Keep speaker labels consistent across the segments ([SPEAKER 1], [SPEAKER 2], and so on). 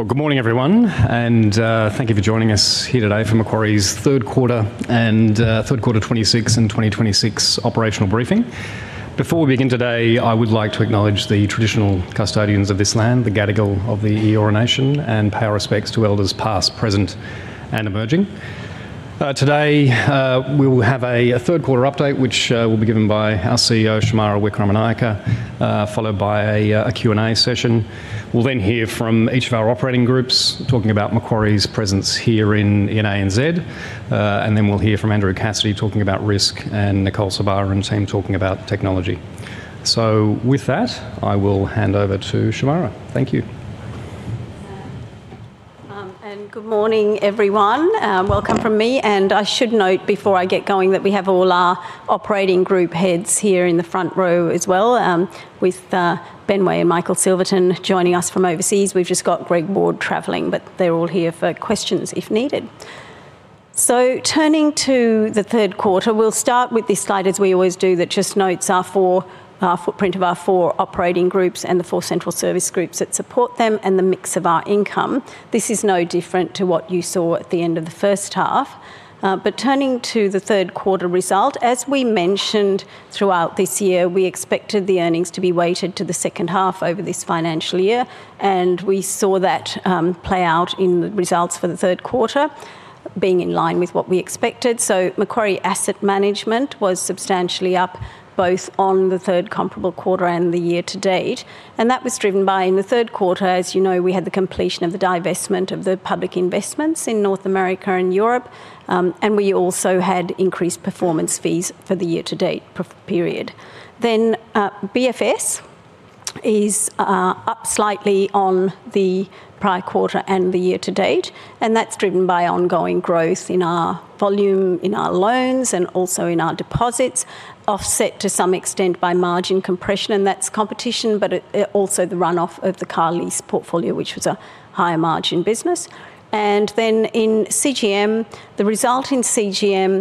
[SPEAKER 1] Well, good morning, everyone, and thank you for joining us here today for Macquarie's third quarter 2026 operational briefing. Before we begin today, I would like to acknowledge the traditional custodians of this land, the Gadigal of the Eora Nation, and pay our respects to elders past, present, and emerging. Today we will have a third quarter update, which will be given by our CEO, Shemara Wikramanayake, followed by a Q&A session. We'll then hear from each of our operating groups talking about Macquarie's presence here in ANZ, and then we'll hear from Andrew Cassidy talking about risk, and Nicole Sorbara and team talking about technology. So with that, I will hand over to Shemara. Thank you.
[SPEAKER 2] Good morning, everyone. Welcome from me. I should note before I get going that we have all our operating group heads here in the front row as well, with Ben Way and Michael Silverton joining us from overseas. We've just got Greg Ward traveling, but they're all here for questions if needed. Turning to the third quarter, we'll start with this slide, as we always do, that just notes our footprint of our four operating groups and the four central service groups that support them and the mix of our income. This is no different to what you saw at the end of the first half. But turning to the third quarter result, as we mentioned throughout this year, we expected the earnings to be weighted to the second half over this financial year, and we saw that play out in the results for the third quarter, being in line with what we expected. So Macquarie Asset Management was substantially up both on the third comparable quarter and the year to date, and that was driven by, in the third quarter, as you know, we had the completion of the divestment of the public investments in North America and Europe, and we also had increased performance fees for the year to date. Then BFS is up slightly on the prior quarter and the year to date, and that's driven by ongoing growth in our volume, in our loans, and also in our deposits, offset to some extent by margin compression, and that's competition, but also the run-off of the car lease portfolio, which was a higher-margin business. And then in CGM, the result in CGM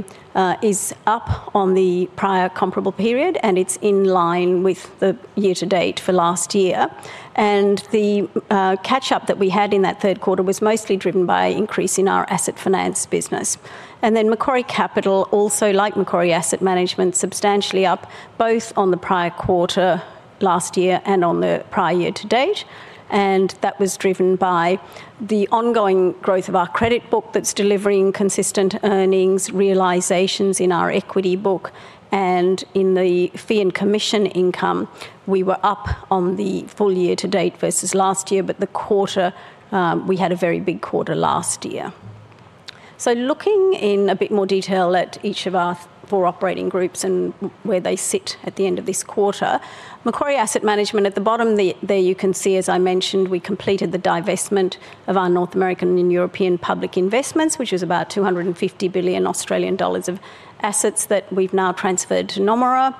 [SPEAKER 2] is up on the prior comparable period, and it's in line with the year to date for last year. And the catch-up that we had in that third quarter was mostly driven by an increase in our asset finance business. And then Macquarie Capital also, like Macquarie Asset Management, substantially up both on the prior quarter last year and on the prior year to date, and that was driven by the ongoing growth of our credit book that's delivering consistent earnings, realizations in our equity book, and in the fee and commission income. We were up on the full year to date versus last year, but the quarter we had a very big quarter last year. So looking in a bit more detail at each of our four operating groups and where they sit at the end of this quarter, Macquarie Asset Management, at the bottom there you can see, as I mentioned, we completed the divestment of our North American and European public investments, which is about 250 billion Australian dollars of assets that we've now transferred to Nomura.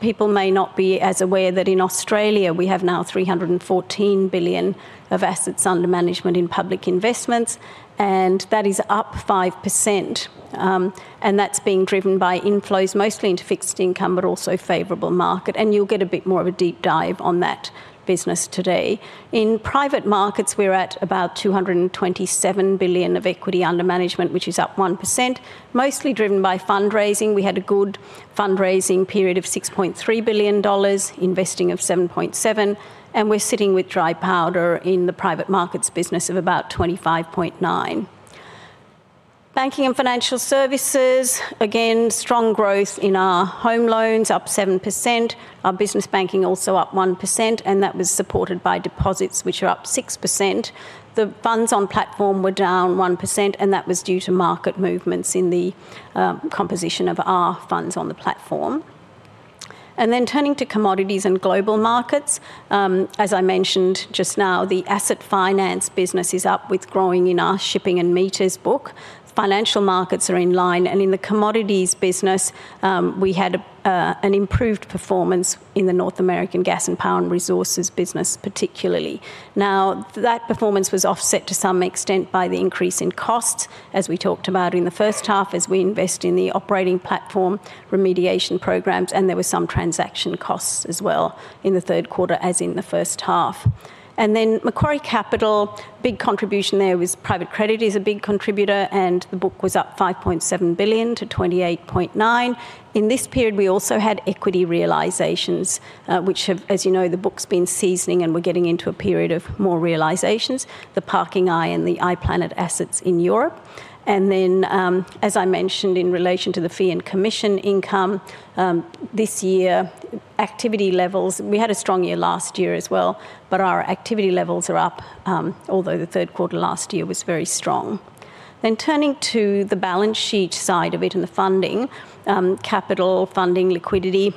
[SPEAKER 2] People may not be as aware that in Australia we have now 314 billion of assets under management in public investments, and that is up 5%. That's being driven by inflows mostly into fixed income but also favorable market, and you'll get a bit more of a deep dive on that business today. In private markets we're at about 227 billion of equity under management, which is up 1%, mostly driven by fundraising. We had a good fundraising period of 6.3 billion dollars, investing of 7.7 billion, and we're sitting with dry powder in the private markets business of about 25.9 billion. Banking and Financial Services, again, strong growth in our home loans, up 7%. Our business banking also up 1%, and that was supported by deposits, which are up 6%. The funds on platform were down 1%, and that was due to market movements in the composition of our funds on the platform. Then turning to commodities and global markets, as I mentioned just now, the asset finance business is up with growing in our shipping and metals book. Financial markets are in line, and in the commodities business we had an improved performance in the North American gas and power and resources business particularly. Now, that performance was offset to some extent by the increase in costs, as we talked about in the first half, as we invest in the operating platform remediation programs, and there were some transaction costs as well in the third quarter as in the first half. Then Macquarie Capital, big contribution there was private credit is a big contributor, and the book was up 5.7 billion to 28.9 billion. In this period we also had equity realizations, which have, as you know, the book's been seasoning and we're getting into a period of more realizations, the ParkingEye and the IPlanet assets in Europe. Then, as I mentioned, in relation to the fee and commission income, this year activity levels we had a strong year last year as well, but our activity levels are up, although the third quarter last year was very strong. Then turning to the balance sheet side of it and the funding, capital, funding, liquidity,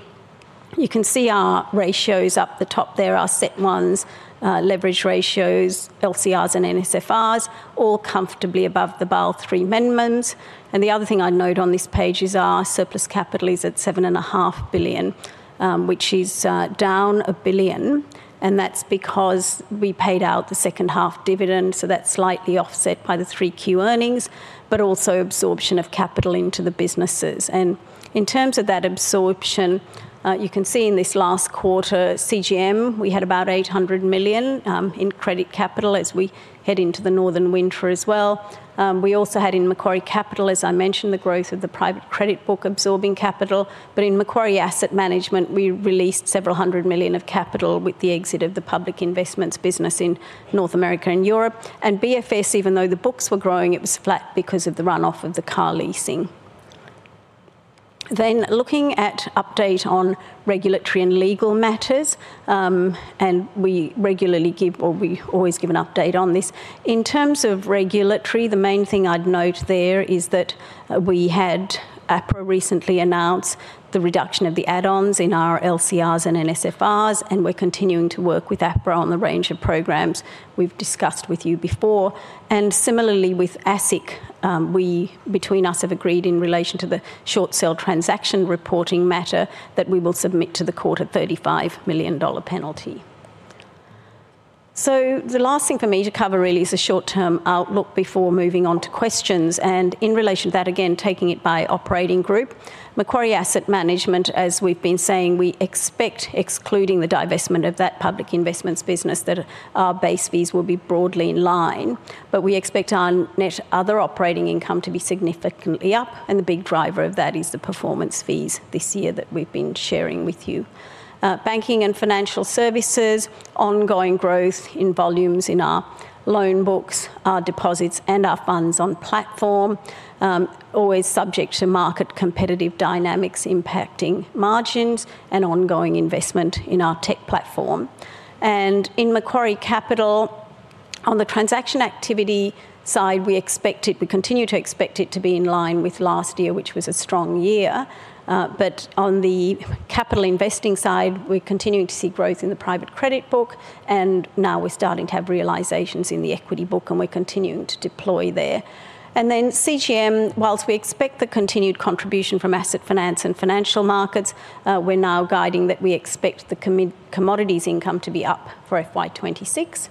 [SPEAKER 2] you can see our ratios up the top there, our CET1s, leverage ratios, LCRs and NSFRs, all comfortably above the Basel III amendments. The other thing I'd note on this page is our surplus capital is at 7.5 billion, which is down 1 billion, and that's because we paid out the second half dividend, so that's slightly offset by the 3Q earnings, but also absorption of capital into the businesses. In terms of that absorption, you can see in this last quarter CGM we had about 800 million in credit capital as we head into the northern winter as well. We also had in Macquarie Capital, as I mentioned, the growth of the private credit book absorbing capital, but in Macquarie Asset Management we released several hundred million of capital with the exit of the public investments business in North America and Europe. And BFS, even though the books were growing, it was flat because of the run-off of the car leasing. Then looking at an update on regulatory and legal matters, and we regularly give or we've always given an update on this, in terms of regulatory the main thing I'd note there is that we had APRA recently announce the reduction of the add-ons in our LCRs and NSFRs, and we're continuing to work with APRA on the range of programs we've discussed with you before. And similarly with ASIC, we, between us, have agreed in relation to the short sale transaction reporting matter that we will submit to the court a 35 million dollar penalty. So the last thing for me to cover really is a short-term outlook before moving on to questions, and in relation to that, again, taking it by operating group, Macquarie Asset Management, as we've been saying, we expect, excluding the divestment of that public investments business, that our base fees will be broadly in line, but we expect our net other operating income to be significantly up, and the big driver of that is the performance fees this year that we've been sharing with you. Banking and Financial Services, ongoing growth in volumes in our loan books, our deposits, and our funds on platform, always subject to market competitive dynamics impacting margins and ongoing investment in our tech platform. In Macquarie Capital, on the transaction activity side we expect it we continue to expect it to be in line with last year, which was a strong year, but on the capital investing side we're continuing to see growth in the private credit book, and now we're starting to have realisations in the equity book, and we're continuing to deploy there. Then CGM, while we expect the continued contribution from asset finance and financial markets, we're now guiding that we expect the commodities income to be up for FY26.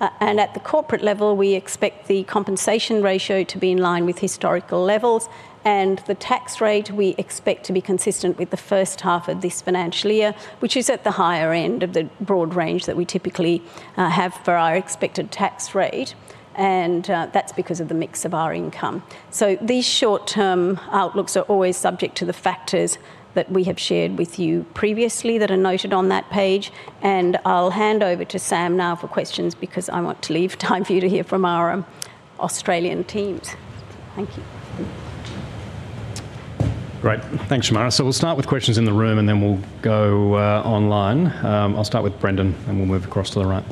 [SPEAKER 2] At the corporate level we expect the compensation ratio to be in line with historical levels, and the tax rate we expect to be consistent with the first half of this financial year, which is at the higher end of the broad range that we typically have for our expected tax rate, and that's because of the mix of our income. So these short-term outlooks are always subject to the factors that we have shared with you previously that are noted on that page, and I'll hand over to Sam now for questions because I want to leave time for you to hear from our Australian teams. Thank you.
[SPEAKER 1] Great. Thanks, Shemara. We'll start with questions in the room and then we'll go online. I'll start with Brendan and we'll move across to the right.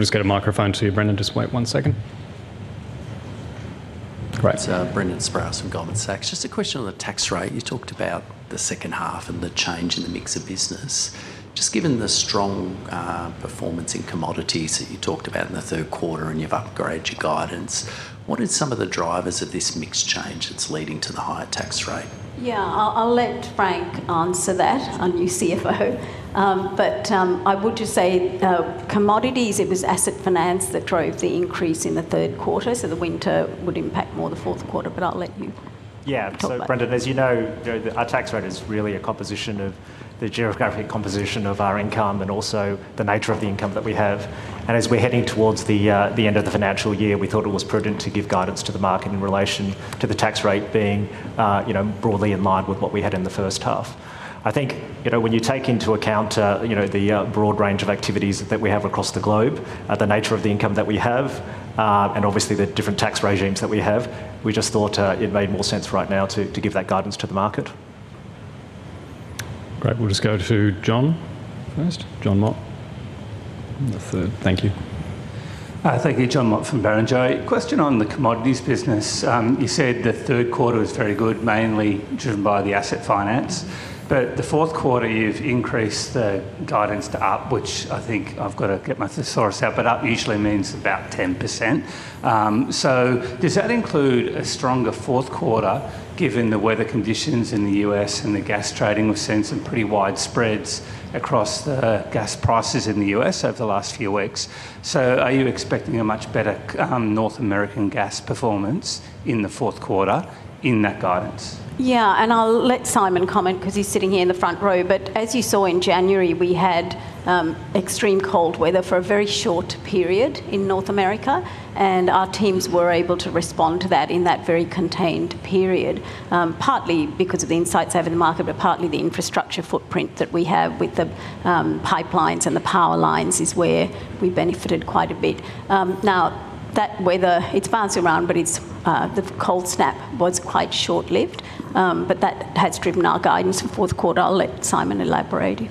[SPEAKER 1] We'll just get a microphone to you, Brendan. Just wait one second.
[SPEAKER 3] It's Brendan Sproules from Goldman Sachs. Just a question on the tax rate. You talked about the second half and the change in the mix of business. Just given the strong performance in commodities that you talked about in the third quarter and you've upgraded your guidance, what are some of the drivers of this mix change that's leading to the higher tax rate?
[SPEAKER 2] Yeah, I'll let Frank answer that, our new CFO. But I would just say commodities, it was asset finance that drove the increase in the third quarter, so the winter would impact more the fourth quarter, but I'll let you go back.
[SPEAKER 4] Yeah, so Brendan, as you know, our tax rate is really a composition of the geographic composition of our income and also the nature of the income that we have. And as we're heading towards the end of the financial year, we thought it was prudent to give guidance to the market in relation to the tax rate being broadly in line with what we had in the first half. I think when you take into account the broad range of activities that we have across the globe, the nature of the income that we have, and obviously the different tax regimes that we have, we just thought it made more sense right now to give that guidance to the market.
[SPEAKER 1] Great. We'll just go to John first. John Mott. Thank you.
[SPEAKER 5] Thank you, John Mott from Barrenjoey. Question on the commodities business. You said the third quarter was very good, mainly driven by the asset finance, but the fourth quarter you've increased the guidance to up, which I think I've got to get my thesaurus out, but up usually means about 10%. So does that include a stronger fourth quarter given the weather conditions in the U.S. and the gas trading we've seen some pretty wide spreads across the gas prices in the U.S. over the last few weeks? So are you expecting a much better North American gas performance in the fourth quarter in that guidance?
[SPEAKER 2] Yeah, and I'll let Simon comment because he's sitting here in the front row, but as you saw in January we had extreme cold weather for a very short period in North America, and our teams were able to respond to that in that very contained period, partly because of the insights they have in the market, but partly the infrastructure footprint that we have with the pipelines and the power lines is where we benefited quite a bit. Now, that weather, it's bouncing around, but the cold snap was quite short-lived, but that has driven our guidance for the fourth quarter. I'll let Simon elaborate.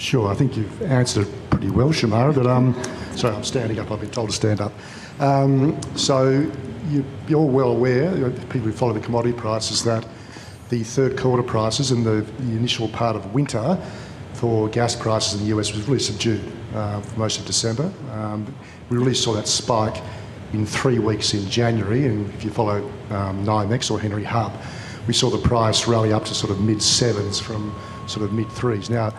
[SPEAKER 6] Sure. I think you've answered it pretty well, Shemara, but sorry, I'm standing up. I've been told to stand up. So you're all well aware, people who follow the commodity prices, that the third quarter prices and the initial part of winter for gas prices in the U.S. was really subdued for most of December. We really saw that spike in three weeks in January, and if you follow NYMEX or Henry Hub, we saw the price rally up to sort of mid-sevens from sort of mid-threes. Now, I think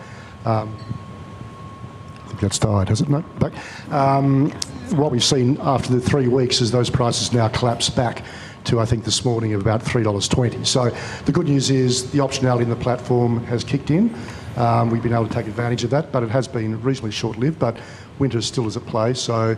[SPEAKER 6] that's died, has it? No. Back. What we've seen after the three weeks is those prices now collapsed back to, I think, this morning of about 3.20 dollars. So the good news is the optionality in the platform has kicked in. We've been able to take advantage of that, but it has been reasonably short-lived, but winter still is at play. So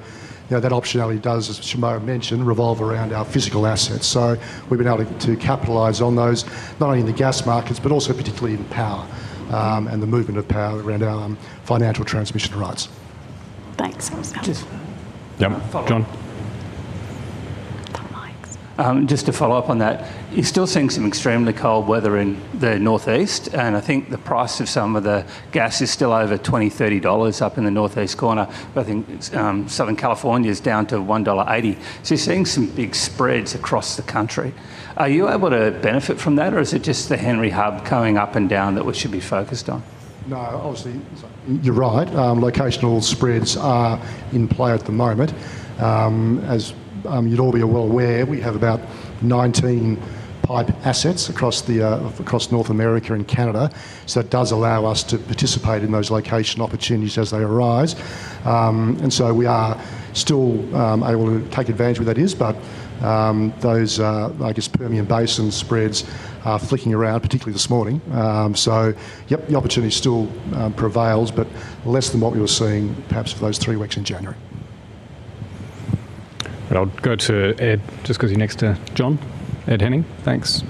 [SPEAKER 6] that optionality does, as Shemara mentioned, revolve around our physical assets. So we've been able to capitalize on those, not only in the gas markets but also particularly in power and the movement of power around our Financial Transmission Rights.
[SPEAKER 2] Thanks.
[SPEAKER 1] Yep. John.
[SPEAKER 5] Just to follow up on that, you're still seeing some extremely cold weather in the northeast, and I think the price of some of the gas is still over 20 dollars, 30 dollars up in the northeast corner, but I think Southern California is down to 1.80 dollar. So you're seeing some big spreads across the country. Are you able to benefit from that, or is it just the Henry Hub coming up and down that we should be focused on?
[SPEAKER 6] No, obviously, you're right. Locational spreads are in play at the moment. As you'd all be well aware, we have about 19 pipe assets across North America and Canada, so it does allow us to participate in those location opportunities as they arise. And so we are still able to take advantage of where that is, but those, I guess, Permian Basin spreads are flicking around, particularly this morning. So yep, the opportunity still prevails, but less than what we were seeing perhaps for those three weeks in January.
[SPEAKER 1] I'll go to Ed, just because he's next to John. Ed Henning, thanks.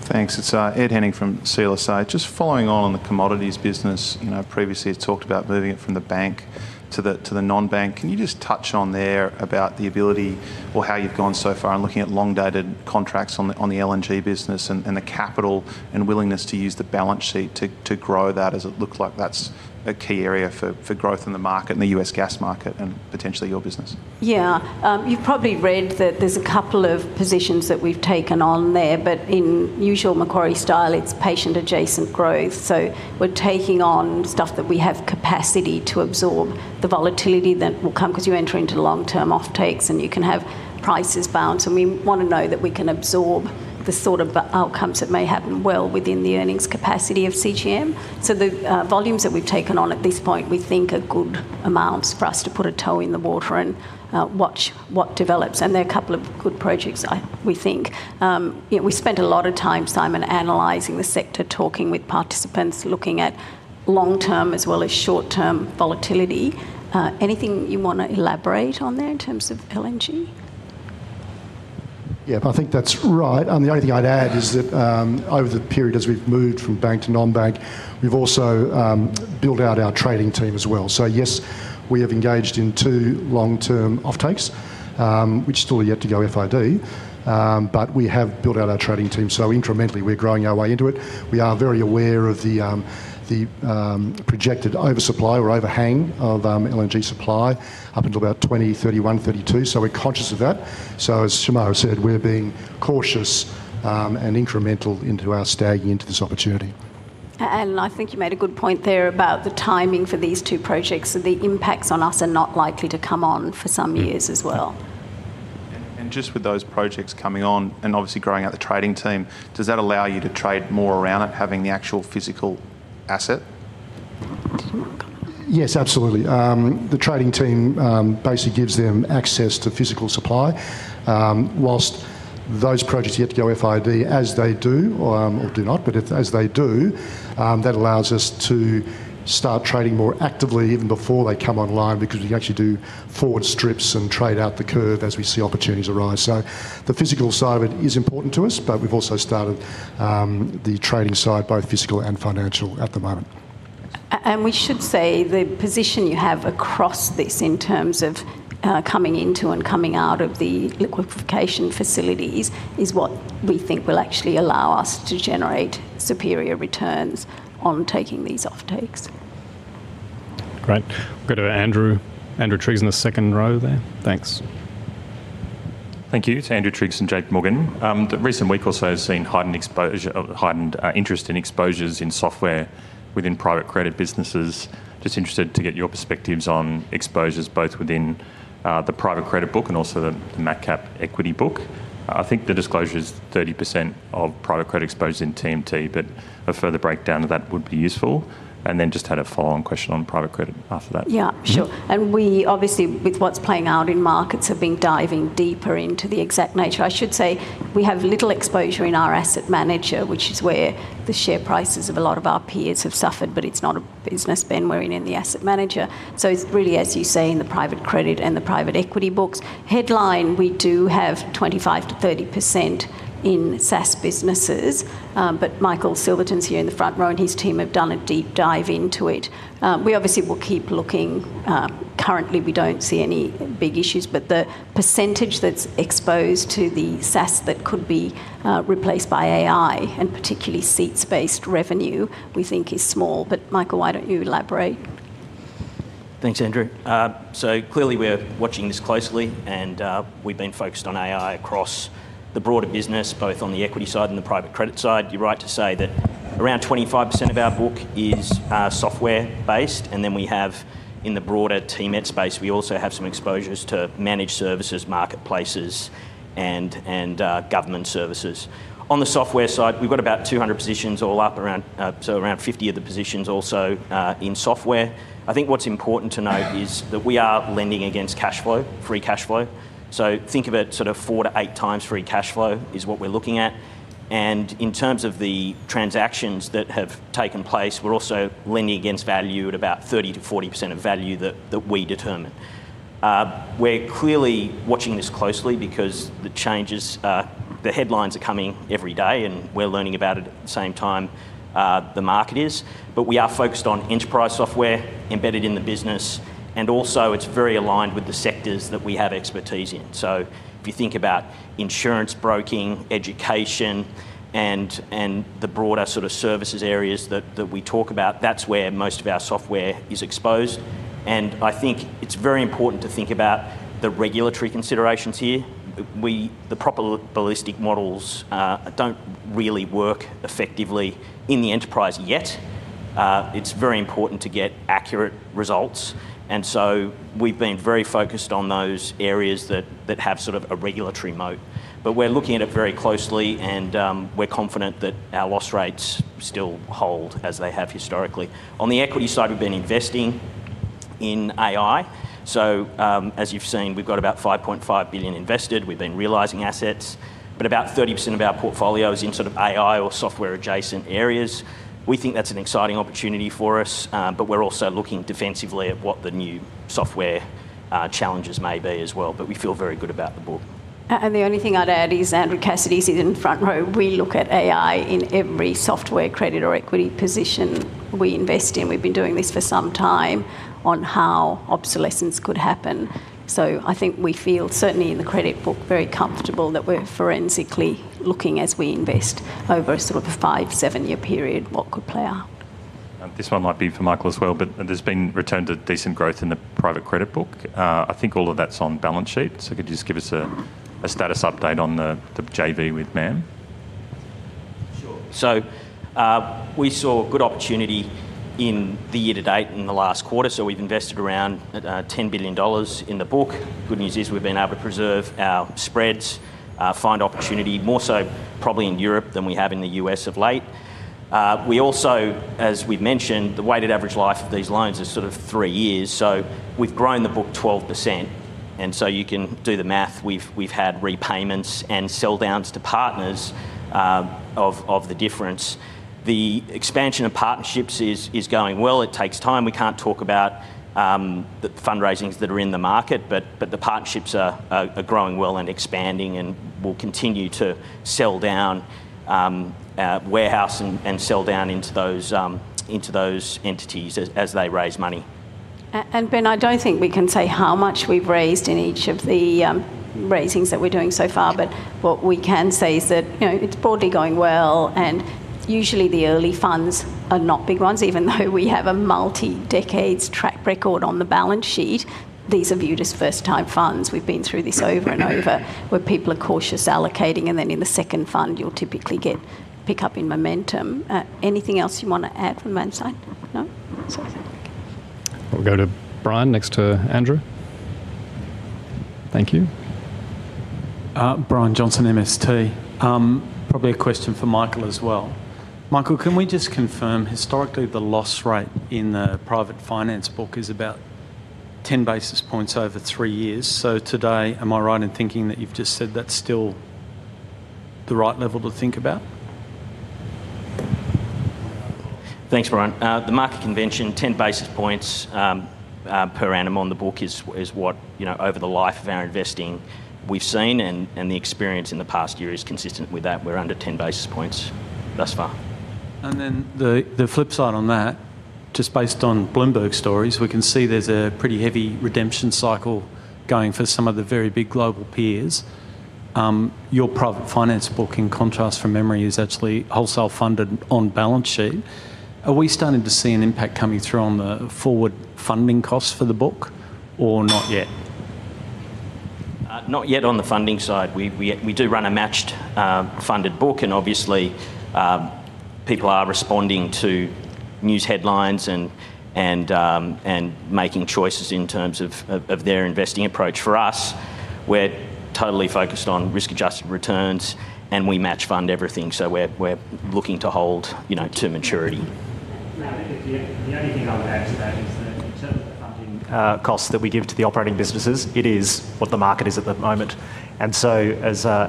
[SPEAKER 7] Thanks. It's Ed Henning from CLSA. Just following on the commodities business, previously you talked about moving it from the bank to the non-bank. Can you just touch on there about the ability or how you've gone so far in looking at long-dated contracts on the LNG business and the capital and willingness to use the balance sheet to grow that as it looks like? That's a key area for growth in the market, in the U.S. gas market, and potentially your business.
[SPEAKER 2] Yeah. You've probably read that there's a couple of positions that we've taken on there, but in usual Macquarie style it's patient-adjacent growth. So we're taking on stuff that we have capacity to absorb, the volatility that will come because you enter into long-term offtakes and you can have prices bounce. And we want to know that we can absorb the sort of outcomes that may happen well within the earnings capacity of CGM. So the volumes that we've taken on at this point we think are good amounts for us to put a toe in the water and watch what develops. And there are a couple of good projects, we think. We spent a lot of time, Simon, analyzing the sector, talking with participants, looking at long-term as well as short-term volatility. Anything you want to elaborate on there in terms of LNG?
[SPEAKER 6] Yep, I think that's right. The only thing I'd add is that over the period as we've moved from bank to non-bank, we've also built out our trading team as well. So yes, we have engaged in two long-term offtakes, which still are yet to go FID, but we have built out our trading team. So incrementally we're growing our way into it. We are very aware of the projected oversupply or overhang of LNG supply up until about 2031, 2032, so we're conscious of that. So as Shemara said, we're being cautious and incremental into our staging into this opportunity.
[SPEAKER 2] I think you made a good point there about the timing for these two projects. The impacts on us are not likely to come on for some years as well.
[SPEAKER 7] Just with those projects coming on and obviously growing out the trading team, does that allow you to trade more around it, having the actual physical asset?
[SPEAKER 2] Did you not comment on that?
[SPEAKER 6] Yes, absolutely. The trading team basically gives them access to physical supply. Whilst those projects yet to go FID, as they do or do not, but as they do, that allows us to start trading more actively even before they come online because we can actually do forward strips and trade out the curve as we see opportunities arise. So the physical side of it is important to us, but we've also started the trading side, both physical and financial, at the moment.
[SPEAKER 2] We should say the position you have across this in terms of coming into and coming out of the liquefaction facilities is what we think will actually allow us to generate superior returns on taking these offtakes.
[SPEAKER 1] Great. We'll go to Andrew Triggs in the second row there. Thanks.
[SPEAKER 8] Thank you. It's Andrew Triggs and JPMorgan. The recent week also has seen heightened interest in exposures in software within private credit businesses. Just interested to get your perspectives on exposures both within the private credit book and also the MacCap equity book. I think the disclosure is 30% of private credit exposures in TMT, but a further breakdown of that would be useful. And then just had a follow-on question on private credit after that.
[SPEAKER 2] Yeah, sure. And we obviously, with what's playing out in markets, have been diving deeper into the exact nature. I should say we have little exposure in our asset manager, which is where the share prices of a lot of our peers have suffered, but it's not a business when we're in the asset manager. So it's really, as you say, in the private credit and the private equity books. Headline, we do have 25%-30% in SaaS businesses, but Michael Silverton's here in the front row and his team have done a deep dive into it. We obviously will keep looking. Currently we don't see any big issues, but the percentage that's exposed to the SaaS that could be replaced by AI and particularly seats-based revenue we think is small. But Michael, why don't you elaborate?
[SPEAKER 9] Thanks, Andrew. So clearly we're watching this closely and we've been focused on AI across the broader business, both on the equity side and the private credit side. You're right to say that around 25% of our book is software-based, and then we have, in the broader TMET space, we also have some exposures to managed services, marketplaces, and government services. On the software side, we've got about 200 positions all up, so around 50 of the positions also in software. I think what's important to note is that we are lending against cash flow, free cash flow. So think of it sort of 4x-8x free cash flow is what we're looking at. And in terms of the transactions that have taken place, we're also lending against value at about 30%-40% of value that we determine. We're clearly watching this closely because the changes, the headlines are coming every day and we're learning about it at the same time the market is. But we are focused on enterprise software embedded in the business, and also it's very aligned with the sectors that we have expertise in. So if you think about insurance, broking, education, and the broader sort of services areas that we talk about, that's where most of our software is exposed. And I think it's very important to think about the regulatory considerations here. The proper probabilistic models don't really work effectively in the enterprise yet. It's very important to get accurate results, and so we've been very focused on those areas that have sort of a regulatory moat. But we're looking at it very closely and we're confident that our loss rates still hold as they have historically. On the equity side, we've been investing in AI. So as you've seen, we've got about 5.5 billion invested. We've been realizing assets. But about 30% of our portfolio is in sort of AI or software-adjacent areas. We think that's an exciting opportunity for us, but we're also looking defensively at what the new software challenges may be as well. But we feel very good about the book.
[SPEAKER 2] The only thing I'd add is Andrew Cassidy's here in the front row. We look at AI in every software credit or equity position we invest in. We've been doing this for some time on how obsolescence could happen. So I think we feel, certainly in the credit book, very comfortable that we're forensically looking as we invest over sort of a five to seven year period what could play out.
[SPEAKER 8] This one might be for Michael as well, but there's been return to decent growth in the private credit book. I think all of that's on balance sheet. So could you just give us a status update on the JV with MAM?
[SPEAKER 9] Sure. So we saw a good opportunity in the year to date in the last quarter. So we've invested around 10 billion dollars in the book. Good news is we've been able to preserve our spreads, find opportunity, more so probably in Europe than we have in the U.S. of late. We also, as we've mentioned, the weighted average life of these loans is sort of three years. So we've grown the book 12%, and so you can do the math. We've had repayments and sell-downs to partners of the difference. The expansion of partnerships is going well. It takes time. We can't talk about the fundraisings that are in the market, but the partnerships are growing well and expanding and will continue to sell down warehouse and sell down into those entities as they raise money.
[SPEAKER 2] And Ben, I don't think we can say how much we've raised in each of the raisings that we're doing so far, but what we can say is that it's broadly going well and usually the early funds are not big ones. Even though we have a multi-decades track record on the balance sheet, these are viewed as first-time funds. We've been through this over and over where people are cautious allocating, and then in the second fund you'll typically get pickup in momentum. Anything else you want to add from MAM's side? No? Sorry.
[SPEAKER 1] We'll go to Brian next to Andrew. Thank you.
[SPEAKER 10] Brian Johnson, MST. Probably a question for Michael as well. Michael, can we just confirm historically the loss rate in the private finance book is about 10 basis points over three years? So today, am I right in thinking that you've just said that's still the right level to think about?
[SPEAKER 9] Thanks, Brian. The market convention, 10 basis points per annum on the book is what, over the life of our investing, we've seen, and the experience in the past year is consistent with that. We're under 10 basis points thus far.
[SPEAKER 10] And then the flip side on that, just based on Bloomberg stories, we can see there's a pretty heavy redemption cycle going for some of the very big global peers. Your private finance book, in contrast from memory, is actually wholesale funded on balance sheet. Are we starting to see an impact coming through on the forward funding costs for the book or not yet?
[SPEAKER 9] Not yet on the funding side. We do run a matched funded book, and obviously people are responding to news headlines and making choices in terms of their investing approach. For us, we're totally focused on risk-adjusted returns, and we match fund everything. So we're looking to hold to maturity.
[SPEAKER 4] The only thing I would add to that is that in terms of the funding costs that we give to the operating businesses, it is what the market is at the moment. So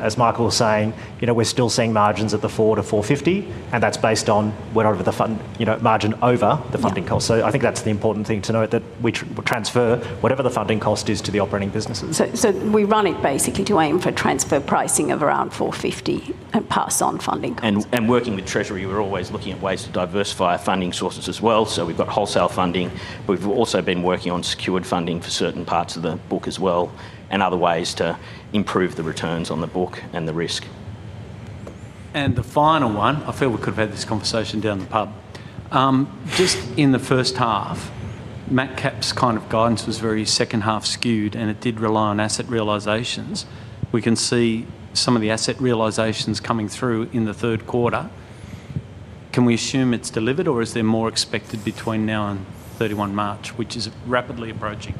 [SPEAKER 4] as Michael was saying, we're still seeing margins at the 4-450, and that's based on whatever the margin over the funding costs. So I think that's the important thing to note, that we transfer whatever the funding cost is to the operating businesses.
[SPEAKER 2] We run it basically to aim for transfer pricing of around 450 and pass on funding costs.
[SPEAKER 9] Working with Treasury, we're always looking at ways to diversify funding sources as well. We've got wholesale funding. We've also been working on secured funding for certain parts of the book as well and other ways to improve the returns on the book and the risk.
[SPEAKER 10] The final one, I feel we could have had this conversation down the pub. Just in the first half, MacCap's kind of guidance was very second-half skewed, and it did rely on asset realizations. We can see some of the asset realizations coming through in the third quarter. Can we assume it's delivered or is there more expected between now and March 31, which is rapidly approaching?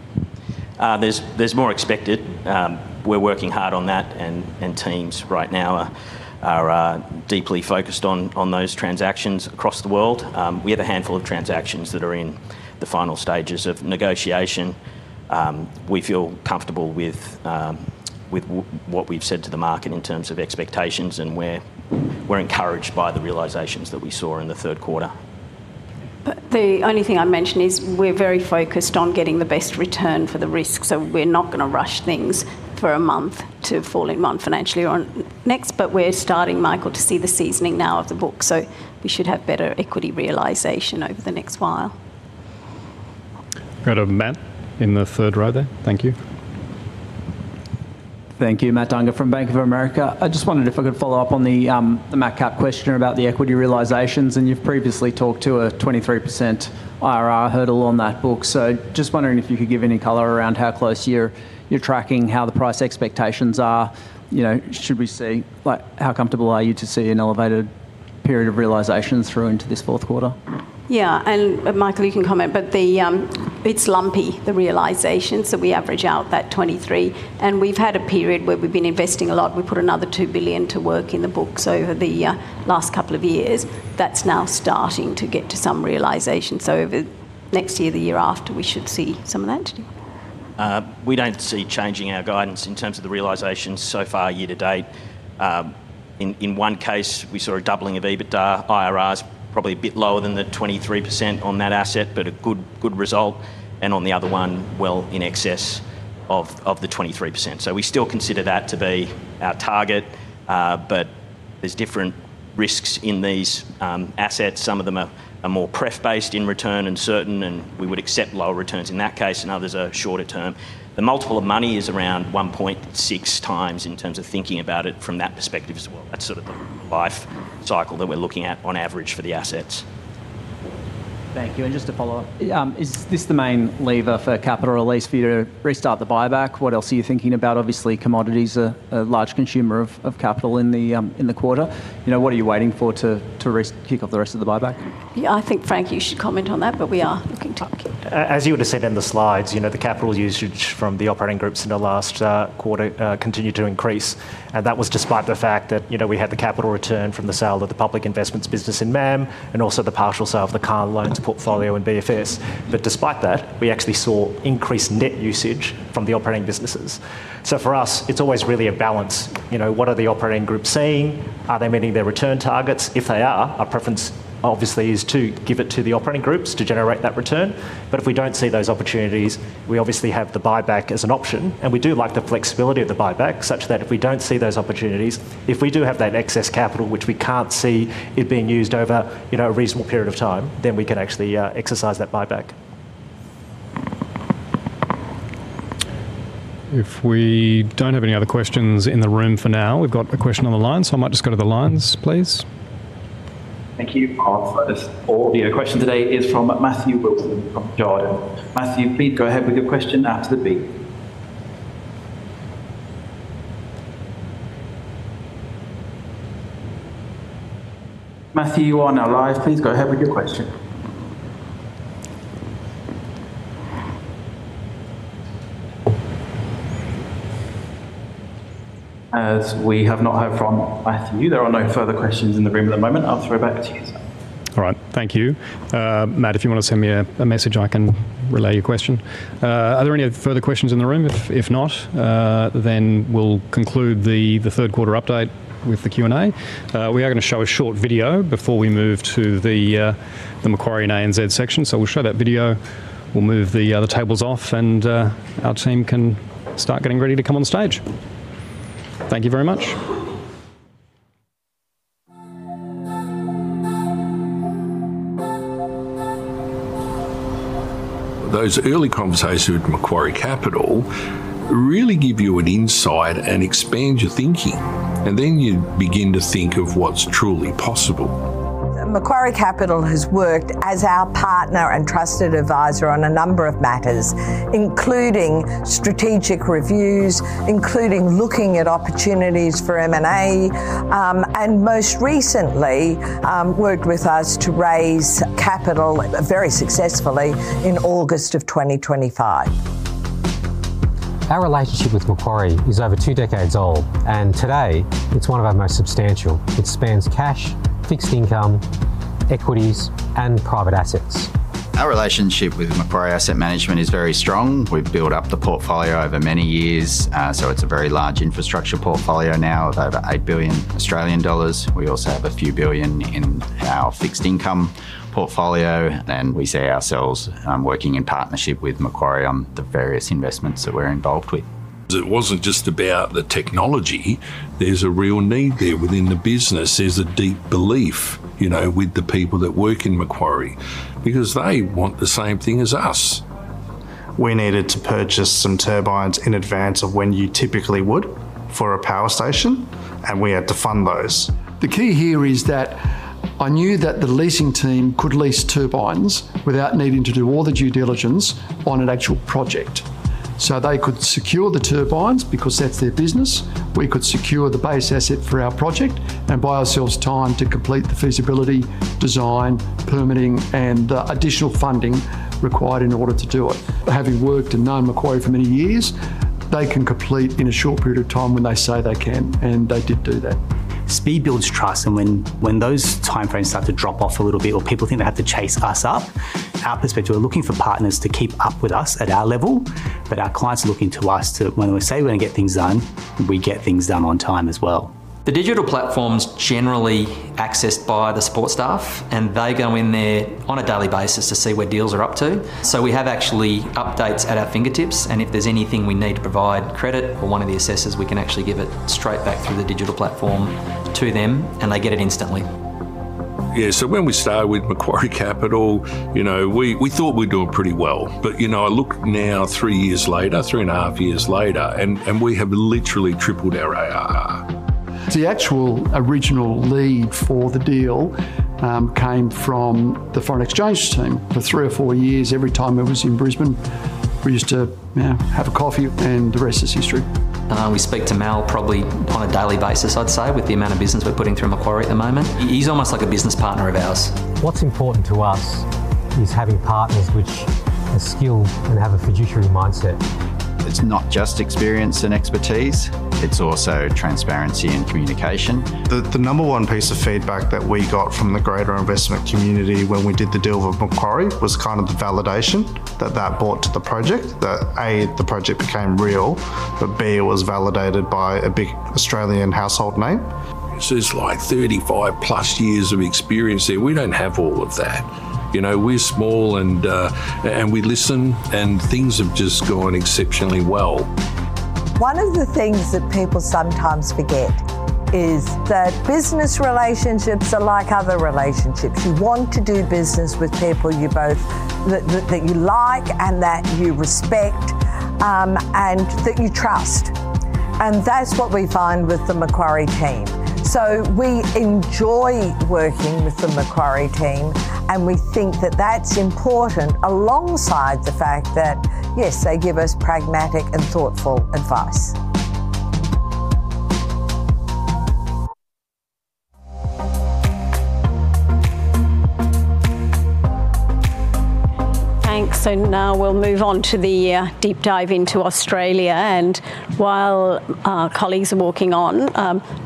[SPEAKER 9] There's more expected. We're working hard on that, and teams right now are deeply focused on those transactions across the world. We have a handful of transactions that are in the final stages of negotiation. We feel comfortable with what we've said to the market in terms of expectations, and we're encouraged by the realizations that we saw in the third quarter.
[SPEAKER 2] The only thing I'd mention is we're very focused on getting the best return for the risk. So we're not going to rush things for a month to fall in month financially or next, but we're starting, Michael, to see the seasoning now of the book. So we should have better equity realization over the next while.
[SPEAKER 1] We'll go to Matt in the third row there. Thank you.
[SPEAKER 11] Thank you, Matt Dunger from Bank of America. I just wondered if I could follow up on the MacCap question about the equity realizations, and you've previously talked to a 23% IRR hurdle on that book. So just wondering if you could give any color around how close you're tracking how the price expectations are. Should we see how comfortable are you to see an elevated period of realizations through into this fourth quarter?
[SPEAKER 2] Yeah. And Michael, you can comment, but it's lumpy, the realizations. So we average out that 23, and we've had a period where we've been investing a lot. We put another 2 billion to work in the books over the last couple of years. That's now starting to get to some realizations. So over next year, the year after, we should see some of that today.
[SPEAKER 9] We don't see changing our guidance in terms of the realisations so far year to date. In one case, we saw a doubling of EBITDA. IRRs probably a bit lower than the 23% on that asset, but a good result. And on the other one, well, in excess of the 23%. So we still consider that to be our target, but there's different risks in these assets. Some of them are more prep-based in return and certain, and we would accept lower returns in that case, and others are shorter term. The multiple of money is around 1.6x in terms of thinking about it from that perspective as well. That's sort of the life cycle that we're looking at on average for the assets.
[SPEAKER 11] Thank you. And just to follow up, is this the main lever for capital release for you to restart the buyback? What else are you thinking about? Obviously, commodities are a large consumer of capital in the quarter. What are you waiting for to kick off the rest of the buyback?
[SPEAKER 2] Yeah, I think Frank, you should comment on that, but we are looking to.
[SPEAKER 4] As you were to say down the slides, the capital usage from the operating groups in the last quarter continued to increase, and that was despite the fact that we had the capital return from the sale of the public investments business in MAM and also the partial sale of the car loans portfolio in BFS. But despite that, we actually saw increased net usage from the operating businesses. So for us, it's always really a balance. What are the operating groups seeing? Are they meeting their return targets? If they are, our preference obviously is to give it to the operating groups to generate that return. But if we don't see those opportunities, we obviously have the buyback as an option, and we do like the flexibility of the buyback such that if we don't see those opportunities, if we do have that excess capital, which we can't see it being used over a reasonable period of time, then we can actually exercise that buyback.
[SPEAKER 1] If we don't have any other questions in the room for now, we've got a question on the line, so I might just go to the lines, please.
[SPEAKER 12] Thank you. All of your questions today is from Matthew Wilson from Jarden. Matthew, please go ahead with your question after the beep. Matthew, you are now live. Please go ahead with your question. As we have not heard from Matthew, there are no further questions in the room at the moment. I'll throw it back to you, sir.
[SPEAKER 1] All right. Thank you. Matt, if you want to send me a message, I can relay your question. Are there any further questions in the room? If not, then we'll conclude the third quarter update with the Q&A. We are going to show a short video before we move to the Macquarie and ANZ section, so we'll show that video. We'll move the tables off, and our team can start getting ready to come on stage. Thank you very much.
[SPEAKER 13] Those early conversations with Macquarie Capital really give you an insight and expand your thinking, and then you begin to think of what's truly possible. Macquarie Capital has worked as our partner and trusted advisor on a number of matters, including strategic reviews, including looking at opportunities for M&A, and most recently worked with us to raise capital very successfully in August of 2025. Our relationship with Macquarie is over two decades old, and today it's one of our most substantial. It spans cash, fixed income, equities, and private assets. Our relationship with Macquarie Asset Management is very strong. We've built up the portfolio over many years, so it's a very large infrastructure portfolio now of over 8 billion Australian dollars. We also have a few billion AUD in our fixed income portfolio, and we see ourselves working in partnership with Macquarie on the various investments that we're involved with. It wasn't just about the technology. There's a real need there within the business. There's a deep belief with the people that work in Macquarie because they want the same thing as us. We needed to purchase some turbines in advance of when you typically would for a power station, and we had to fund those. The key here is that I knew that the leasing team could lease turbines without needing to do all the due diligence on an actual project. So they could secure the turbines because that's their business. We could secure the base asset for our project and buy ourselves time to complete the feasibility, design, permitting, and the additional funding required in order to do it. Having worked and known Macquarie for many years, they can complete in a short period of time when they say they can, and they did do that. Speed builds trust, and when those timeframes start to drop off a little bit or people think they have to chase us up, our perspective is we're looking for partners to keep up with us at our level, but our clients are looking to us to when we say we're going to get things done, we get things done on time as well. The digital platform's generally accessed by the support staff, and they go in there on a daily basis to see where deals are up to. So we have actually updates at our fingertips, and if there's anything we need to provide credit or one of the assessors, we can actually give it straight back through the digital platform to them, and they get it instantly. Yeah. So when we started with Macquarie Capital, we thought we were doing pretty well, but I look now three years later, three and a half years later, and we have literally tripled our ARR. The actual original lead for the deal came from the foreign exchange team for three or four years. Every time it was in Brisbane, we used to have a coffee, and the rest is history. We speak to Mal probably on a daily basis, I'd say, with the amount of business we're putting through Macquarie at the moment. He's almost like a business partner of ours. What's important to us is having partners which are skilled and have a fiduciary mindset. It's not just experience and expertise. It's also transparency and communication. The number one piece of feedback that we got from the greater investment community when we did the deal with Macquarie was kind of the validation that that brought to the project, that A, the project became real, but B, it was validated by a big Australian household name. This is like 35+ years of experience there. We don't have all of that. We're small, and we listen, and things have just gone exceptionally well. One of the things that people sometimes forget is that business relationships are like other relationships. You want to do business with people that you like and that you respect and that you trust. That's what we find with the Macquarie team. We enjoy working with the Macquarie team, and we think that that's important alongside the fact that, yes, they give us pragmatic and thoughtful advice.
[SPEAKER 2] Thanks. So now we'll move on to the deep dive into Australia. And while our colleagues are walking on,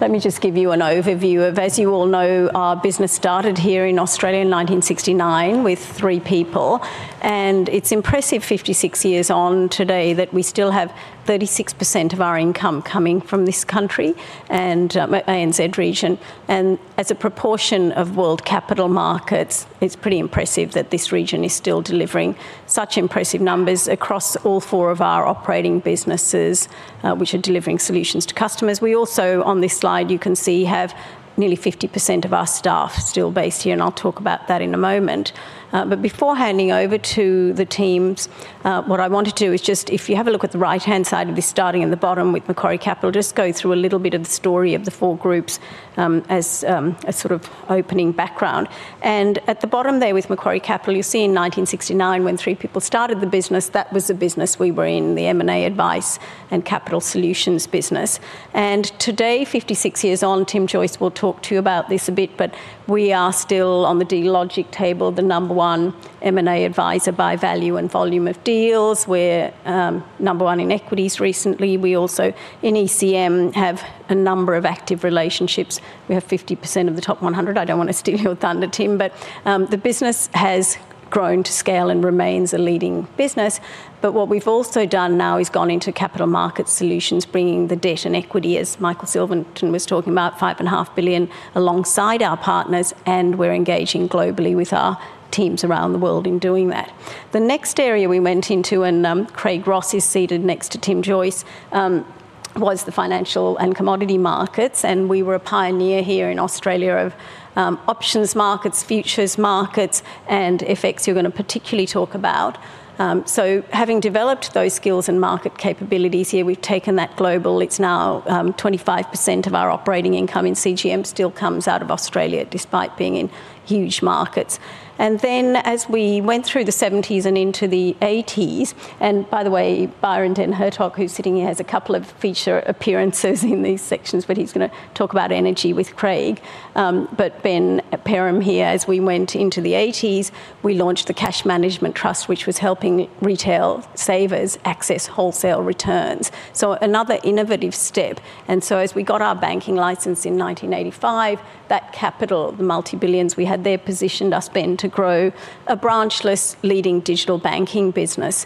[SPEAKER 2] let me just give you an overview of, as you all know, our business started here in Australia in 1969 with three people. And it's impressive, 56 years on today, that we still have 36% of our income coming from this country and ANZ region. And as a proportion of world capital markets, it's pretty impressive that this region is still delivering such impressive numbers across all four of our operating businesses, which are delivering solutions to customers. We also, on this slide, you can see, have nearly 50% of our staff still based here, and I'll talk about that in a moment. But before handing over to the teams, what I want to do is just, if you have a look at the right-hand side of this starting in the bottom with Macquarie Capital, just go through a little bit of the story of the four groups as sort of opening background. And at the bottom there with Macquarie Capital, you'll see in 1969 when three people started the business, that was the business we were in, the M&A advice and capital solutions business. And today, 56 years on, Tim Joyce will talk to you about this a bit, but we are still on the Dealogic table, the number one M&A advisor by value and volume of deals. We're number one in equities recently. We also in ECM have a number of active relationships. We have 50% of the top 100. I don't want to steal your thunder, Tim, but the business has grown to scale and remains a leading business. But what we've also done now is gone into capital markets solutions, bringing the debt and equity, as Michael Silverton was talking about, $5.5 billion alongside our partners, and we're engaging globally with our teams around the world in doing that. The next area we went into, and Craig Ross is seated next to Tim Joyce, was the financial and commodity markets. And we were a pioneer here in Australia of options markets, futures markets, and FX you're going to particularly talk about. So having developed those skills and market capabilities here, we've taken that global. It's now 25% of our operating income in CGM still comes out of Australia despite being in huge markets. And then as we went through the 1970s and into the 1980s and by the way, Byron Den Hertog, who's sitting here, has a couple of feature appearances in these sections, but he's going to talk about energy with Craig. But Ben Perham here, as we went into the 1980s, we launched the Cash Management Trust, which was helping retail savers access wholesale returns. So another innovative step. And so as we got our banking license in 1985, that capital, the AUD multibillions we had there, positioned us, Ben, to grow a branchless leading digital banking business,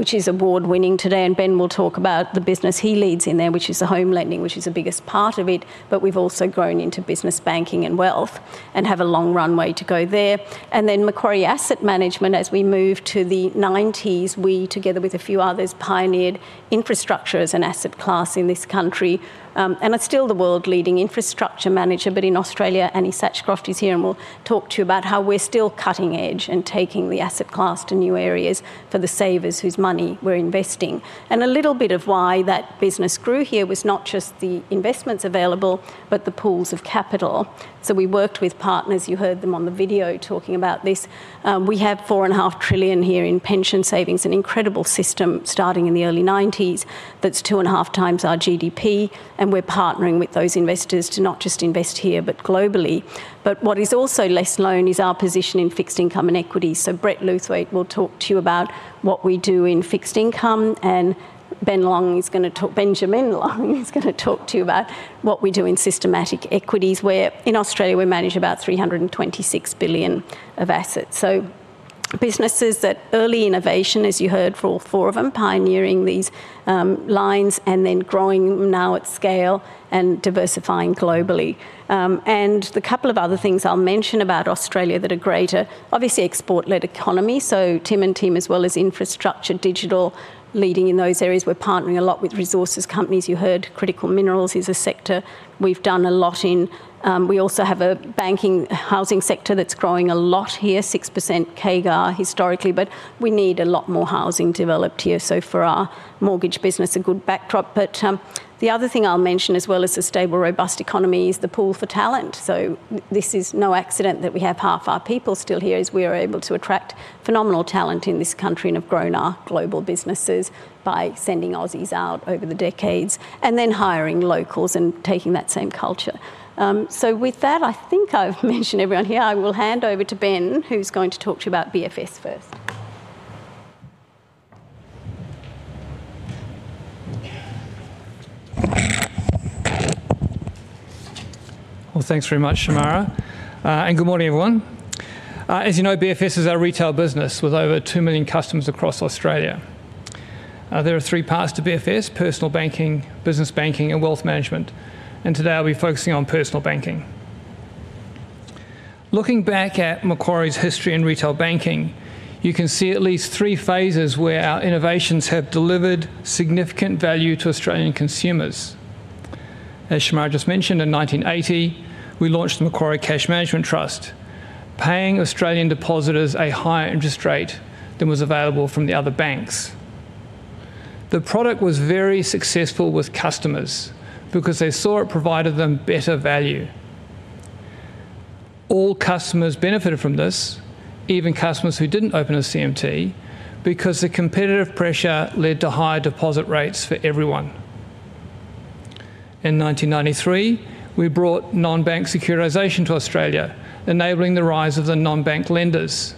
[SPEAKER 2] which is award-winning today. And Ben will talk about the business he leads in there, which is the home lending, which is the biggest part of it. But we've also grown into business banking and wealth and have a long runway to go there. Then Macquarie Asset Management, as we move to the 1990s, we, together with a few others, pioneered infrastructure as an asset class in this country. I'm still the world-leading infrastructure manager, but in Australia, Ani Satchcroft is here and will talk to you about how we're still cutting edge and taking the asset class to new areas for the savers whose money we're investing. A little bit of why that business grew here was not just the investments available, but the pools of capital. We worked with partners, you heard them on the video talking about this. We have 4.5 trillion here in pension savings, an incredible system starting in the early 1990s that's two and a half times our GDP, and we're partnering with those investors to not just invest here but globally. What is also a strong one is our position in fixed income and equities. So Brett Lewthwaite will talk to you about what we do in fixed income, and Ben Long is going to talk to you about what we do in systematic equities, where in Australia we manage about 326 billion of assets. So businesses that early innovation, as you heard, for all four of them, pioneering these lines and then growing now at scale and diversifying globally. And a couple of other things I'll mention about Australia that are great, obviously export-led economy. So Tim and team, as well as infrastructure digital, leading in those areas. We're partnering a lot with resources companies. You heard critical minerals is a sector we've done a lot in. We also have a housing sector that's growing a lot here, 6% CAGR historically, but we need a lot more housing developed here so for our mortgage business, a good backdrop. But the other thing I'll mention, as well as a stable, robust economy, is the pool for talent. So this is no accident that we have half our people still here, as we are able to attract phenomenal talent in this country and have grown our global businesses by sending Aussies out over the decades and then hiring locals and taking that same culture. So with that, I think I've mentioned everyone here. I will hand over to Ben, who's going to talk to you about BFS first.
[SPEAKER 14] Well, thanks very much, Shemara, and good morning, everyone. As you know, BFS is our retail business with over 2 million customers across Australia. There are three parts to BFS: personal banking, business banking, and wealth management. Today I'll be focusing on personal banking. Looking back at Macquarie's history in retail banking, you can see at least three phases where our innovations have delivered significant value to Australian consumers. As Shemara just mentioned, in 1980, we launched the Macquarie Cash Management Trust, paying Australian depositors a higher interest rate than was available from the other banks. The product was very successful with customers because they saw it provided them better value. All customers benefited from this, even customers who didn't open a CMT, because the competitive pressure led to higher deposit rates for everyone. In 1993, we brought non-bank securitization to Australia, enabling the rise of the non-bank lenders.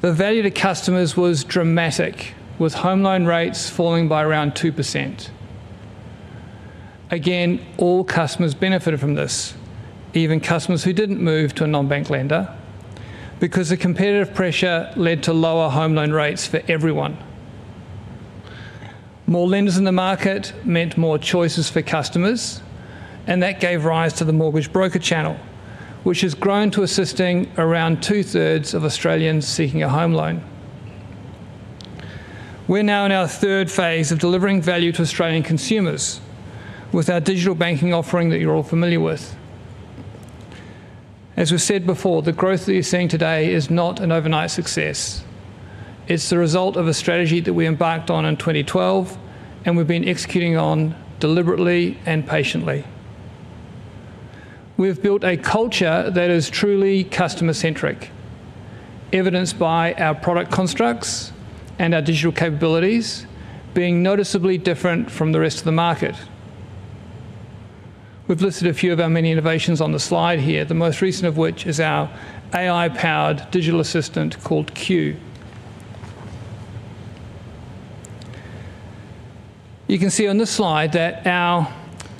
[SPEAKER 14] The value to customers was dramatic, with home loan rates falling by around 2%. Again, all customers benefited from this, even customers who didn't move to a non-bank lender, because the competitive pressure led to lower home loan rates for everyone. More lenders in the market meant more choices for customers, and that gave rise to the mortgage broker channel, which has grown to assisting around two-thirds of Australians seeking a home loan. We're now in our third phase of delivering value to Australian consumers with our digital banking offering that you're all familiar with. As we've said before, the growth that you're seeing today is not an overnight success. It's the result of a strategy that we embarked on in 2012, and we've been executing on deliberately and patiently. We've built a culture that is truly customer-centric, evidenced by our product constructs and our digital capabilities being noticeably different from the rest of the market. We've listed a few of our many innovations on the slide here, the most recent of which is our AI-powered digital assistant called Q. You can see on this slide that our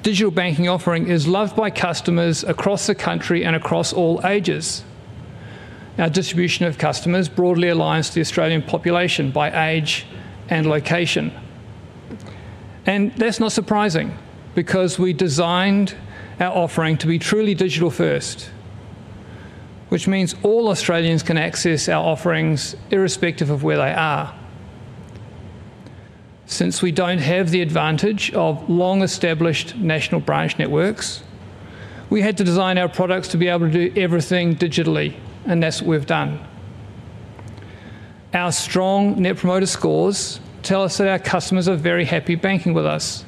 [SPEAKER 14] digital banking offering is loved by customers across the country and across all ages. Our distribution of customers broadly aligns to the Australian population by age and location. That's not surprising because we designed our offering to be truly digital-first, which means all Australians can access our offerings irrespective of where they are. Since we don't have the advantage of long-established national branch networks, we had to design our products to be able to do everything digitally, and that's what we've done. Our strong Net Promoter Scores tell us that our customers are very happy banking with us.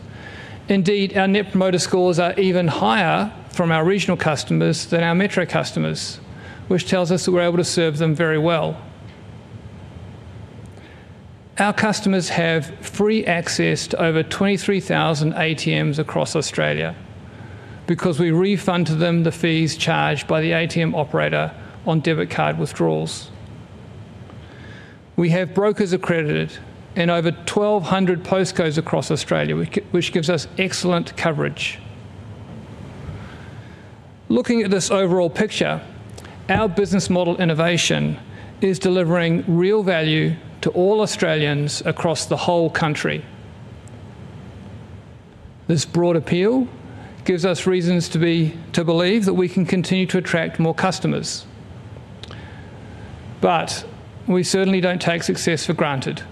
[SPEAKER 14] Indeed, our Net Promoter Scores are even higher from our regional customers than our metro customers, which tells us that we're able to serve them very well. Our customers have free access to over 23,000 ATMs across Australia because we refund to them the fees charged by the ATM operator on debit card withdrawals. We have brokers accredited in over 1,200 postcodes across Australia, which gives us excellent coverage. Looking at this overall picture, our business model innovation is delivering real value to all Australians across the whole country. This broad appeal gives us reasons to believe that we can continue to attract more customers. But we certainly don't take success for granted.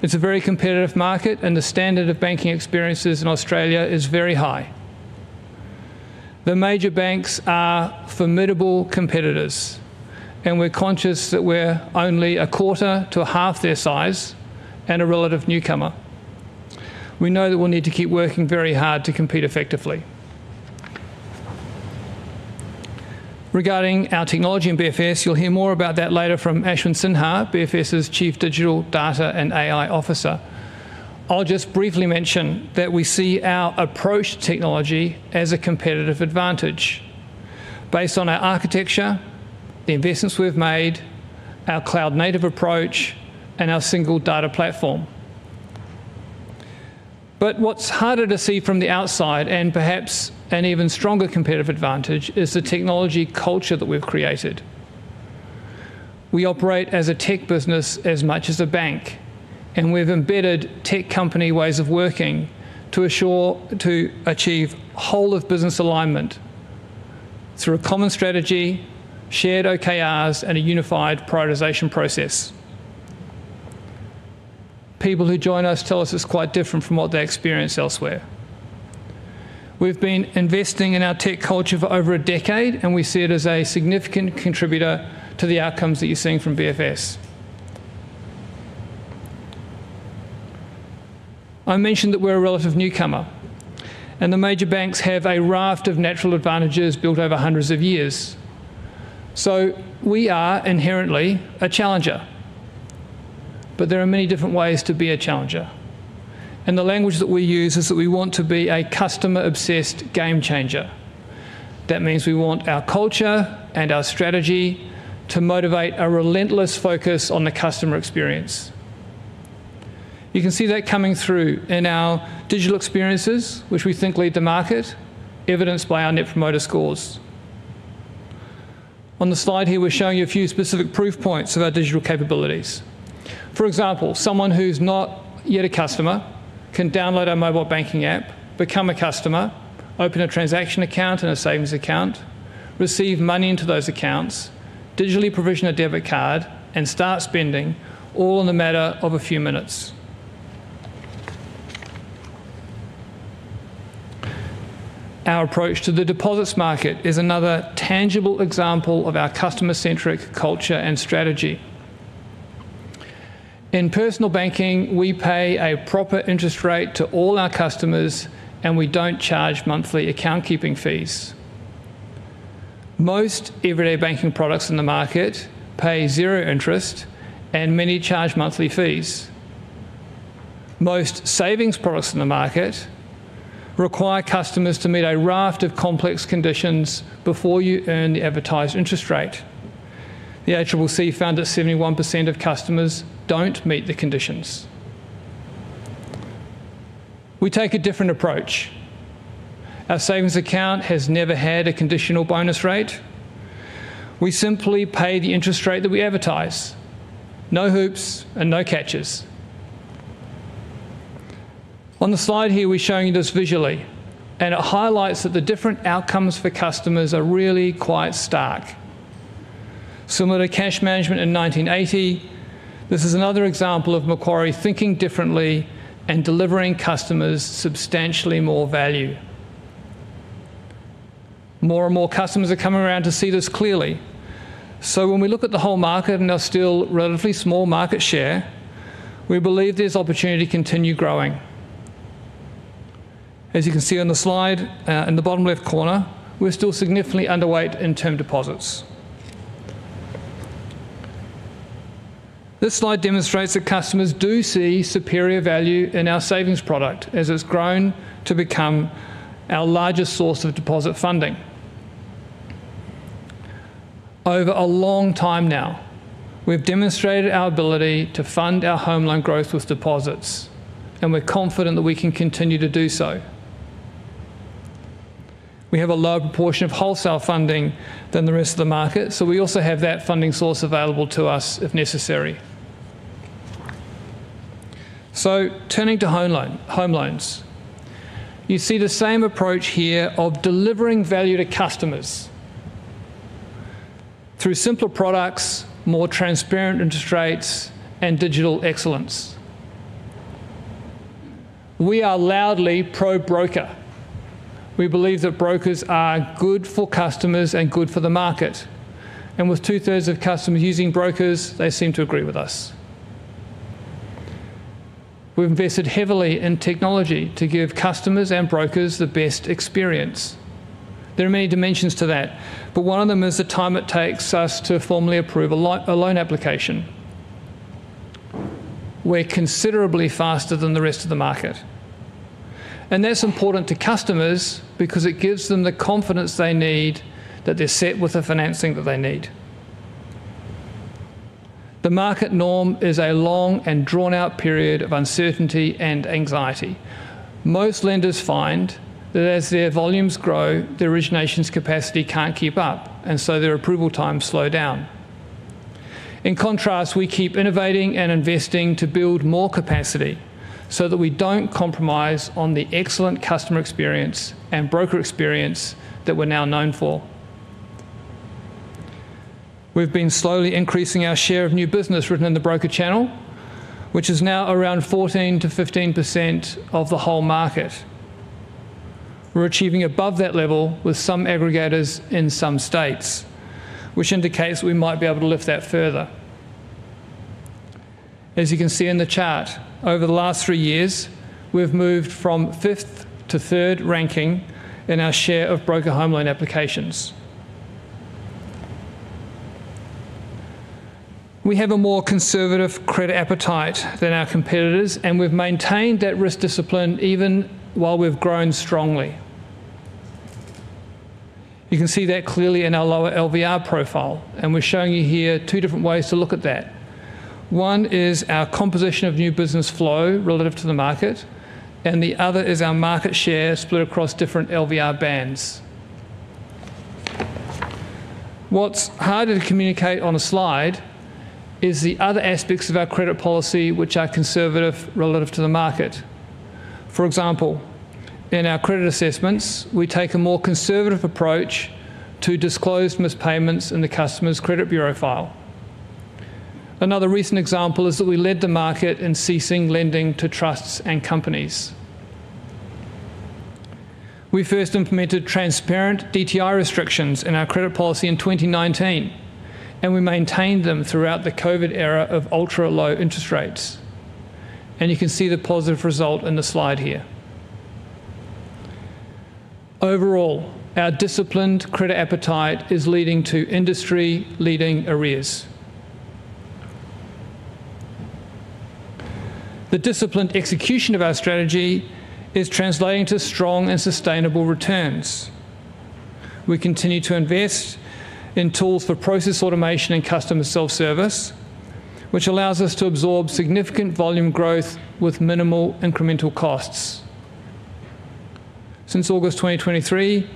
[SPEAKER 14] It's a very competitive market, and the standard of banking experiences in Australia is very high. The major banks are formidable competitors, and we're conscious that we're only a quarter to half their size and a relative newcomer. We know that we'll need to keep working very hard to compete effectively. Regarding our technology in BFS, you'll hear more about that later from Ashwin Sinha, BFS's Chief Digital Data and AI Officer. I'll just briefly mention that we see our approach to technology as a competitive advantage based on our architecture, the investments we've made, our cloud-native approach, and our single data platform. But what's harder to see from the outside, and perhaps an even stronger competitive advantage, is the technology culture that we've created. We operate as a tech business as much as a bank, and we've embedded tech company ways of working to achieve whole-of-business alignment through a common strategy, shared OKRs, and a unified prioritisation process. People who join us tell us it's quite different from what they experience elsewhere. We've been investing in our tech culture for over a decade, and we see it as a significant contributor to the outcomes that you're seeing from BFS. I mentioned that we're a relative newcomer, and the major banks have a raft of natural advantages built over hundreds of years. We are inherently a challenger, but there are many different ways to be a challenger. The language that we use is that we want to be a customer-obsessed game-changer. That means we want our culture and our strategy to motivate a relentless focus on the customer experience. You can see that coming through in our digital experiences, which we think lead the market, evidenced by our Net Promoter Scores. On the slide here, we're showing you a few specific proof points of our digital capabilities. For example, someone who's not yet a customer can download our mobile banking app, become a customer, open a transaction account and a savings account, receive money into those accounts, digitally provision a debit card, and start spending all in a matter of a few minutes. Our approach to the deposits market is another tangible example of our customer-centric culture and strategy. In personal banking, we pay a proper interest rate to all our customers, and we don't charge monthly account-keeping fees. Most everyday banking products in the market pay zero interest, and many charge monthly fees. Most savings products in the market require customers to meet a raft of complex conditions before you earn the advertised interest rate. The ACCC found that 71% of customers don't meet the conditions. We take a different approach. Our savings account has never had a conditional bonus rate. We simply pay the interest rate that we advertise. No hoops and no catches. On the slide here, we're showing you this visually, and it highlights that the different outcomes for customers are really quite stark. Similar to cash management in 1980, this is another example of Macquarie thinking differently and delivering customers substantially more value. More and more customers are coming around to see this clearly, so when we look at the whole market and our still relatively small market share, we believe there's opportunity to continue growing. As you can see on the slide in the bottom left corner, we're still significantly underweight in term deposits. This slide demonstrates that customers do see superior value in our savings product as it's grown to become our largest source of deposit funding. Over a long time now, we've demonstrated our ability to fund our home loan growth with deposits, and we're confident that we can continue to do so. We have a lower proportion of wholesale funding than the rest of the market, so we also have that funding source available to us if necessary. So turning to home loans: you see the same approach here of delivering value to customers through simpler products, more transparent interest rates, and digital excellence. We are loudly pro-broker. We believe that brokers are good for customers and good for the market, and with two-thirds of customers using brokers, they seem to agree with us. We've invested heavily in technology to give customers and brokers the best experience. There are many dimensions to that, but one of them is the time it takes us to formally approve a loan application. We're considerably faster than the rest of the market, and that's important to customers because it gives them the confidence they need that they're set with the financing that they need. The market norm is a long and drawn-out period of uncertainty and anxiety. Most lenders find that as their volumes grow, their origination's capacity can't keep up, and so their approval times slow down. In contrast, we keep innovating and investing to build more capacity so that we don't compromise on the excellent customer experience and broker experience that we're now known for. We've been slowly increasing our share of new business written in the broker channel, which is now around 14%-15% of the whole market. We're achieving above that level with some aggregators in some states, which indicates we might be able to lift that further. As you can see in the chart, over the last three years, we've moved from fifth to third ranking in our share of broker home loan applications. We have a more conservative credit appetite than our competitors, and we've maintained that risk discipline even while we've grown strongly. You can see that clearly in our lower LVR profile, and we're showing you here two different ways to look at that. One is our composition of new business flow relative to the market, and the other is our market share split across different LVR bands. What's harder to communicate on a slide is the other aspects of our credit policy which are conservative relative to the market. For example, in our credit assessments, we take a more conservative approach to disclosed mispayments in the customer's credit bureau file. Another recent example is that we led the market in ceasing lending to trusts and companies. We first implemented transparent DTI restrictions in our credit policy in 2019, and we maintained them throughout the COVID era of ultra-low interest rates, and you can see the positive result in the slide here. Overall, our disciplined credit appetite is leading to industry-leading arrears. The disciplined execution of our strategy is translating to strong and sustainable returns. We continue to invest in tools for process automation and customer self-service, which allows us to absorb significant volume growth with minimal incremental costs. Since August 2023,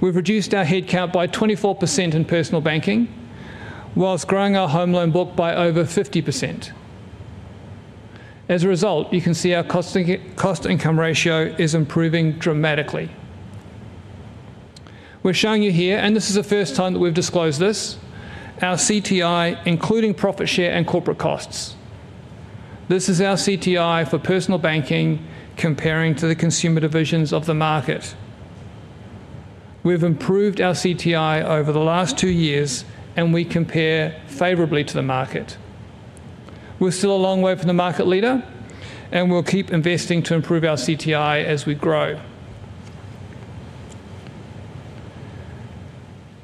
[SPEAKER 14] we've reduced our headcount by 24% in personal banking while growing our home loan book by over 50%. As a result, you can see our cost-income ratio is improving dramatically. We're showing you here, and this is the first time that we've disclosed this, our CTI, including profit share and corporate costs. This is our CTI for personal banking comparing to the consumer divisions of the market. We've improved our CTI over the last two years, and we compare favorably to the market. We're still a long way from the market leader, and we'll keep investing to improve our CTI as we grow.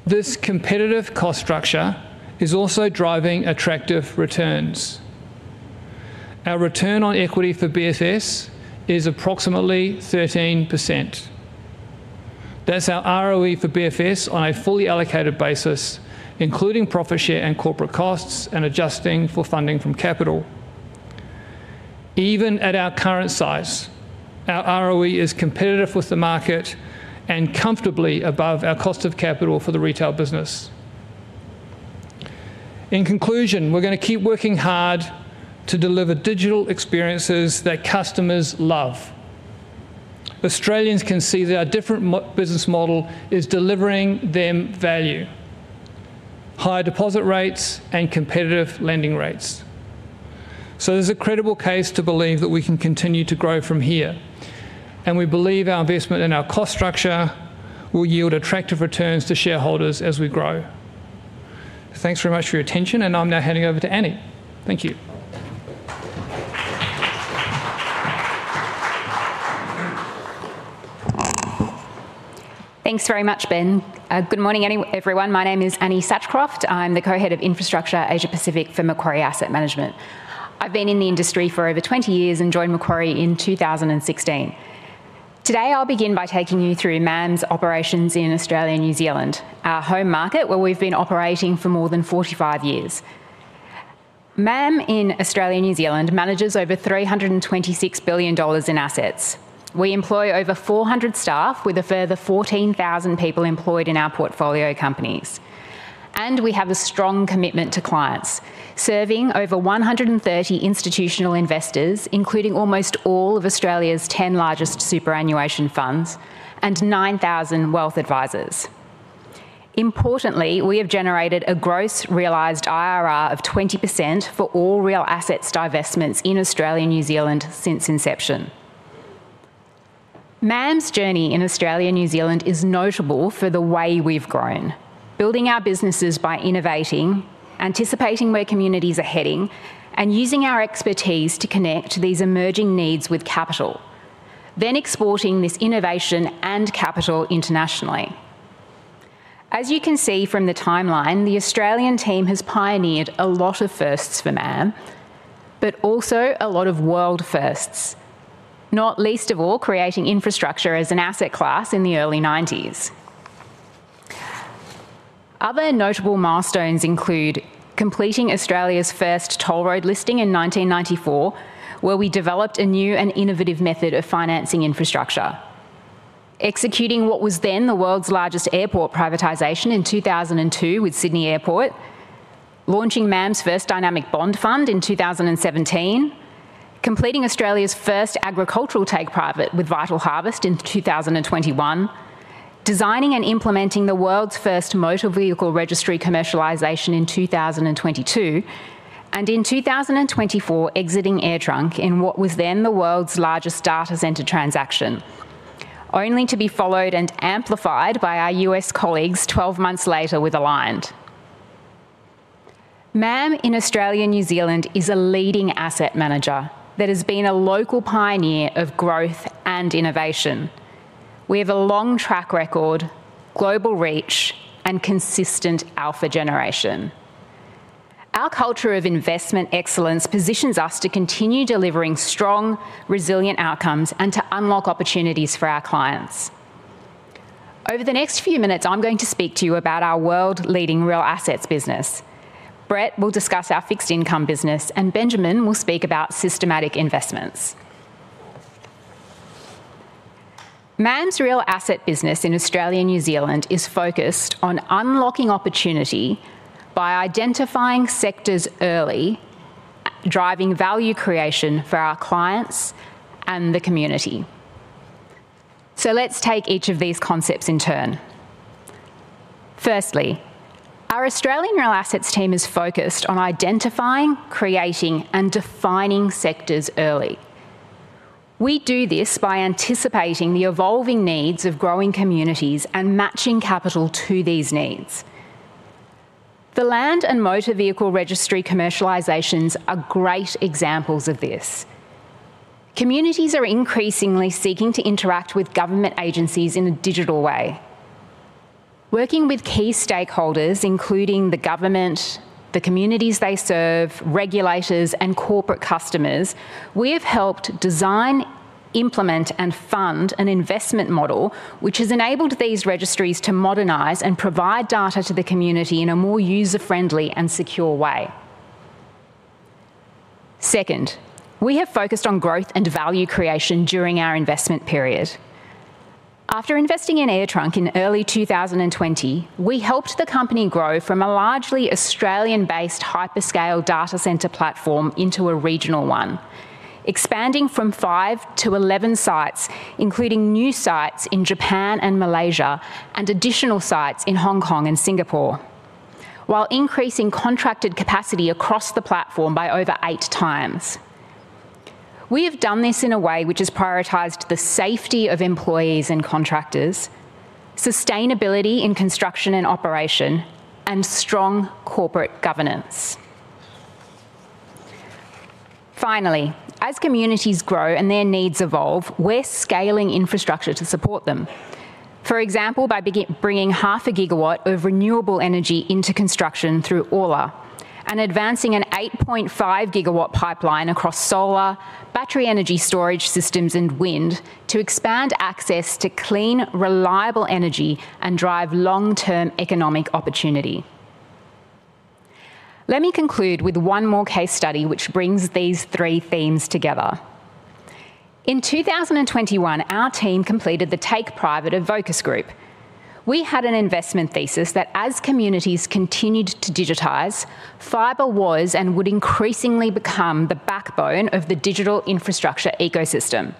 [SPEAKER 14] This competitive cost structure is also driving attractive returns. Our return on equity for BFS is approximately 13%. That's our ROE for BFS on a fully allocated basis, including profit share and corporate costs and adjusting for funding from capital. Even at our current size, our ROE is competitive with the market and comfortably above our cost of capital for the retail business. In conclusion, we're going to keep working hard to deliver digital experiences that customers love. Australians can see that our different business model is delivering them value: higher deposit rates and competitive lending rates. So there's a credible case to believe that we can continue to grow from here, and we believe our investment in our cost structure will yield attractive returns to shareholders as we grow. Thanks very much for your attention, and I'm now handing over to Ani. Thank you.
[SPEAKER 15] Thanks very much, Ben. Good morning, everyone. My name is Ani Satchcroft. I'm the co-head of Infrastructure Asia Pacific for Macquarie Asset Management. I've been in the industry for over 20 years and joined Macquarie in 2016. Today I'll begin by taking you through MAM's operations in Australia and New Zealand, our home market where we've been operating for more than 45 years. MAM in Australia and New Zealand manages over 326 billion dollars in assets. We employ over 400 staff, with a further 14,000 people employed in our portfolio companies. We have a strong commitment to clients, serving over 130 institutional investors, including almost all of Australia's 10 largest superannuation funds and 9,000 wealth advisors. Importantly, we have generated a gross realised IRR of 20% for all real assets divestments in Australia and New Zealand since inception. MAM's journey in Australia and New Zealand is notable for the way we've grown: building our businesses by innovating, anticipating where communities are heading, and using our expertise to connect these emerging needs with capital, then exporting this innovation and capital internationally. As you can see from the timeline, the Australian team has pioneered a lot of firsts for MAM, but also a lot of world firsts, not least of all creating infrastructure as an asset class in the early 1990s. Other notable milestones include completing Australia's first toll road listing in 1994, where we developed a new and innovative method of financing infrastructure. Executing what was then the world's largest airport privatization in 2002 with Sydney Airport. Launching MAM's first dynamic bond fund in 2017. Completing Australia's first agricultural take-private with Vitalharvest in 2021. Designing and implementing the world's first motor vehicle registry commercialization in 2022. And in 2024 exiting AirTrunk in what was then the world's largest data center transaction, only to be followed and amplified by our U.S. colleagues 12 months later with Aligned. MAM in Australia and New Zealand is a leading asset manager that has been a local pioneer of growth and innovation. We have a long track record, global reach, and consistent alpha generation. Our culture of investment excellence positions us to continue delivering strong, resilient outcomes and to unlock opportunities for our clients. Over the next few minutes, I'm going to speak to you about our world-leading real assets business. Brett will discuss our fixed-income business, and Benjamin will speak about systematic investments. MAM's real assets business in Australia and New Zealand is focused on unlocking opportunity by identifying sectors early, driving value creation for our clients and the community. So let's take each of these concepts in turn. Firstly, our Australian real assets team is focused on identifying, creating, and defining sectors early. We do this by anticipating the evolving needs of growing communities and matching capital to these needs. The land and motor vehicle registry commercialisations are great examples of this. Communities are increasingly seeking to interact with government agencies in a digital way. Working with key stakeholders, including the government, the communities they serve, regulators, and corporate customers, we have helped design, implement, and fund an investment model which has enabled these registries to modernize and provide data to the community in a more user-friendly and secure way. Second, we have focused on growth and value creation during our investment period. After investing in AirTrunk in early 2020, we helped the company grow from a largely Australian-based hyperscale data center platform into a regional one, expanding from five to 11 sites, including new sites in Japan and Malaysia and additional sites in Hong Kong and Singapore, while increasing contracted capacity across the platform by over 8x. We have done this in a way which has prioritized the safety of employees and contractors, sustainability in construction and operation, and strong corporate governance. Finally, as communities grow and their needs evolve, we're scaling infrastructure to support them. For example, by bringing half a gigawatt of renewable energy into construction through Aula, and advancing an 8.5 GW pipeline across solar, battery energy storage systems, and wind to expand access to clean, reliable energy and drive long-term economic opportunity. Let me conclude with one more case study which brings these three themes together. In 2021, our team completed the take-private of Vocus Group. We had an investment thesis that, as communities continued to digitize, fibre was and would increasingly become the backbone of the digital infrastructure ecosystem,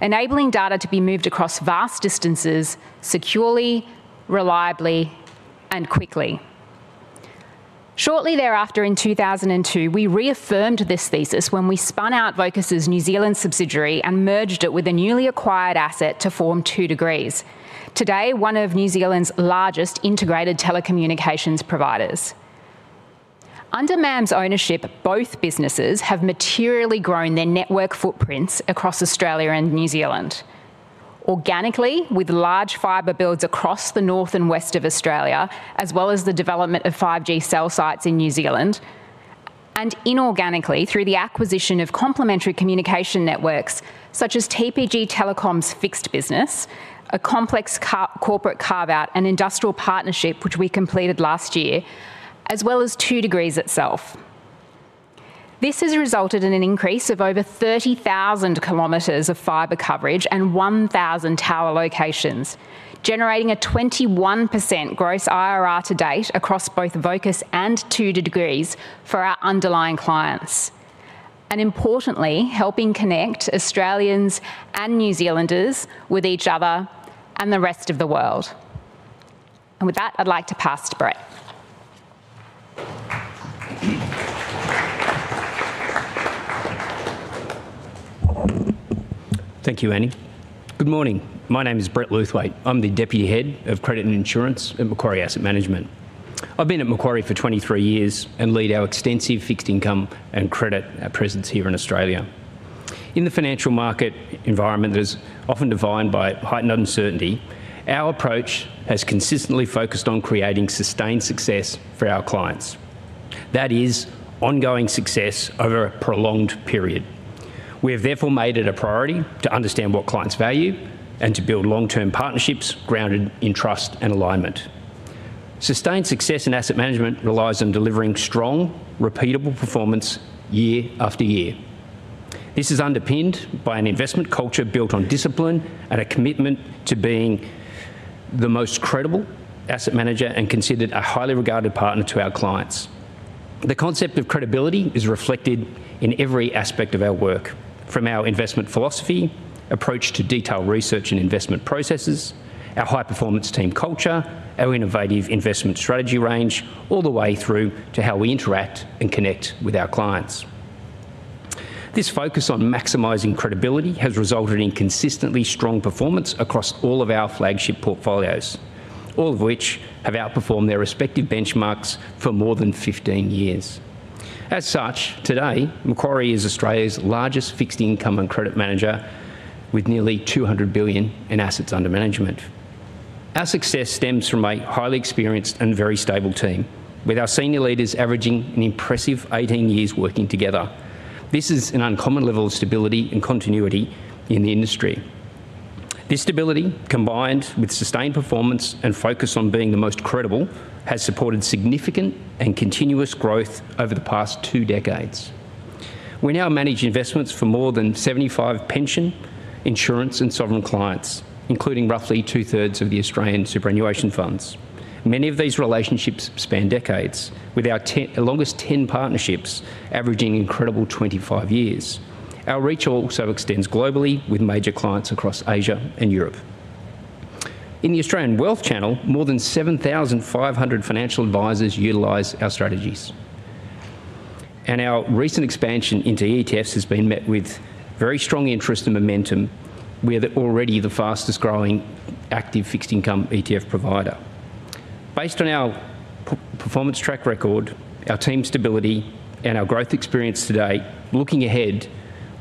[SPEAKER 15] enabling data to be moved across vast distances securely, reliably, and quickly. Shortly thereafter, in 2002, we reaffirmed this thesis when we spun out Vocus's New Zealand subsidiary and merged it with a newly acquired asset to form 2degrees, today one of New Zealand's largest integrated telecommunications providers. Under MAM's ownership, both businesses have materially grown their network footprints across Australia and New Zealand: organically, with large fibre builds across the north and west of Australia, as well as the development of 5G cell sites in New Zealand, and inorganically, through the acquisition of complementary communication networks such as TPG Telecom's fixed business, a complex corporate carve-out and industrial partnership which we completed last year, as well as 2degrees itself. This has resulted in an increase of over 30,000 km of fiber coverage and 1,000 tower locations, generating a 21% gross IRR to date across both Vocus and 2degrees for our underlying clients, and importantly, helping connect Australians and New Zealanders with each other and the rest of the world. With that, I'd like to pass to Brett.
[SPEAKER 16] Thank you, Ani. Good morning. My name is Brett Lewthwaite. I'm the Deputy Head of Credit and Insurance at Macquarie Asset Management. I've been at Macquarie for 23 years and lead our extensive fixed-income and credit presence here in Australia. In the financial market environment that is often defined by heightened uncertainty, our approach has consistently focused on creating sustained success for our clients. That is, ongoing success over a prolonged period. We have therefore made it a priority to understand what clients value and to build long-term partnerships grounded in trust and alignment. Sustained success in asset management relies on delivering strong, repeatable performance year after year. This is underpinned by an investment culture built on discipline and a commitment to being the most credible asset manager and considered a highly regarded partner to our clients. The concept of credibility is reflected in every aspect of our work, from our investment philosophy, approach to detailed research and investment processes, our high-performance team culture, our innovative investment strategy range, all the way through to how we interact and connect with our clients. This focus on maximizing credibility has resulted in consistently strong performance across all of our flagship portfolios, all of which have outperformed their respective benchmarks for more than 15 years. As such, today, Macquarie is Australia's largest fixed-income and credit manager with nearly 200 billion in assets under management. Our success stems from a highly experienced and very stable team, with our senior leaders averaging an impressive 18 years working together. This is an uncommon level of stability and continuity in the industry. This stability, combined with sustained performance and focus on being the most credible, has supported significant and continuous growth over the past two decades. We now manage investments for more than 75 pension, insurance, and sovereign clients, including roughly two-thirds of the Australian superannuation funds. Many of these relationships span decades, with our longest 10 partnerships averaging incredible 25 years. Our reach also extends globally, with major clients across Asia and Europe. In the Australian Wealth Channel, more than 7,500 financial advisors utilize our strategies. And our recent expansion into ETFs has been met with very strong interest and momentum. We are already the fastest-growing active fixed-income ETF provider. Based on our performance track record, our team stability, and our growth experience today, looking ahead,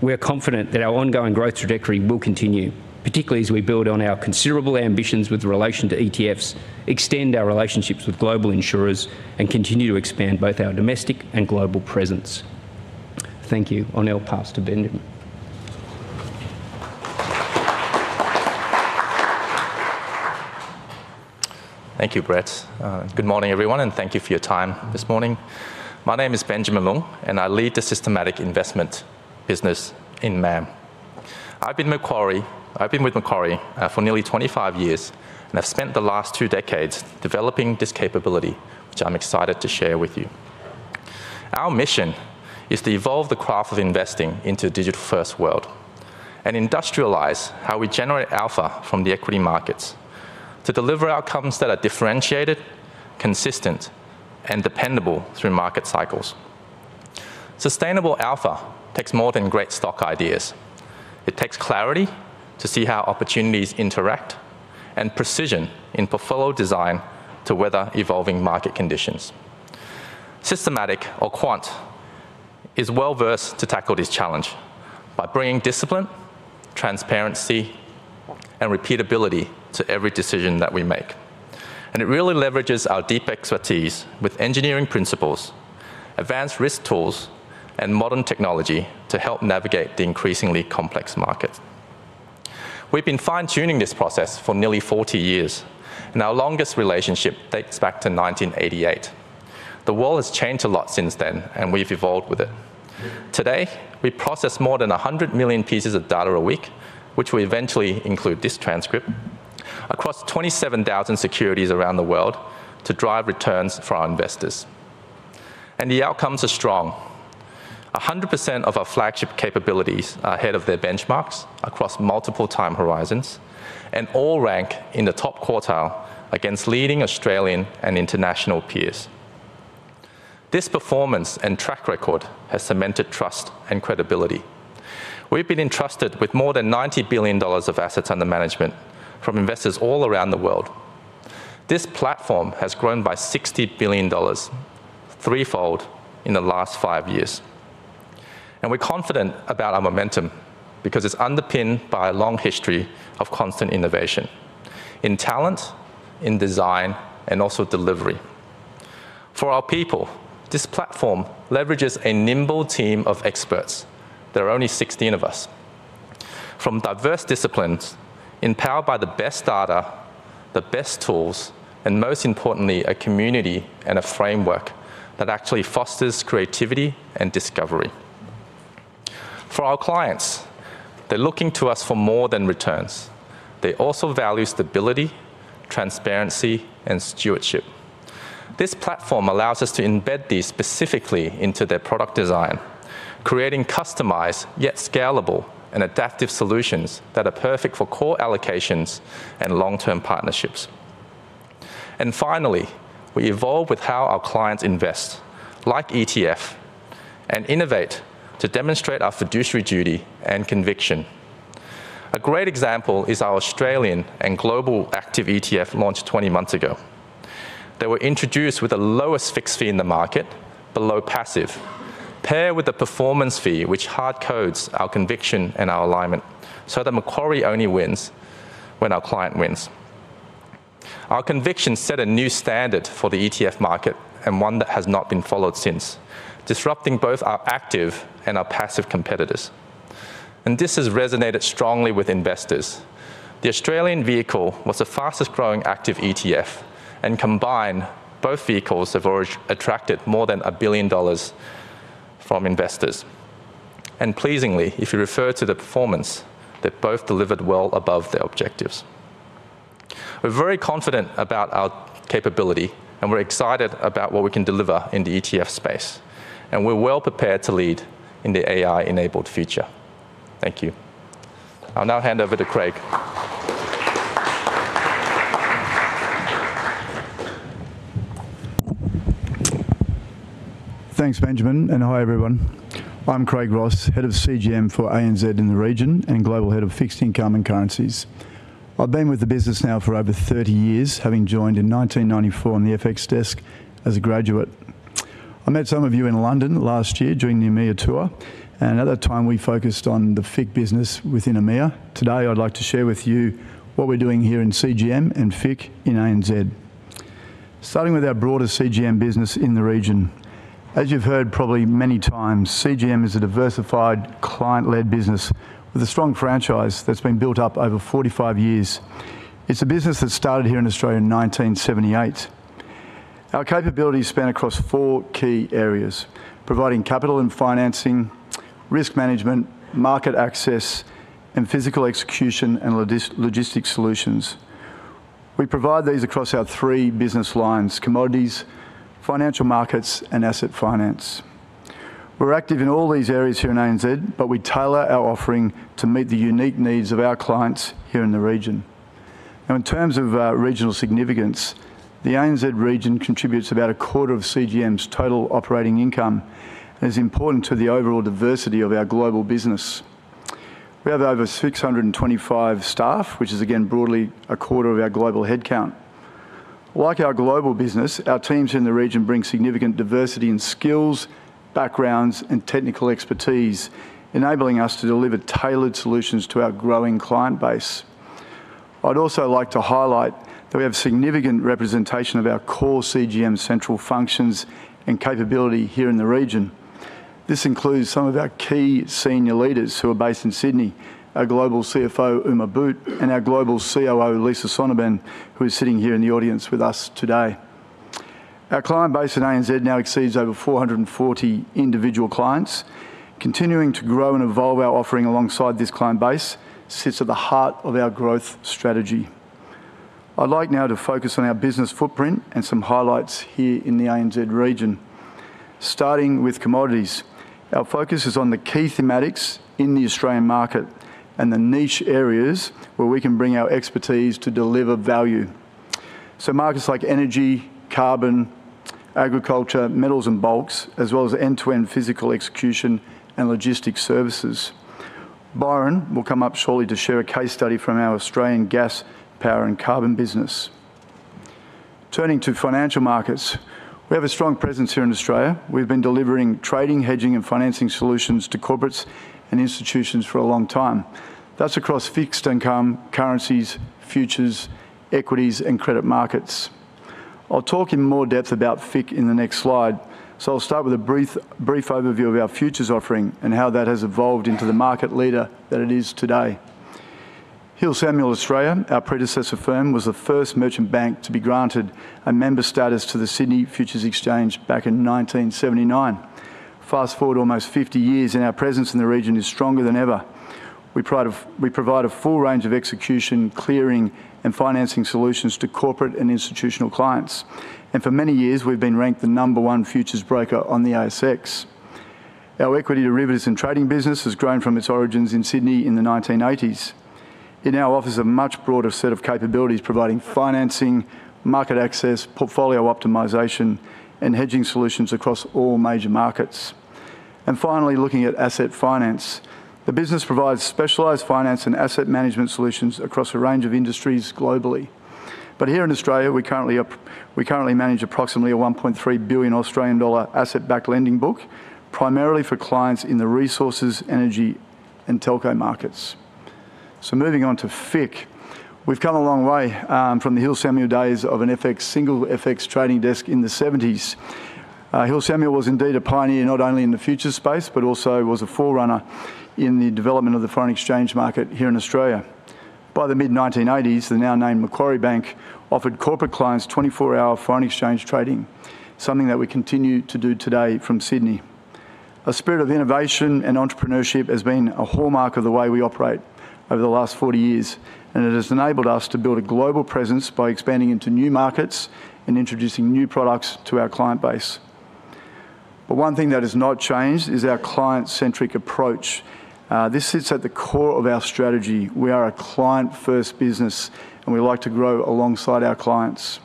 [SPEAKER 16] we are confident that our ongoing growth trajectory will continue, particularly as we build on our considerable ambitions with relation to ETFs, extend our relationships with global insurers, and continue to expand both our domestic and global presence. Thank you. I'll now pass to Benjamin.
[SPEAKER 17] Thank you, Brett. Good morning, everyone, and thank you for your time this morning. My name is Benjamin Long, and I lead the systematic investment business in MAM. I've been with Macquarie for nearly 25 years and have spent the last two decades developing this capability, which I'm excited to share with you. Our mission is to evolve the craft of investing into a digital-first world and industrialise how we generate alpha from the equity markets to deliver outcomes that are differentiated, consistent, and dependable through market cycles. Sustainable alpha takes more than great stock ideas. It takes clarity to see how opportunities interact and precision in portfolio design to weather evolving market conditions. Systematic, or quant, is well-versed to tackle this challenge by bringing discipline, transparency, and repeatability to every decision that we make. It really leverages our deep expertise with engineering principles, advanced risk tools, and modern technology to help navigate the increasingly complex market. We've been fine-tuning this process for nearly 40 years, and our longest relationship dates back to 1988. The world has changed a lot since then, and we've evolved with it. Today, we process more than 100 million pieces of data a week, which will eventually include this transcript, across 27,000 securities around the world to drive returns for our investors. And the outcomes are strong: 100% of our flagship capabilities are ahead of their benchmarks across multiple time horizons, and all rank in the top quartile against leading Australian and international peers. This performance and track record has cemented trust and credibility. We've been entrusted with more than 90 billion dollars of assets under management from investors all around the world. This platform has grown by $60 billion, threefold, in the last five years. We're confident about our momentum because it's underpinned by a long history of constant innovation in talent, in design, and also delivery. For our people, this platform leverages a nimble team of experts. There are only 16 of us from diverse disciplines, empowered by the best data, the best tools, and most importantly, a community and a framework that actually fosters creativity and discovery. For our clients, they're looking to us for more than returns. They also value stability, transparency, and stewardship. This platform allows us to embed these specifically into their product design, creating customized, yet scalable, and adaptive solutions that are perfect for core allocations and long-term partnerships. Finally, we evolve with how our clients invest, like ETFs, and innovate to demonstrate our fiduciary duty and conviction. A great example is our Australian and global active ETF launched 20 months ago. They were introduced with the lowest fixed fee in the market, below passive, paired with a performance fee which hard-codes our conviction and our alignment so that Macquarie only wins when our client wins. Our conviction set a new standard for the ETF market and one that has not been followed since, disrupting both our active and our passive competitors. And this has resonated strongly with investors. The Australian vehicle was the fastest-growing active ETF, and combined, both vehicles have already attracted more than 1 billion dollars from investors. And pleasingly, if you refer to the performance, they both delivered well above their objectives. We're very confident about our capability, and we're excited about what we can deliver in the ETF space. And we're well prepared to lead in the AI-enabled future. Thank you. I'll now hand over to Craig.
[SPEAKER 18] Thanks, Benjamin. And hi, everyone. I'm Craig Ross, Head of CGM for ANZ in the region and Global Head of Fixed Income and Currencies. I've been with the business now for over 30 years, having joined in 1994 on the FX desk as a graduate. I met some of you in London last year during the EMEA tour, and at that time, we focused on the FIC business within EMEA. Today, I'd like to share with you what we're doing here in CGM and FIC in ANZ. Starting with our broader CGM business in the region, as you've heard probably many times, CGM is a diversified, client-led business with a strong franchise that's been built up over 45 years. It's a business that started here in Australia in 1978. Our capabilities span across four key areas: providing capital and financing, risk management, market access, and physical execution and logistics solutions. We provide these across our three business lines: commodities, financial markets, and asset finance. We're active in all these areas here in ANZ, but we tailor our offering to meet the unique needs of our clients here in the region. Now, in terms of regional significance, the ANZ region contributes about a quarter of CGM's total operating income and is important to the overall diversity of our global business. We have over 625 staff, which is, again, broadly a quarter of our global headcount. Like our global business, our teams in the region bring significant diversity in skills, backgrounds, and technical expertise, enabling us to deliver tailored solutions to our growing client base. I'd also like to highlight that we have significant representation of our core CGM central functions and capability here in the region. This includes some of our key senior leaders who are based in Sydney: our Global CFO, Uma Botta, and our Global COO, Lisa Sonnabend, who is sitting here in the audience with us today. Our client base in ANZ now exceeds over 440 individual clients. Continuing to grow and evolve our offering alongside this client base sits at the heart of our growth strategy. I'd like now to focus on our business footprint and some highlights here in the ANZ region. Starting with commodities, our focus is on the key thematics in the Australian market and the niche areas where we can bring our expertise to deliver value. So markets like energy, carbon, agriculture, metals and bulks, as well as end-to-end physical execution and logistics services. Byron will come up shortly to share a case study from our Australian gas, power, and carbon business. Turning to financial markets, we have a strong presence here in Australia. We've been delivering trading, hedging, and financing solutions to corporates and institutions for a long time. That's across fixed-income, currencies, futures, equities, and credit markets. I'll talk in more depth about FIC in the next slide, so I'll start with a brief overview of our futures offering and how that has evolved into the market leader that it is today. Hill Samuel Australia, our predecessor firm, was the first merchant bank to be granted a member status to the Sydney Futures Exchange back in 1979. Fast forward almost 50 years, and our presence in the region is stronger than ever. We provide a full range of execution, clearing, and financing solutions to corporate and institutional clients. For many years, we've been ranked the number one futures broker on the ASX. Our equity derivatives and trading business has grown from its origins in Sydney in the 1980s. It now offers a much broader set of capabilities, providing financing, market access, portfolio optimization, and hedging solutions across all major markets. Finally, looking at asset finance, the business provides specialized finance and asset management solutions across a range of industries globally. Here in Australia, we currently manage approximately 1.3 billion Australian dollar asset-backed lending book, primarily for clients in the resources, energy, and telco markets. Moving on to FIC, we've come a long way from the Hill Samuel days of a single FX trading desk in the 1970s. Hill Samuel was indeed a pioneer not only in the futures space but also was a forerunner in the development of the foreign exchange market here in Australia. By the mid-1980s, the now-named Macquarie Bank offered corporate clients 24-hour foreign exchange trading, something that we continue to do today from Sydney. A spirit of innovation and entrepreneurship has been a hallmark of the way we operate over the last 40 years, and it has enabled us to build a global presence by expanding into new markets and introducing new products to our client base. But one thing that has not changed is our client-centric approach. This sits at the core of our strategy. We are a client-first business, and we like to grow alongside our clients.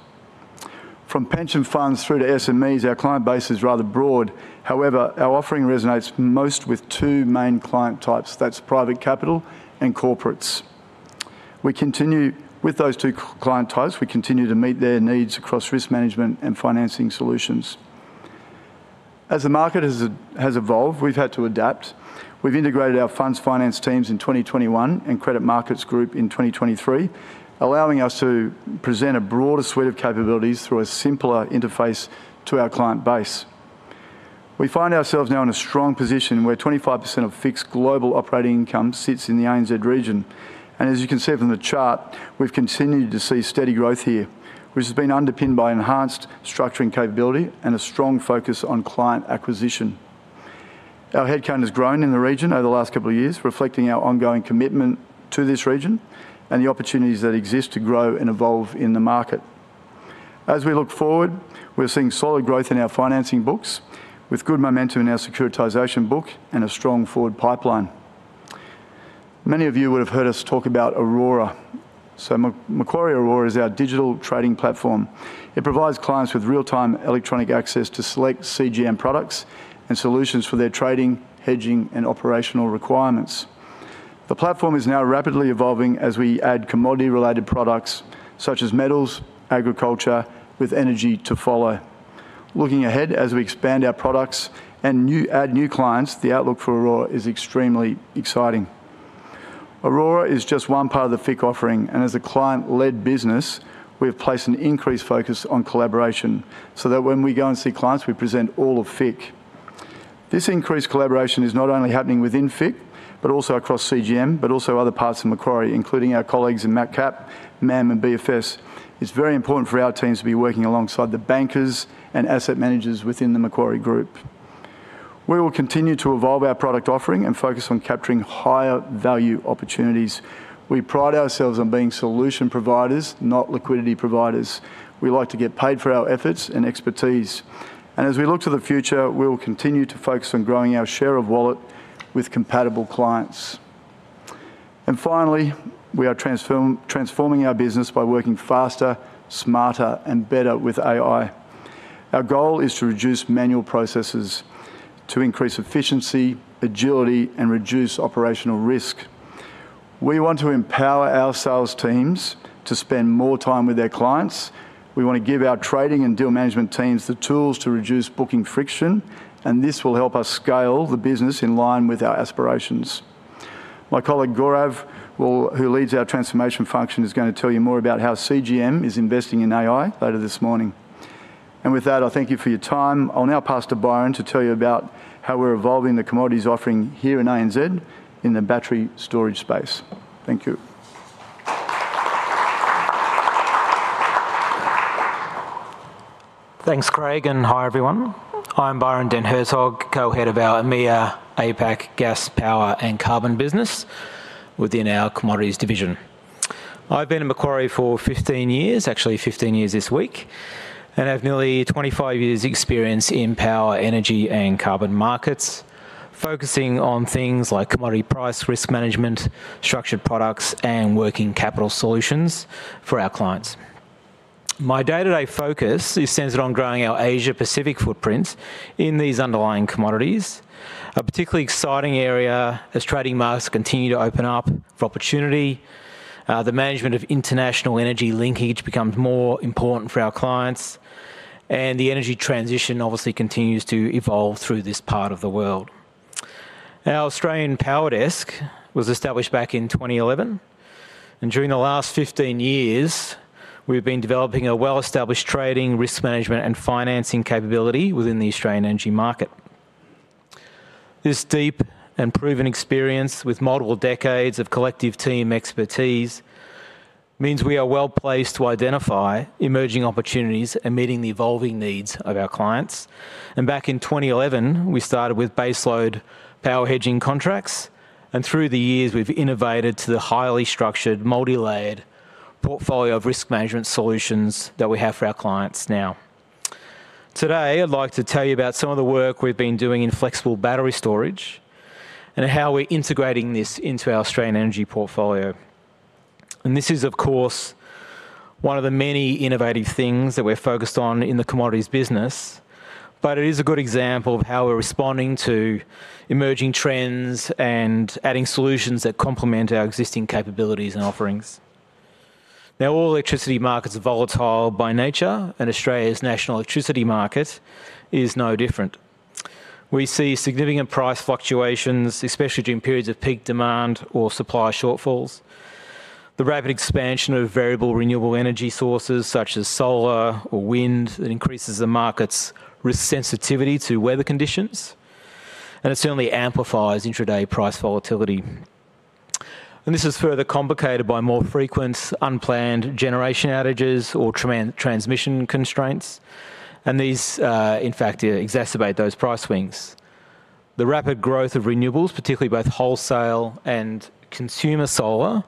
[SPEAKER 18] From pension funds through to SMEs, our client base is rather broad. However, our offering resonates most with two main client types: that's private capital and corporates. With those two client types, we continue to meet their needs across risk management and financing solutions. As the market has evolved, we've had to adapt. We've integrated our funds finance teams in 2021 and Credit Markets Group in 2023, allowing us to present a broader suite of capabilities through a simpler interface to our client base. We find ourselves now in a strong position where 25% of FIC's global operating income sits in the ANZ region. As you can see from the chart, we've continued to see steady growth here, which has been underpinned by enhanced structuring capability and a strong focus on client acquisition. Our headcount has grown in the region over the last couple of years, reflecting our ongoing commitment to this region and the opportunities that exist to grow and evolve in the market. As we look forward, we're seeing solid growth in our financing books with good momentum in our securitisation book and a strong forward pipeline. Many of you would have heard us talk about Aurora. So Macquarie Aurora is our digital trading platform. It provides clients with real-time electronic access to select CGM products and solutions for their trading, hedging, and operational requirements. The platform is now rapidly evolving as we add commodity-related products such as metals, agriculture, with energy to follow. Looking ahead, as we expand our products and add new clients, the outlook for Aurora is extremely exciting. Aurora is just one part of the FIC offering, and as a client-led business, we have placed an increased focus on collaboration so that when we go and see clients, we present all of FIC. This increased collaboration is not only happening within FIC but also across CGM but also other parts of Macquarie, including our colleagues in MacCap, MAM, and BFS. It's very important for our teams to be working alongside the bankers and asset managers within the Macquarie Group. We will continue to evolve our product offering and focus on capturing higher-value opportunities. We pride ourselves on being solution providers, not liquidity providers. We like to get paid for our efforts and expertise. As we look to the future, we will continue to focus on growing our share of wallet with compatible clients. Finally, we are transforming our business by working faster, smarter, and better with AI. Our goal is to reduce manual processes, to increase efficiency, agility, and reduce operational risk. We want to empower our sales teams to spend more time with their clients. We want to give our trading and deal management teams the tools to reduce booking friction, and this will help us scale the business in line with our aspirations. My colleague Gaurav, who leads our transformation function, is going to tell you more about how CGM is investing in AI later this morning. With that, I thank you for your time. I'll now pass to Byron to tell you about how we're evolving the commodities offering here in ANZ in the battery storage space. Thank you.
[SPEAKER 19] Thanks, Craig. And hi, everyone. I'm Byron Den Hertog, co-head of our EMEA, APAC, gas, power, and carbon business within our commodities division. I've been in Macquarie for 15 years, actually 15 years this week, and have nearly 25 years' experience in power, energy, and carbon markets, focusing on things like commodity price, risk management, structured products, and working capital solutions for our clients. My day-to-day focus is centered on growing our Asia-Pacific footprint in these underlying commodities. A particularly exciting area as trading markets continue to open up for opportunity, the management of international energy linkage becomes more important for our clients, and the energy transition obviously continues to evolve through this part of the world. Our Australian Power Desk was established back in 2011. And during the last 15 years, we've been developing a well-established trading, risk management, and financing capability within the Australian energy market. This deep and proven experience with multiple decades of collective team expertise means we are well placed to identify emerging opportunities and meeting the evolving needs of our clients. Back in 2011, we started with baseload power hedging contracts. Through the years, we've innovated to the highly structured, multilayered portfolio of risk management solutions that we have for our clients now. Today, I'd like to tell you about some of the work we've been doing in flexible battery storage and how we're integrating this into our Australian energy portfolio. This is, of course, one of the many innovative things that we're focused on in the commodities business, but it is a good example of how we're responding to emerging trends and adding solutions that complement our existing capabilities and offerings. Now, all electricity markets are volatile by nature, and Australia's National Electricity Market is no different. We see significant price fluctuations, especially during periods of peak demand or supply shortfalls. The rapid expansion of variable renewable energy sources such as solar or wind increases the market's risk sensitivity to weather conditions, and it certainly amplifies intraday price volatility. This is further complicated by more frequent, unplanned generation outages or transmission constraints, and these, in fact, exacerbate those price swings. The rapid growth of renewables, particularly both wholesale and consumer solar,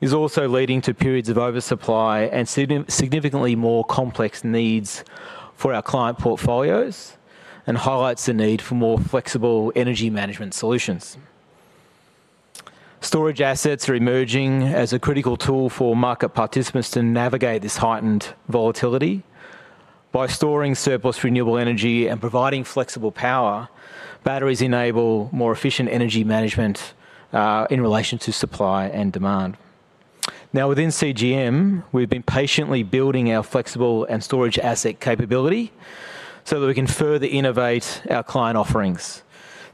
[SPEAKER 19] is also leading to periods of oversupply and significantly more complex needs for our client portfolios and highlights the need for more flexible energy management solutions. Storage assets are emerging as a critical tool for market participants to navigate this heightened volatility. By storing surplus renewable energy and providing flexible power, batteries enable more efficient energy management in relation to supply and demand. Now, within CGM, we've been patiently building our flexible and storage asset capability so that we can further innovate our client offerings,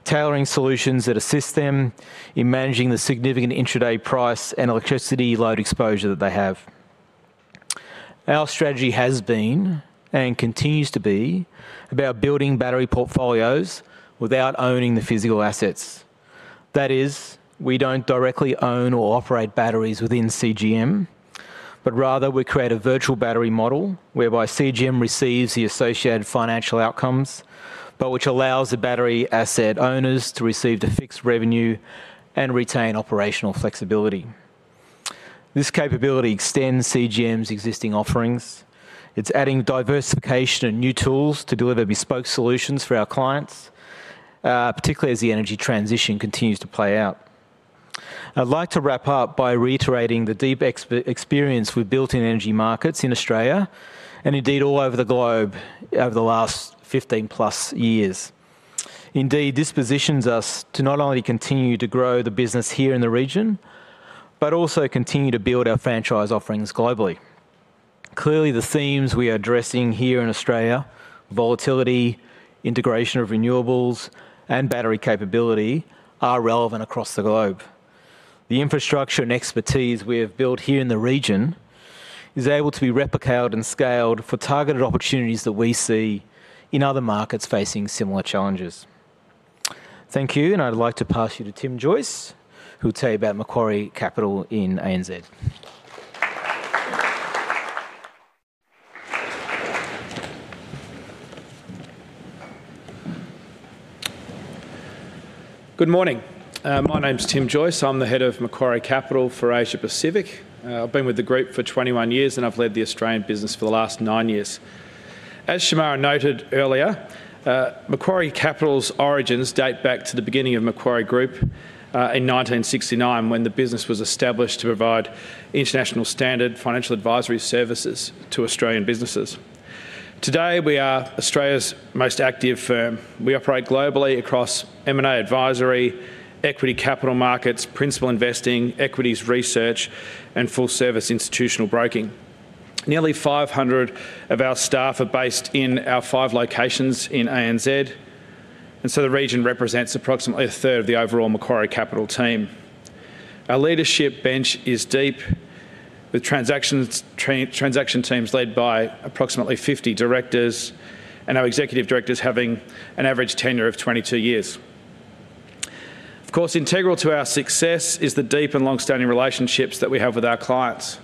[SPEAKER 19] tailoring solutions that assist them in managing the significant intraday price and electricity load exposure that they have. Our strategy has been and continues to be about building battery portfolios without owning the physical assets. That is, we don't directly own or operate batteries within CGM, but rather we create a virtual battery model whereby CGM receives the associated financial outcomes but which allows the battery asset owners to receive the fixed revenue and retain operational flexibility. This capability extends CGM's existing offerings. It's adding diversification and new tools to deliver bespoke solutions for our clients, particularly as the energy transition continues to play out. I'd like to wrap up by reiterating the deep experience with built-in energy markets in Australia and indeed all over the globe over the last 15+ years. Indeed, this positions us to not only continue to grow the business here in the region but also continue to build our franchise offerings globally. Clearly, the themes we are addressing here in Australia, volatility, integration of renewables, and battery capability, are relevant across the globe. The infrastructure and expertise we have built here in the region is able to be replicated and scaled for targeted opportunities that we see in other markets facing similar challenges. Thank you. I'd like to pass you to Tim Joyce, who will tell you about Macquarie Capital in ANZ.
[SPEAKER 20] Good morning. My name's Tim Joyce. I'm the head of Macquarie Capital for Asia-Pacific. I've been with the group for 21 years, and I've led the Australian business for the last nine years. As Shemara noted earlier, Macquarie Capital's origins date back to the beginning of Macquarie Group in 1969, when the business was established to provide international-standard financial advisory services to Australian businesses. Today, we are Australia's most active firm. We operate globally across M&A advisory, equity capital markets, principal investing, equities research, and full-service institutional broking. Nearly 500 of our staff are based in our five locations in ANZ, and so the region represents approximately a third of the overall Macquarie Capital team. Our leadership bench is deep, with transaction teams led by approximately 50 directors and our executive directors having an average tenure of 22 years. Of course, integral to our success is the deep and longstanding relationships that we have with our clients.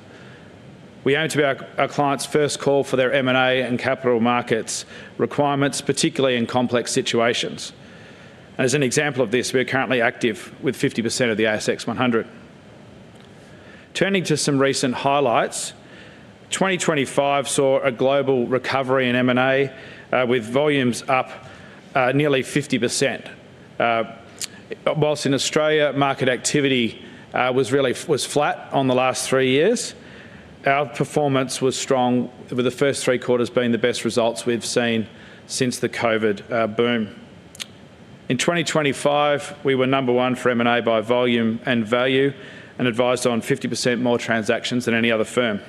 [SPEAKER 20] We aim to be our clients' first call for their M&A and capital markets requirements, particularly in complex situations. As an example of this, we're currently active with 50% of the ASX 100. Turning to some recent highlights, 2025 saw a global recovery in M&A with volumes up nearly 50%. While in Australia, market activity was flat on the last three years, our performance was strong, with the first three quarters being the best results we've seen since the COVID boom. In 2025, we were number one for M&A by volume and value and advised on 50% more transactions than any other firm.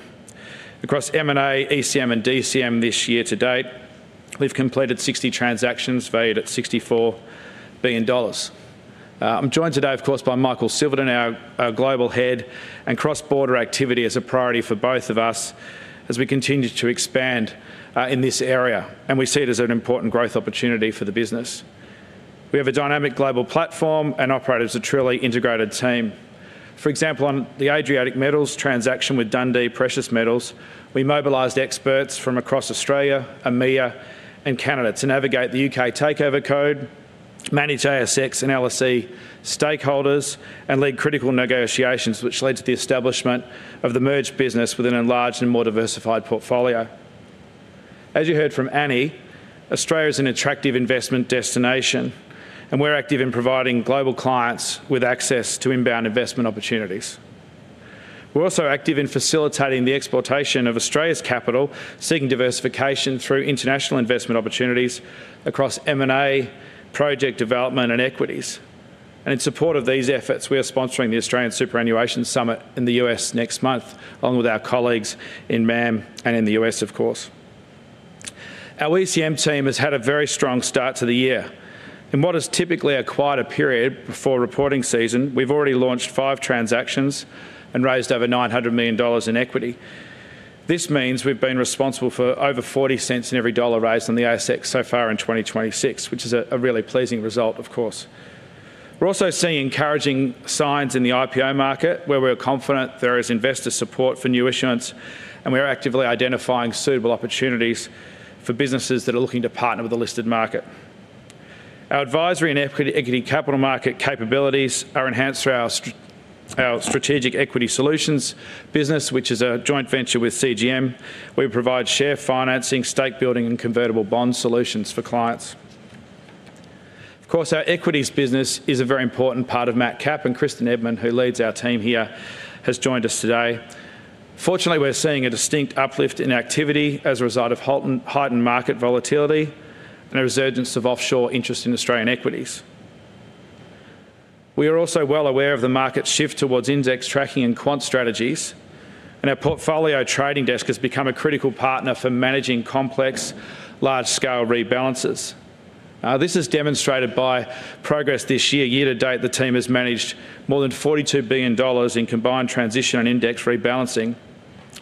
[SPEAKER 20] Across M&A, ECM, and DCM this year to date, we've completed 60 transactions valued at AUD 64 billion. I'm joined today, of course, by Michael Silverton, our global head, and cross-border activity is a priority for both of us as we continue to expand in this area, and we see it as an important growth opportunity for the business. We have a dynamic global platform, and operators are a truly integrated team. For example, on the Adriatic Metals transaction with Dundee Precious Metals, we mobilized experts from across Australia, EMEA, and Canada to navigate the UK takeover code, manage ASX and LSE stakeholders, and lead critical negotiations, which led to the establishment of the merged business with an enlarged and more diversified portfolio. As you heard from Ani, Australia is an attractive investment destination, and we're active in providing global clients with access to inbound investment opportunities. We're also active in facilitating the exportation of Australia's capital, seeking diversification through international investment opportunities across M&A, project development, and equities. In support of these efforts, we are sponsoring the Australian Superannuation Summit in the U.S. next month, along with our colleagues in MAM and in the U.S., of course. Our ECM team has had a very strong start to the year. In what is typically a quieter period before reporting season, we've already launched five transactions and raised over 900 million dollars in equity. This means we've been responsible for over 40 cents in every dollar raised on the ASX so far in 2026, which is a really pleasing result, of course. We're also seeing encouraging signs in the IPO market, where we're confident there is investor support for new issuance, and we're actively identifying suitable opportunities for businesses that are looking to partner with the listed market. Our advisory and equity capital market capabilities are enhanced through our strategic equity solutions business, which is a joint venture with CGM. We provide share financing, stake building, and convertible bond solutions for clients. Of course, our equities business is a very important part of Macquarie Capital, and Kristen Edmond, who leads our team here, has joined us today. Fortunately, we're seeing a distinct uplift in activity as a result of heightened market volatility and a resurgence of offshore interest in Australian equities. We are also well aware of the market's shift towards index tracking and quant strategies, and our portfolio trading desk has become a critical partner for managing complex, large-scale rebalances. This is demonstrated by progress this year. Year to date, the team has managed more than 42 billion dollars in combined transition and index rebalancing,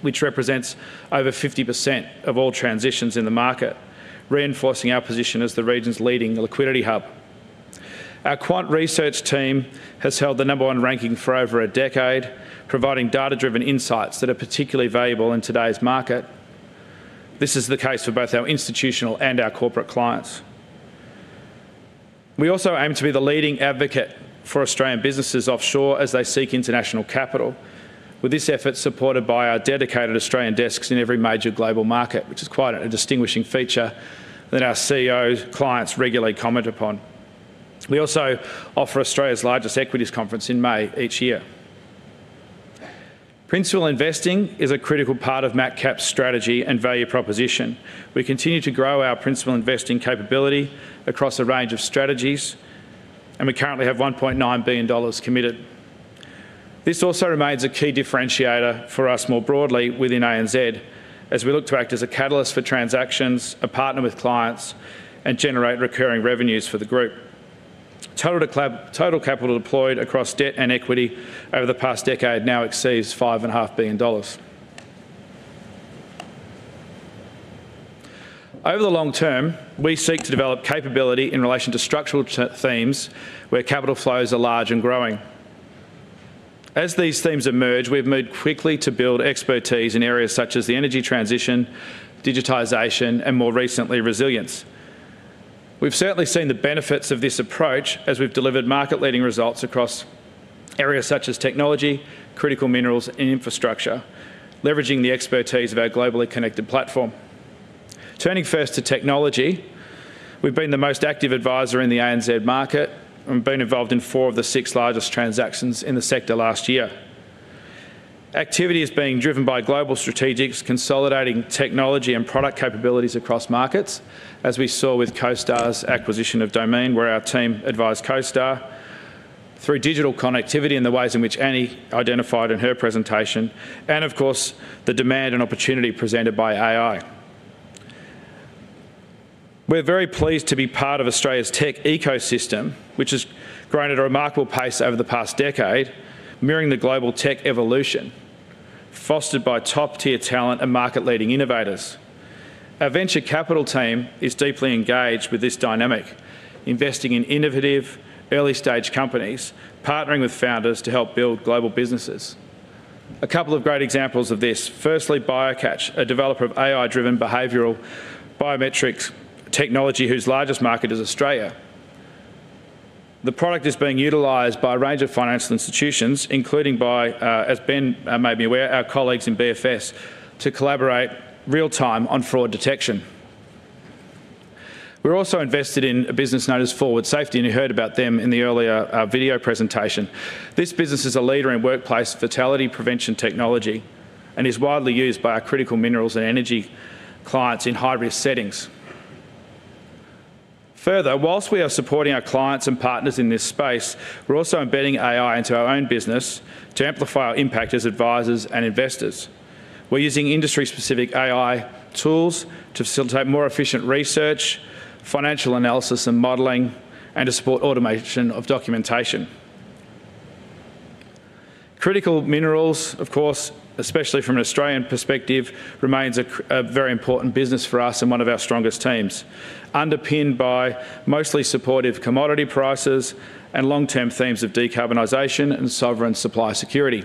[SPEAKER 20] which represents over 50% of all transitions in the market, reinforcing our position as the region's leading liquidity hub. Our quant research team has held the number one ranking for over a decade, providing data-driven insights that are particularly valuable in today's market. This is the case for both our institutional and our corporate clients. We also aim to be the leading advocate for Australian businesses offshore as they seek international capital, with this effort supported by our dedicated Australian desks in every major global market, which is quite a distinguishing feature that our CEO clients regularly comment upon. We also offer Australia's largest equities conference in May each year. Principal investing is a critical part of Macquarie Capital's strategy and value proposition. We continue to grow our principal investing capability across a range of strategies, and we currently have 1.9 billion dollars committed. This also remains a key differentiator for us more broadly within ANZ as we look to act as a catalyst for transactions, a partner with clients, and generate recurring revenues for the group. Total capital deployed across debt and equity over the past decade now exceeds 5.5 billion dollars. Over the long term, we seek to develop capability in relation to structural themes where capital flows are large and growing. As these themes emerge, we've moved quickly to build expertise in areas such as the energy transition, digitization, and more recently, resilience. We've certainly seen the benefits of this approach as we've delivered market-leading results across areas such as technology, critical minerals, and infrastructure, leveraging the expertise of our globally connected platform. Turning first to technology, we've been the most active advisor in the ANZ market and been involved in four of the six largest transactions in the sector last year. Activity is being driven by global strategics consolidating technology and product capabilities across markets, as we saw with CoStar's acquisition of Domain, where our team advised CoStar through digital connectivity in the ways in which Ani identified in her presentation, and of course, the demand and opportunity presented by AI. We're very pleased to be part of Australia's tech ecosystem, which has grown at a remarkable pace over the past decade, mirroring the global tech evolution, fostered by top-tier talent and market-leading innovators. Our venture capital team is deeply engaged with this dynamic, investing in innovative, early-stage companies, partnering with founders to help build global businesses. A couple of great examples of this: firstly, BioCatch, a developer of AI-driven behavioral biometrics technology whose largest market is Australia. The product is being utilized by a range of financial institutions, including by, as Ben made me aware, our colleagues in BFS, to collaborate real-time on fraud detection. We're also invested in a business known as Forwood Safety, and you heard about them in the earlier video presentation. This business is a leader in workplace fatality prevention technology and is widely used by our critical minerals and energy clients in high-risk settings. Further, while we are supporting our clients and partners in this space, we're also embedding AI into our own business to amplify our impact as advisors and investors. We're using industry-specific AI tools to facilitate more efficient research, financial analysis and modeling, and to support automation of documentation. Critical minerals, of course, especially from an Australian perspective, remain a very important business for us and one of our strongest teams, underpinned by mostly supportive commodity prices and long-term themes of decarbonization and sovereign supply security.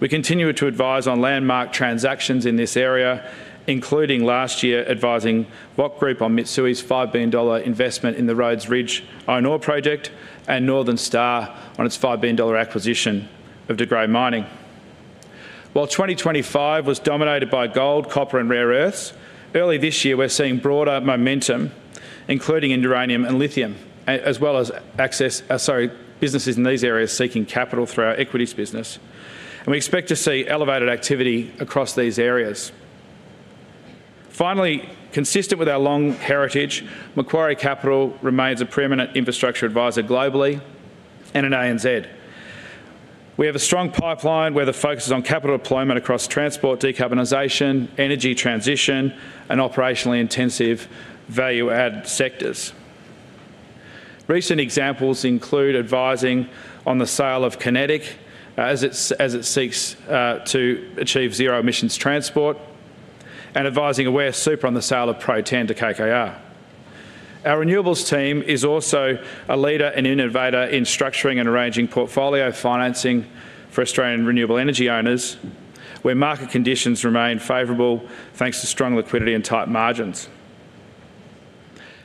[SPEAKER 20] We continue to advise on landmark transactions in this area, including last year advising Wright Group on Mitsui's $5 billion investment in the Rhodes Ridge iron ore project and Northern Star on its $5 billion acquisition of De Grey Mining. While 2025 was dominated by gold, copper, and rare earths, early this year we're seeing broader momentum, including in uranium and lithium, as well as businesses in these areas seeking capital through our equities business, and we expect to see elevated activity across these areas. Finally, consistent with our long heritage, Macquarie Capital remains a permanent infrastructure advisor globally and in ANZ. We have a strong pipeline where the focus is on capital deployment across transport, decarbonization, energy transition, and operationally intensive value-add sectors. Recent examples include advising on the sale of Kinetic as it seeks to achieve zero-emissions transport and advising Aware Super on the sale of ProTen to KKR. Our renewables team is also a leader and innovator in structuring and arranging portfolio financing for Australian renewable energy owners, where market conditions remain favorable thanks to strong liquidity and tight margins.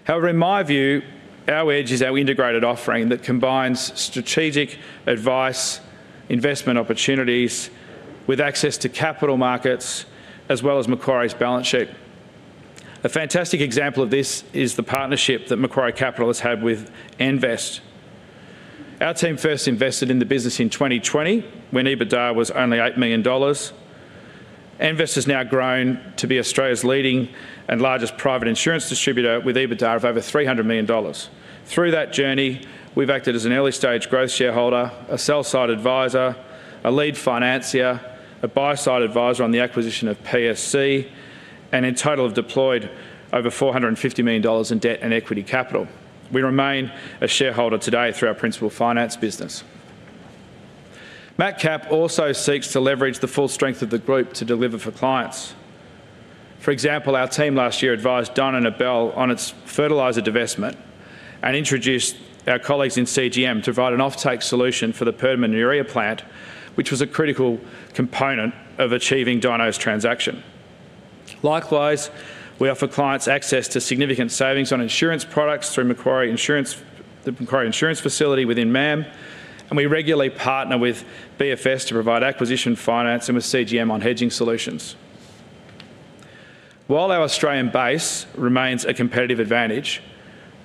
[SPEAKER 20] However, in my view, our edge is our integrated offering that combines strategic advice, investment opportunities, with access to capital markets as well as Macquarie's balance sheet. A fantastic example of this is the partnership that Macquarie Capital has had with Envest. Our team first invested in the business in 2020 when EBITDA was only 8 million dollars. Envest has now grown to be Australia's leading and largest private insurance distributor with EBITDA of over 300 million dollars. Through that journey, we've acted as an early-stage growth shareholder, a sell-side advisor, a lead financier, a buy-side advisor on the acquisition of PSC, and in total have deployed over 450 million dollars in debt and equity capital. We remain a shareholder today through our principal finance business. MacCap also seeks to leverage the full strength of the group to deliver for clients. For example, our team last year advised Dyno Nobel on its fertiliser divestment and introduced our colleagues in CGM to provide an off-take solution for the Permian urea plant, which was a critical component of achieving Dyno's transaction. Likewise, we offer clients access to significant savings on insurance products through Macquarie Insurance Facility within MAM, and we regularly partner with BFS to provide acquisition finance and with CGM on hedging solutions. While our Australian base remains a competitive advantage,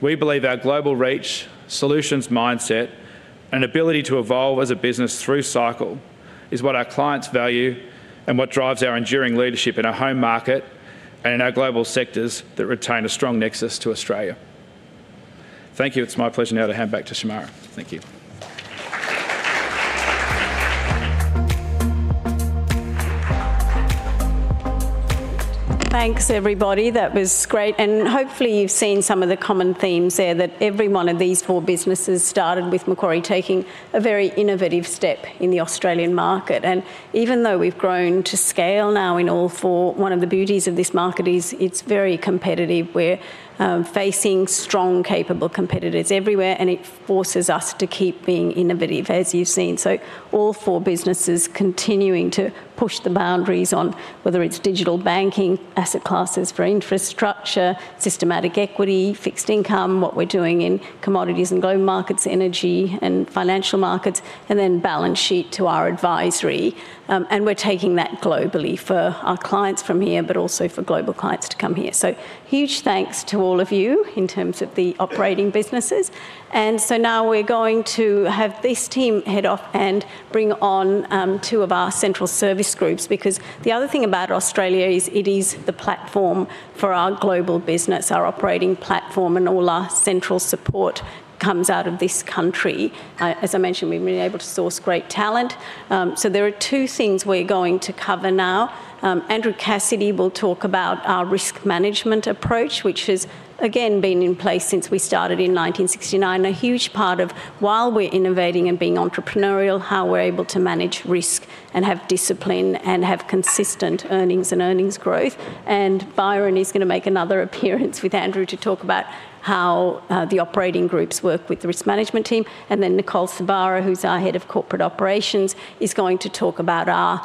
[SPEAKER 20] we believe our global reach, solutions mindset, and ability to evolve as a business through cycle is what our clients value and what drives our enduring leadership in our home market and in our global sectors that retain a strong nexus to Australia. Thank you. It's my pleasure now to hand back to Shemara. Thank you.
[SPEAKER 2] Thanks, everybody. That was great. And hopefully, you've seen some of the common themes there that every one of these four businesses started with, Macquarie taking a very innovative step in the Australian market. Even though we've grown to scale now in all four, one of the beauties of this market is it's very competitive. We're facing strong, capable competitors everywhere, and it forces us to keep being innovative, as you've seen. All four businesses continuing to push the boundaries on whether it's digital banking, asset classes for infrastructure, systematic equity, fixed income, what we're doing in Commodities and Global Markets, energy and financial markets, and then balance sheet to our advisory. We're taking that globally for our clients from here, but also for global clients to come here. Huge thanks to all of you in terms of the operating businesses. So now we're going to have this team head off and bring on two of our central service groups because the other thing about Australia is it is the platform for our global business, our operating platform, and all our central support comes out of this country. As I mentioned, we've been able to source great talent. So there are two things we're going to cover now. Andrew Cassidy will talk about our risk management approach, which has, again, been in place since we started in 1969, a huge part of while we're innovating and being entrepreneurial, how we're able to manage risk and have discipline and have consistent earnings and earnings growth. Byron is going to make another appearance with Andrew to talk about how the operating groups work with the risk management team. Then Nicole Sorbara, who's our head of corporate operations, is going to talk about our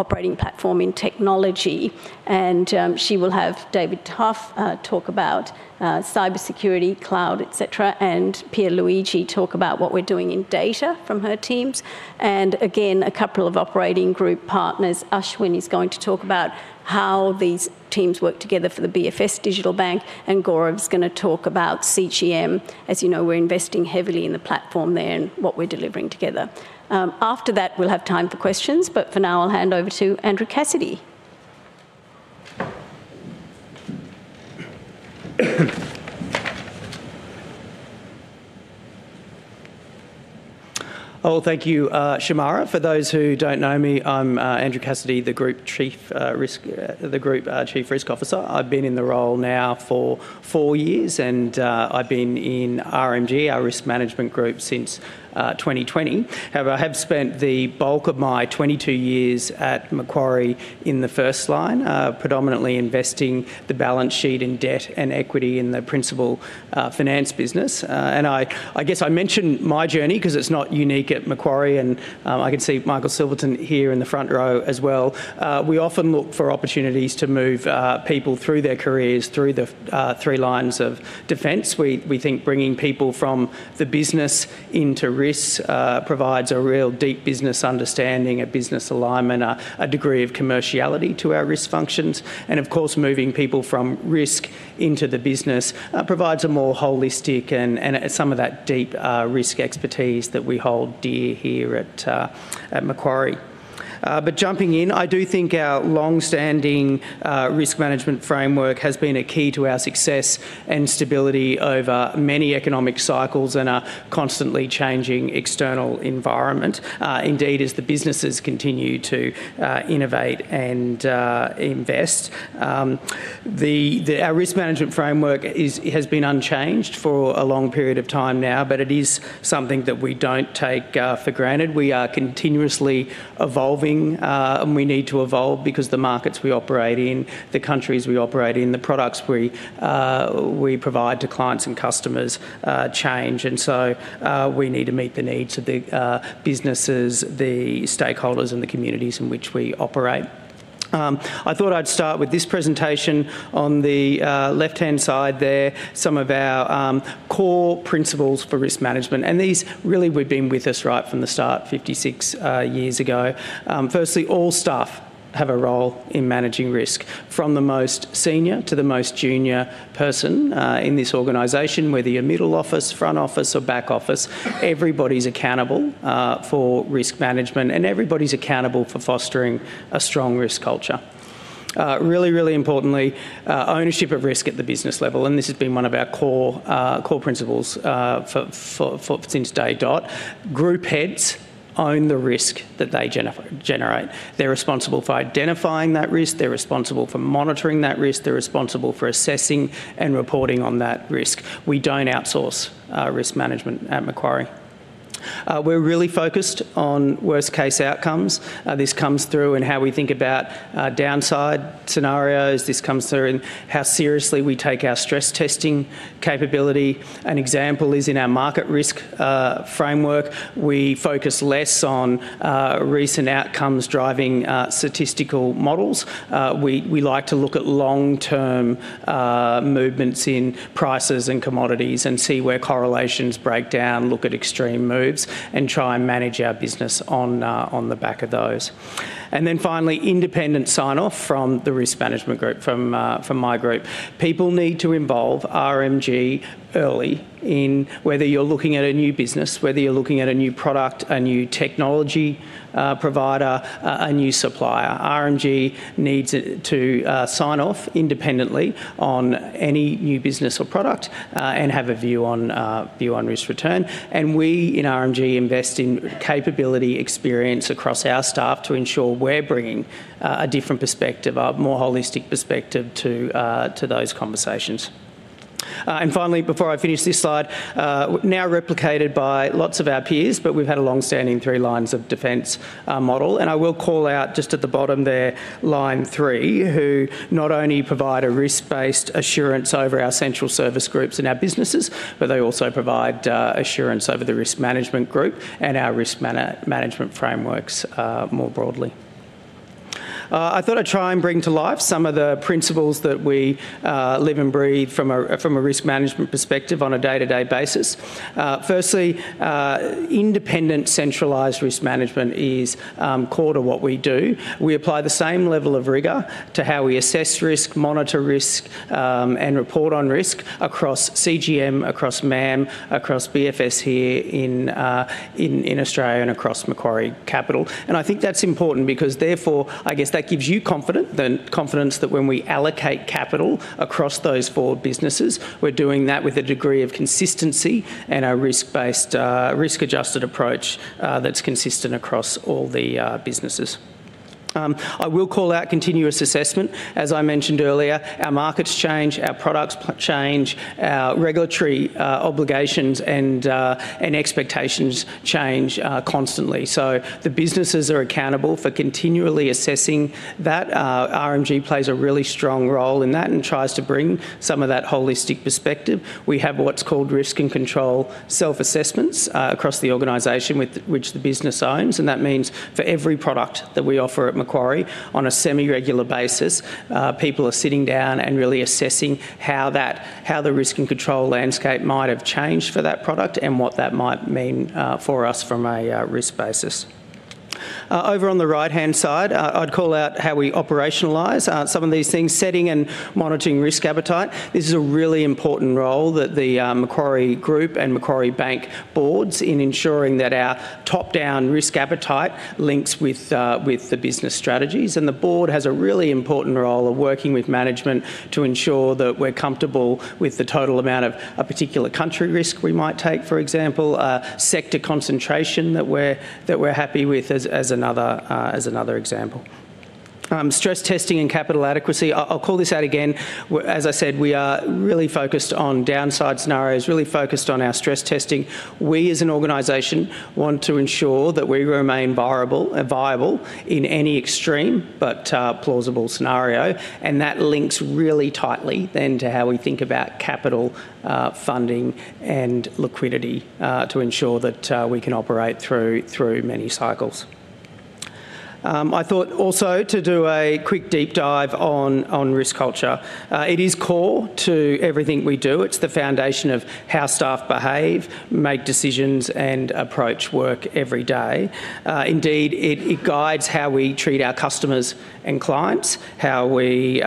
[SPEAKER 2] operating platform in technology. And she will have David Tough talk about cybersecurity, cloud, etc., and Pier Luigi Culazzo talk about what we're doing in data from her teams. And again, a couple of operating group partners. Ashwin Sinha is going to talk about how these teams work together for the BFS Digital Bank, and Gaurav Singh is going to talk about CGM. As you know, we're investing heavily in the platform there and what we're delivering together. After that, we'll have time for questions, but for now, I'll hand over to Andrew Cassidy.
[SPEAKER 21] Oh, thank you, Shemara. For those who don't know me, I'm Andrew Cassidy, the Group Chief Risk Officer. I've been in the role now for four years, and I've been in RMG, our risk management group, since 2020. However, I have spent the bulk of my 22 years at Macquarie in the first line, predominantly investing the balance sheet in debt and equity in the principal finance business. And I guess I mentioned my journey because it's not unique at Macquarie, and I can see Michael Silverton here in the front row as well. We often look for opportunities to move people through their careers through the three lines of defense. We think bringing people from the business into risk provides a real deep business understanding, a business alignment, a degree of commerciality to our risk functions. And of course, moving people from risk into the business provides a more holistic and some of that deep risk expertise that we hold dear here at Macquarie. But jumping in, I do think our longstanding risk management framework has been a key to our success and stability over many economic cycles and a constantly changing external environment, indeed, as the businesses continue to innovate and invest. Our risk management framework has been unchanged for a long period of time now, but it is something that we don't take for granted. We are continuously evolving, and we need to evolve because the markets we operate in, the countries we operate in, the products we provide to clients and customers change. And so we need to meet the needs of the businesses, the stakeholders, and the communities in which we operate. I thought I'd start with this presentation. On the left-hand side there, some of our core principles for risk management. And these really have been with us right from the start, 56 years ago. Firstly, all staff have a role in managing risk, from the most senior to the most junior person in this organization, whether you're middle office, front office, or back office. Everybody's accountable for risk management, and everybody's accountable for fostering a strong risk culture. Really, really importantly, ownership of risk at the business level, and this has been one of our core principles since day dot. Group heads own the risk that they generate. They're responsible for identifying that risk. They're responsible for monitoring that risk. They're responsible for assessing and reporting on that risk. We don't outsource risk management at Macquarie. We're really focused on worst-case outcomes. This comes through in how we think about downside scenarios. This comes through in how seriously we take our stress testing capability. An example is in our market risk framework. We focus less on recent outcomes driving statistical models. We like to look at long-term movements in prices and commodities and see where correlations break down, look at extreme moves, and try and manage our business on the back of those. Then finally, independent sign-off from the Risk Management Group, from my group. People need to involve RMG early in whether you're looking at a new business, whether you're looking at a new product, a new technology provider, a new supplier. RMG needs to sign off independently on any new business or product and have a view on risk return. We in RMG invest in capability experience across our staff to ensure we're bringing a different perspective, a more holistic perspective to those conversations. Finally, before I finish this slide, now replicated by lots of our peers, but we've had a longstanding Three Lines of Defense model. And I will call out just at the bottom there, line three, who not only provide a risk-based assurance over our central service groups and our businesses, but they also provide assurance over the risk management group and our risk management frameworks more broadly. I thought I'd try and bring to life some of the principles that we live and breathe from a risk management perspective on a day-to-day basis. Firstly, independent centralized risk management is core to what we do. We apply the same level of rigor to how we assess risk, monitor risk, and report on risk across CGM, across MAM, across BFS here in Australia, and across Macquarie Capital. And I think that's important because therefore, I guess, that gives you confidence that when we allocate capital across those four businesses, we're doing that with a degree of consistency and a risk-adjusted approach that's consistent across all the businesses. I will call out continuous assessment. As I mentioned earlier, our markets change, our products change, our regulatory obligations and expectations change constantly. So the businesses are accountable for continually assessing that. RMG plays a really strong role in that and tries to bring some of that holistic perspective. We have what's called risk and control self-assessments across the organization which the business owns. And that means for every product that we offer at Macquarie on a semi-regular basis, people are sitting down and really assessing how the risk and control landscape might have changed for that product and what that might mean for us from a risk basis. Over on the right-hand side, I'd call out how we operationalize some of these things, setting and monitoring risk appetite. This is a really important role that the Macquarie Group and Macquarie Bank boards in ensuring that our top-down risk appetite links with the business strategies. The board has a really important role of working with management to ensure that we're comfortable with the total amount of a particular country risk we might take, for example, sector concentration that we're happy with as another example. Stress testing and capital adequacy. I'll call this out again. As I said, we are really focused on downside scenarios, really focused on our stress testing. We as an organization want to ensure that we remain viable in any extreme but plausible scenario. And that links really tightly then to how we think about capital funding and liquidity to ensure that we can operate through many cycles. I thought also to do a quick deep dive on risk culture. It is core to everything we do. It's the foundation of how staff behave, make decisions, and approach work every day. Indeed, it guides how we treat our customers and clients, how we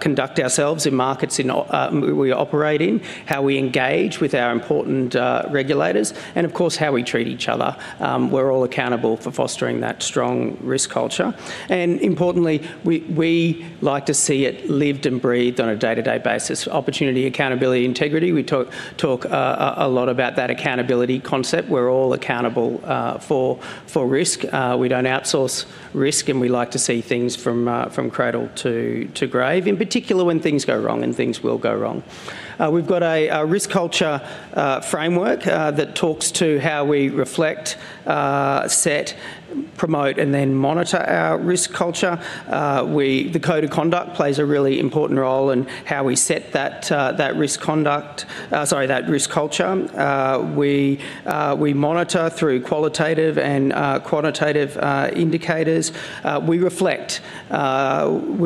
[SPEAKER 21] conduct ourselves in markets we operate in, how we engage with our important regulators, and of course, how we treat each other. We're all accountable for fostering that strong risk culture. And importantly, we like to see it lived and breathed on a day-to-day basis. Opportunity, accountability, integrity. We talk a lot about that accountability concept. We're all accountable for risk. We don't outsource risk, and we like to see things from cradle to grave, in particular when things go wrong and things will go wrong. We've got a risk culture framework that talks to how we reflect, set, promote, and then monitor our risk culture. The code of conduct plays a really important role in how we set that risk culture. We monitor through qualitative and quantitative indicators. We reflect.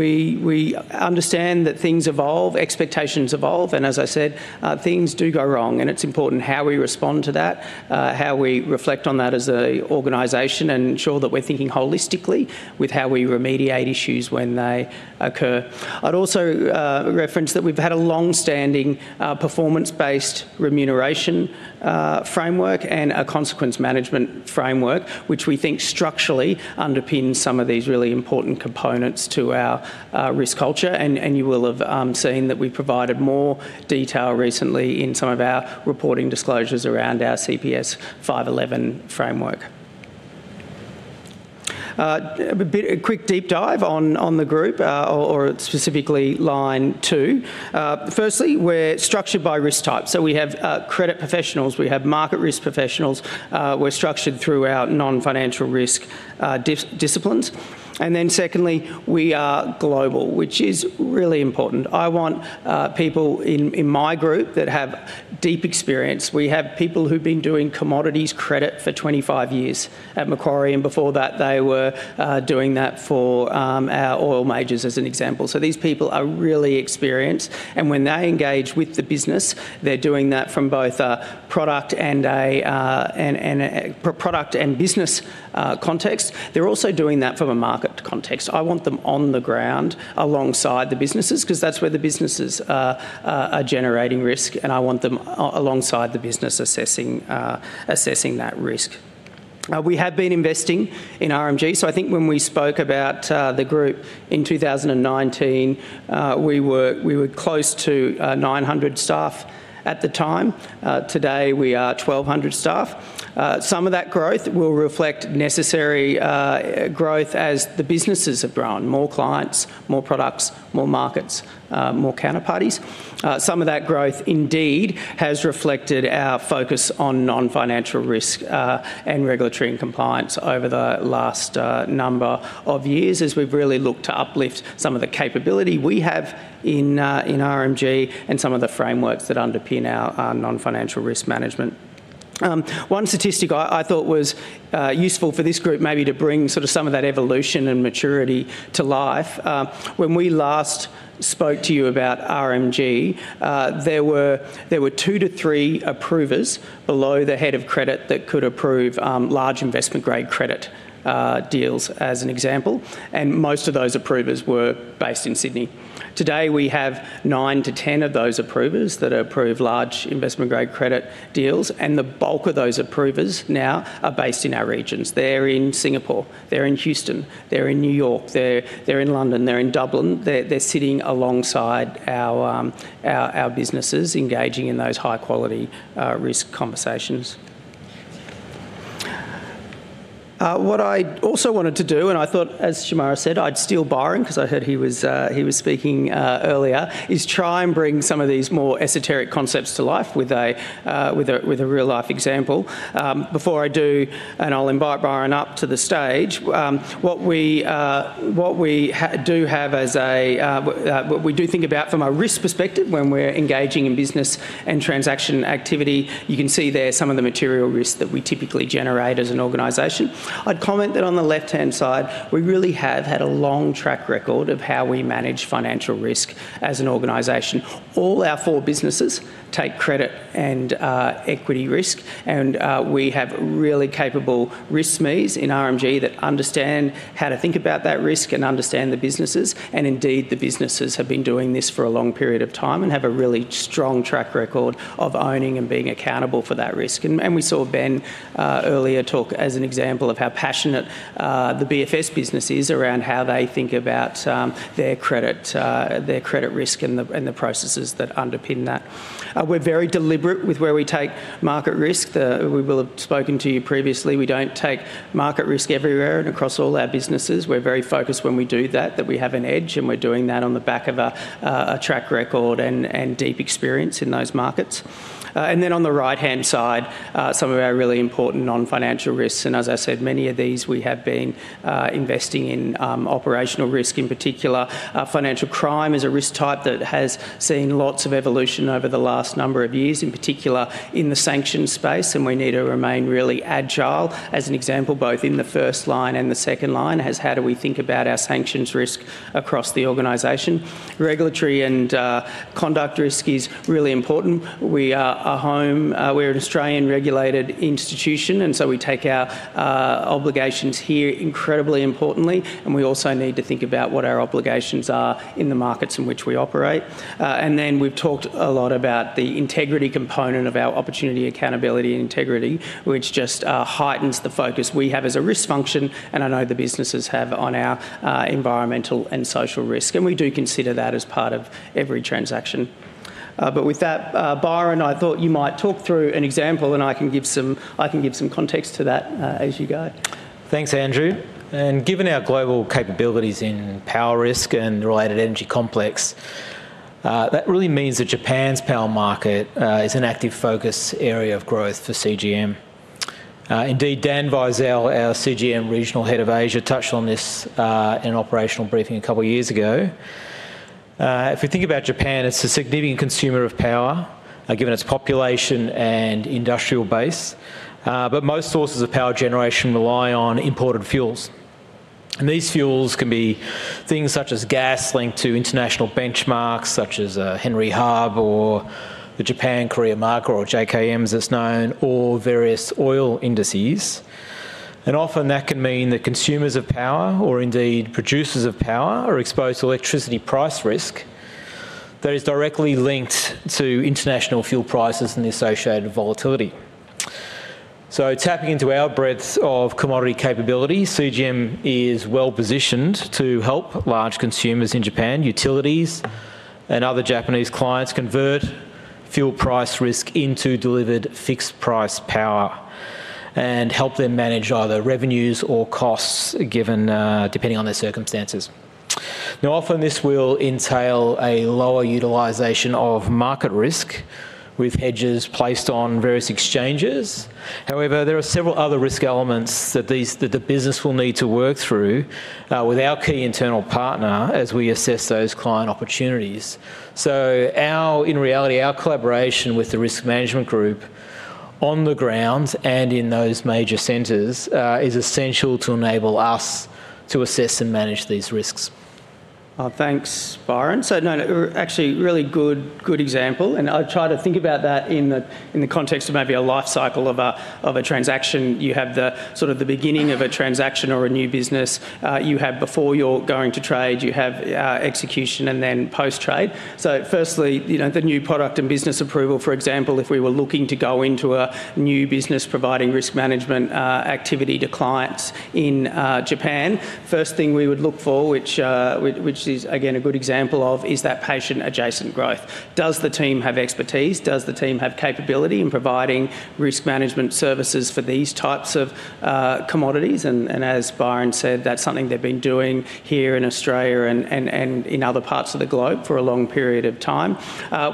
[SPEAKER 21] We understand that things evolve, expectations evolve, and as I said, things do go wrong. And it's important how we respond to that, how we reflect on that as an organization, and ensure that we're thinking holistically with how we remediate issues when they occur. I'd also reference that we've had a longstanding performance-based remuneration framework and a consequence management framework, which we think structurally underpins some of these really important components to our risk culture. You will have seen that we provided more detail recently in some of our reporting disclosures around our CPS 511 framework. A quick deep dive on the group, or specifically line two. Firstly, we're structured by risk type. So we have credit professionals. We have market risk professionals. We're structured through our non-financial risk disciplines. And then secondly, we are global, which is really important. I want people in my group that have deep experience. We have people who've been doing commodities credit for 25 years at Macquarie, and before that, they were doing that for our oil majors, as an example. So these people are really experienced. And when they engage with the business, they're doing that from both a product and business context. They're also doing that from a market context. I want them on the ground alongside the businesses because that's where the businesses are generating risk, and I want them alongside the business assessing that risk. We have been investing in RMG. So I think when we spoke about the group in 2019, we were close to 900 staff at the time. Today, we are 1,200 staff. Some of that growth will reflect necessary growth as the businesses have grown, more clients, more products, more markets, more counterparties. Some of that growth indeed has reflected our focus on non-financial risk and regulatory and compliance over the last number of years as we've really looked to uplift some of the capability we have in RMG and some of the frameworks that underpin our non-financial risk management. One statistic I thought was useful for this group maybe to bring sort of some of that evolution and maturity to life. When we last spoke to you about RMG, there were two to three approvers below the head of credit that could approve large investment-grade credit deals, as an example. And most of those approvers were based in Sydney. Today, we have nine to 10 of those approvers that approve large investment-grade credit deals. And the bulk of those approvers now are based in our regions. They're in Singapore. They're in Houston. They're in New York. They're in London. They're in Dublin. They're sitting alongside our businesses engaging in those high-quality risk conversations. What I also wanted to do, and I thought, as Shemara said, I'd steal Byron because I heard he was speaking earlier, is try and bring some of these more esoteric concepts to life with a real-life example. Before I do, and I'll invite Byron up to the stage, what we do have as what we think about from a risk perspective when we're engaging in business and transaction activity. You can see there some of the material risks that we typically generate as an organization. I'd comment that on the left-hand side, we really have had a long track record of how we manage financial risk as an organization. All our four businesses take credit and equity risk. And we have really capable risk SMEs in RMG that understand how to think about that risk and understand the businesses. And indeed, the businesses have been doing this for a long period of time and have a really strong track record of owning and being accountable for that risk. And we saw Ben earlier talk as an example of how passionate the BFS business is around how they think about their credit risk and the processes that underpin that. We're very deliberate with where we take market risk. We will have spoken to you previously. We don't take market risk everywhere and across all our businesses. We're very focused when we do that, that we have an edge, and we're doing that on the back of a track record and deep experience in those markets. And then on the right-hand side, some of our really important non-financial risks. And as I said, many of these we have been investing in operational risk, in particular. Financial crime is a risk type that has seen lots of evolution over the last number of years, in particular in the sanctions space. We need to remain really agile, as an example, both in the first line and the second line, as how do we think about our sanctions risk across the organization. Regulatory and conduct risk is really important. We're an Australian-regulated institution, and so we take our obligations here incredibly importantly. We also need to think about what our obligations are in the markets in which we operate. We've talked a lot about the integrity component of our opportunity accountability and integrity, which just heightens the focus we have as a risk function, and I know the businesses have, on our environmental and social risk. We do consider that as part of every transaction. But with that, Byron, I thought you might talk through an example, and I can give some context to that as you go. Thanks, Andrew.
[SPEAKER 19] Given our global capabilities in power risk and related energy complex, that really means that Japan's power market is an active focus area of growth for CGM. Indeed, Dan Vizel, our CGM regional head of Asia, touched on this in an operational briefing a couple of years ago. If we think about Japan, it's a significant consumer of power given its population and industrial base. But most sources of power generation rely on imported fuels. And these fuels can be things such as gas linked to international benchmarks such as Henry Hub or the Japan-Korea marker or JKM, as it's known, or various oil indices. And often, that can mean that consumers of power or indeed producers of power are exposed to electricity price risk that is directly linked to international fuel prices and the associated volatility. So tapping into our breadth of commodity capability, CGM is well-positioned to help large consumers in Japan, utilities, and other Japanese clients convert fuel price risk into delivered fixed-price power and help them manage either revenues or costs depending on their circumstances. Now, often, this will entail a lower utilization of market risk with hedges placed on various exchanges. However, there are several other risk elements that the business will need to work through with our key internal partner as we assess those client opportunities. So in reality, our collaboration with the risk management group on the ground and in those major centers is essential to enable us to assess and manage these risks.
[SPEAKER 21] Thanks, Byron. So no, actually, really good example. And I'd try to think about that in the context of maybe a life cycle of a transaction. You have sort of the beginning of a transaction or a new business. You have before you're going to trade. You have execution and then post-trade. So firstly, the new product and business approval, for example, if we were looking to go into a new business providing risk management activity to clients in Japan, first thing we would look for, which is again a good example of, is that patient-adjacent growth. Does the team have expertise? Does the team have capability in providing risk management services for these types of commodities? And as Byron said, that's something they've been doing here in Australia and in other parts of the globe for a long period of time.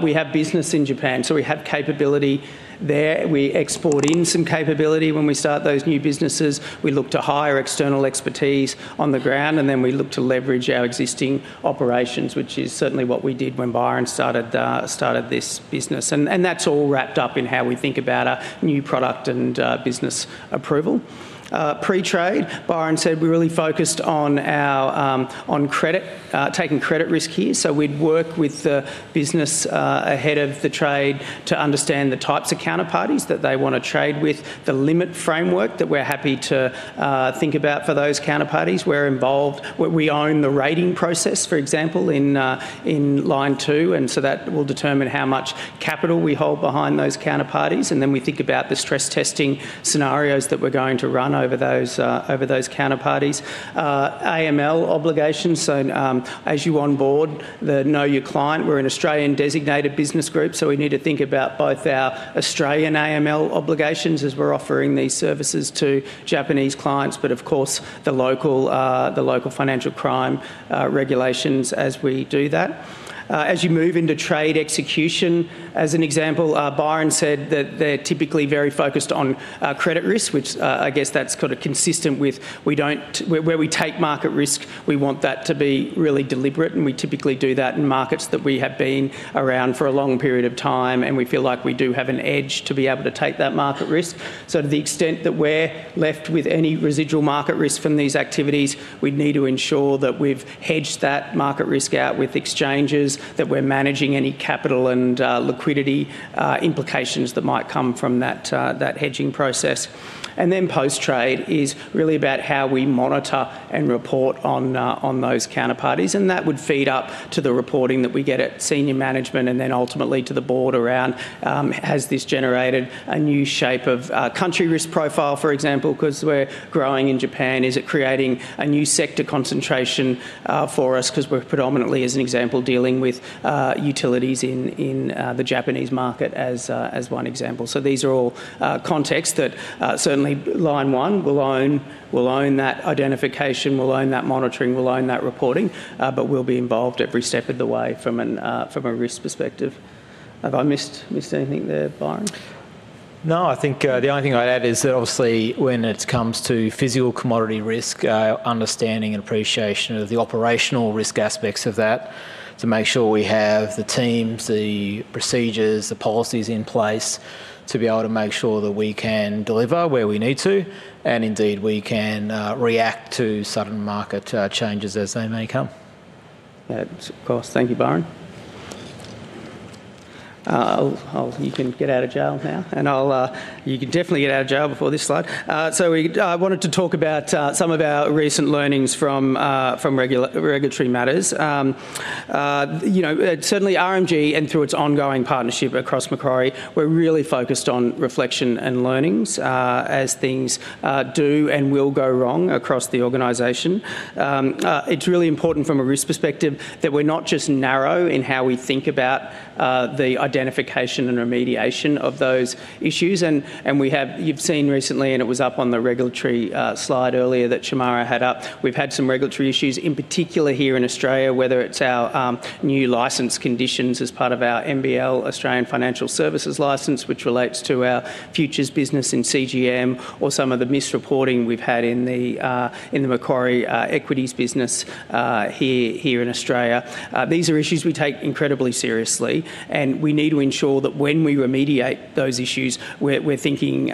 [SPEAKER 21] We have business in Japan, so we have capability there. We export in some capability when we start those new businesses. We look to hire external expertise on the ground, and then we look to leverage our existing operations, which is certainly what we did when Byron started this business. And that's all wrapped up in how we think about a new product and business approval. Pre-trade, Byron said, we really focused on taking credit risk here. So we'd work with the business ahead of the trade to understand the types of counterparties that they want to trade with, the limit framework that we're happy to think about for those counterparties. We own the rating process, for example, in line two, and so that will determine how much capital we hold behind those counterparties. And then we think about the stress testing scenarios that we're going to run over those counterparties. AML obligations. So as you onboard, the Know Your Client, we're an Australian designated business group, so we need to think about both our Australian AML obligations as we're offering these services to Japanese clients, but of course the local financial crime regulations as we do that. As you move into trade execution, as an example, Byron said that they're typically very focused on credit risk, which I guess that's sort of consistent with where we take market risk. We want that to be really deliberate, and we typically do that in markets that we have been around for a long period of time, and we feel like we do have an edge to be able to take that market risk. So to the extent that we're left with any residual market risk from these activities, we'd need to ensure that we've hedged that market risk out with exchanges, that we're managing any capital and liquidity implications that might come from that hedging process. And then post-trade is really about how we monitor and report on those counterparties. And that would feed up to the reporting that we get at senior management and then ultimately to the board around, has this generated a new shape of country risk profile, for example, because we're growing in Japan? Is it creating a new sector concentration for us because we're predominantly, as an example, dealing with utilities in the Japanese market as one example? So these are all contexts that certainly line one will own that identification, will own that monitoring, will own that reporting, but will be involved every step of the way from a risk perspective. Have I missed anything there, Byron? No, I think the only thing I'd add is that obviously when it comes to physical commodity risk, understanding and appreciation of the operational risk aspects of that to make sure we have the teams, the procedures, the policies in place to be able to make sure that we can deliver where we need to, and indeed we can react to sudden market changes as they may come. Yeah, of course. Thank you, Byron. You can get out of jail now. And you can definitely get out of jail before this slide. So I wanted to talk about some of our recent learnings from regulatory matters. Certainly, RMG and through its ongoing partnership across Macquarie, we're really focused on reflection and learnings as things do and will go wrong across the organization. It's really important from a risk perspective that we're not just narrow in how we think about the identification and remediation of those issues. And you've seen recently, and it was up on the regulatory slide earlier that Shemara had up, we've had some regulatory issues in particular here in Australia, whether it's our new license conditions as part of our MBL, Australian Financial Services license, which relates to our futures business in CGM, or some of the misreporting we've had in the Macquarie equities business here in Australia. These are issues we take incredibly seriously, and we need to ensure that when we remediate those issues, we're thinking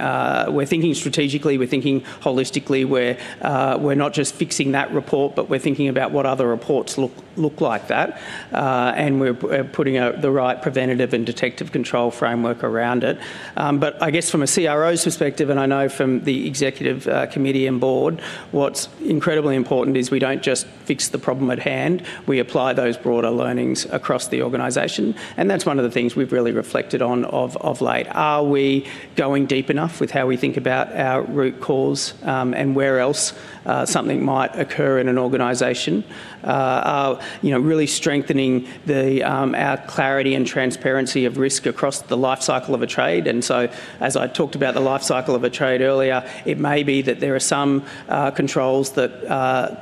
[SPEAKER 21] strategically, we're thinking holistically. We're not just fixing that report, but we're thinking about what other reports look like that, and we're putting the right preventative and detective control framework around it. But I guess from a CRO's perspective, and I know from the executive committee and board, what's incredibly important is we don't just fix the problem at hand. We apply those broader learnings across the organization. And that's one of the things we've really reflected on of late. Are we going deep enough with how we think about our root cause and where else something might occur in an organization? Are we really strengthening our clarity and transparency of risk across the life cycle of a trade? As I talked about the life cycle of a trade earlier, it may be that there are some controls that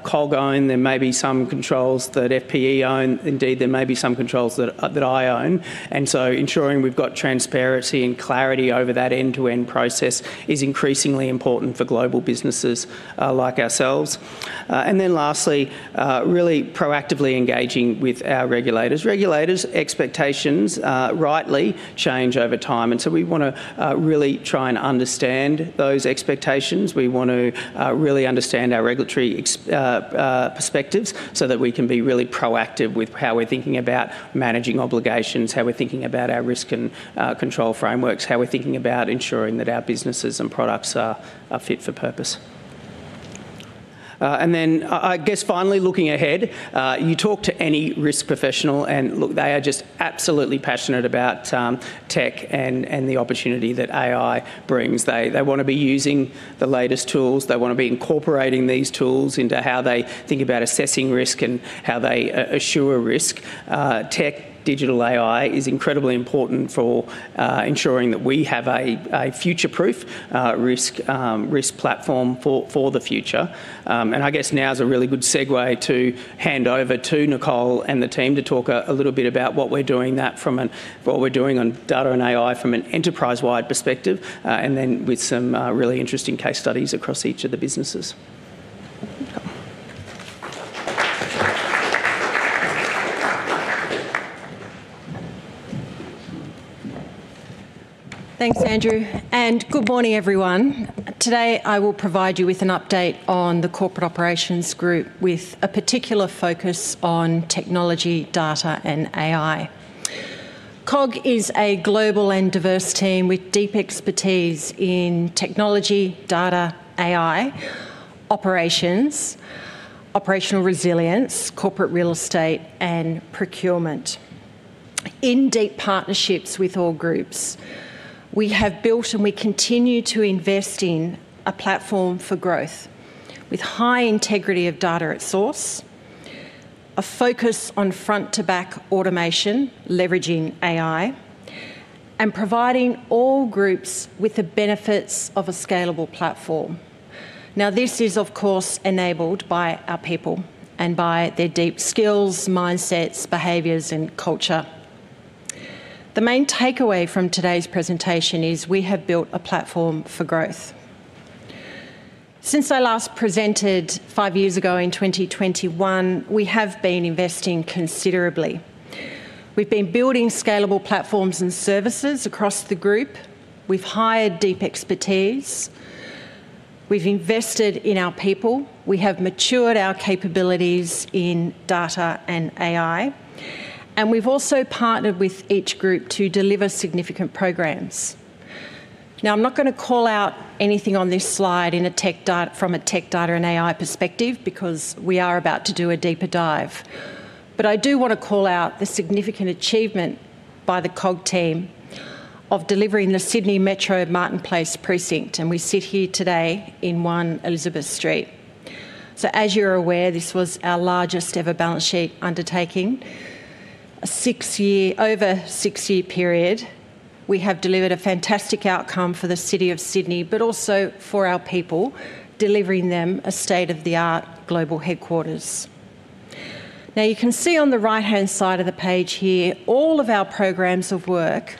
[SPEAKER 21] COG own, there may be some controls that FPE own, indeed there may be some controls that I own. Ensuring we've got transparency and clarity over that end-to-end process is increasingly important for global businesses like ourselves. Lastly, really proactively engaging with our regulators. Regulators' expectations rightly change over time, and so we want to really try and understand those expectations. We want to really understand our regulatory perspectives so that we can be really proactive with how we're thinking about managing obligations, how we're thinking about our risk and control frameworks, how we're thinking about ensuring that our businesses and products are fit for purpose. And then I guess finally, looking ahead, you talk to any risk professional, and look, they are just absolutely passionate about tech and the opportunity that AI brings. They want to be using the latest tools. They want to be incorporating these tools into how they think about assessing risk and how they assure risk. Tech, digital AI is incredibly important for ensuring that we have a future-proof risk platform for the future. And I guess now's a really good segue to hand over to Nicole and the team to talk a little bit about what we're doing on data and AI from an enterprise-wide perspective, and then with some really interesting case studies across each of the businesses.
[SPEAKER 22] Thanks, Andrew. And good morning, everyone. Today, I will provide you with an update on the Corporate Operations Group with a particular focus on technology, data, and AI. COG is a global and diverse team with deep expertise in technology, data, AI, operations, operational resilience, corporate real estate, and procurement. In deep partnerships with all groups, we have built and we continue to invest in a platform for growth with high integrity of data at source, a focus on front-to-back automation leveraging AI, and providing all groups with the benefits of a scalable platform. Now, this is, of course, enabled by our people and by their deep skills, mindsets, behaviors, and culture. The main takeaway from today's presentation is we have built a platform for growth. Since I last presented five years ago in 2021, we have been investing considerably. We've been building scalable platforms and services across the group. We've hired deep expertise. We've invested in our people. We have matured our capabilities in data and AI. We've also partnered with each group to deliver significant programs. Now, I'm not going to call out anything on this slide from a tech data and AI perspective because we are about to do a deeper dive. But I do want to call out the significant achievement by the COG team of delivering the Sydney Metro Martin Place Precinct, and we sit here today in 1 Elizabeth Street. So as you're aware, this was our largest-ever balance sheet undertaking. Over a six-year period, we have delivered a fantastic outcome for the city of Sydney, but also for our people, delivering them a state-of-the-art global headquarters. Now, you can see on the right-hand side of the page here, all of our programs of work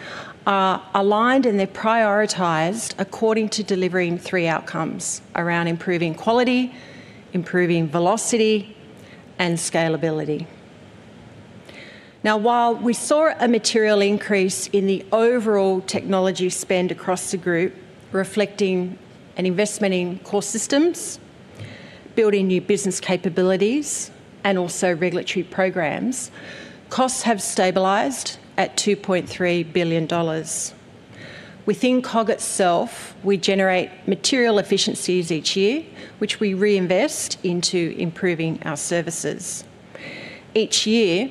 [SPEAKER 22] are aligned and they're prioritized according to delivering three outcomes around improving quality, improving velocity, and scalability. Now, while we saw a material increase in the overall technology spend across the group reflecting an investment in core systems, building new business capabilities, and also regulatory programs, costs have stabilized at 2.3 billion dollars. Within CGM itself, we generate material efficiencies each year, which we reinvest into improving our services. Each year,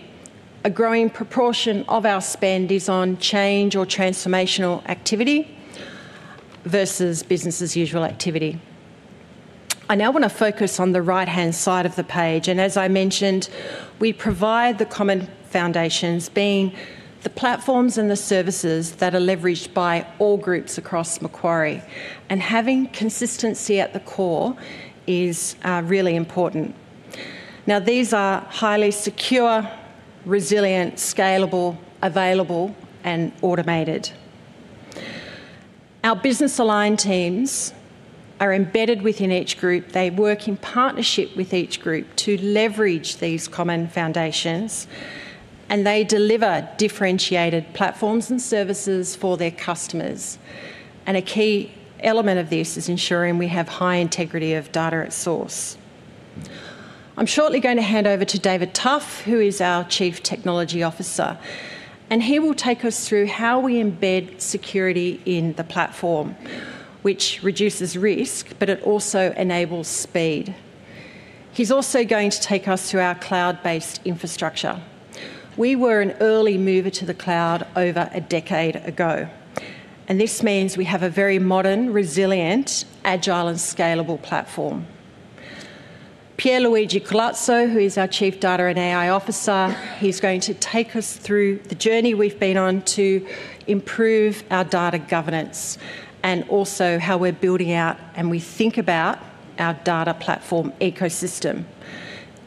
[SPEAKER 22] a growing proportion of our spend is on change or transformational activity versus business-as-usual activity. I now want to focus on the right-hand side of the page, and as I mentioned, we provide the common foundations, being the platforms and the services that are leveraged by all groups across Macquarie. Having consistency at the core is really important. Now, these are highly secure, resilient, scalable, available, and automated. Our business-aligned teams are embedded within each group. They work in partnership with each group to leverage these common foundations, and they deliver differentiated platforms and services for their customers. A key element of this is ensuring we have high integrity of data at source. I'm shortly going to hand over to David Tough, who is our Chief Technology Officer, and he will take us through how we embed security in the platform, which reduces risk, but it also enables speed. He's also going to take us through our cloud-based infrastructure. We were an early mover to the cloud over a decade ago, and this means we have a very modern, resilient, agile, and scalable platform. Pier Luigi Culazzo, who is our Chief Data and AI Officer, he's going to take us through the journey we've been on to improve our data governance and also how we're building out and we think about our data platform ecosystem.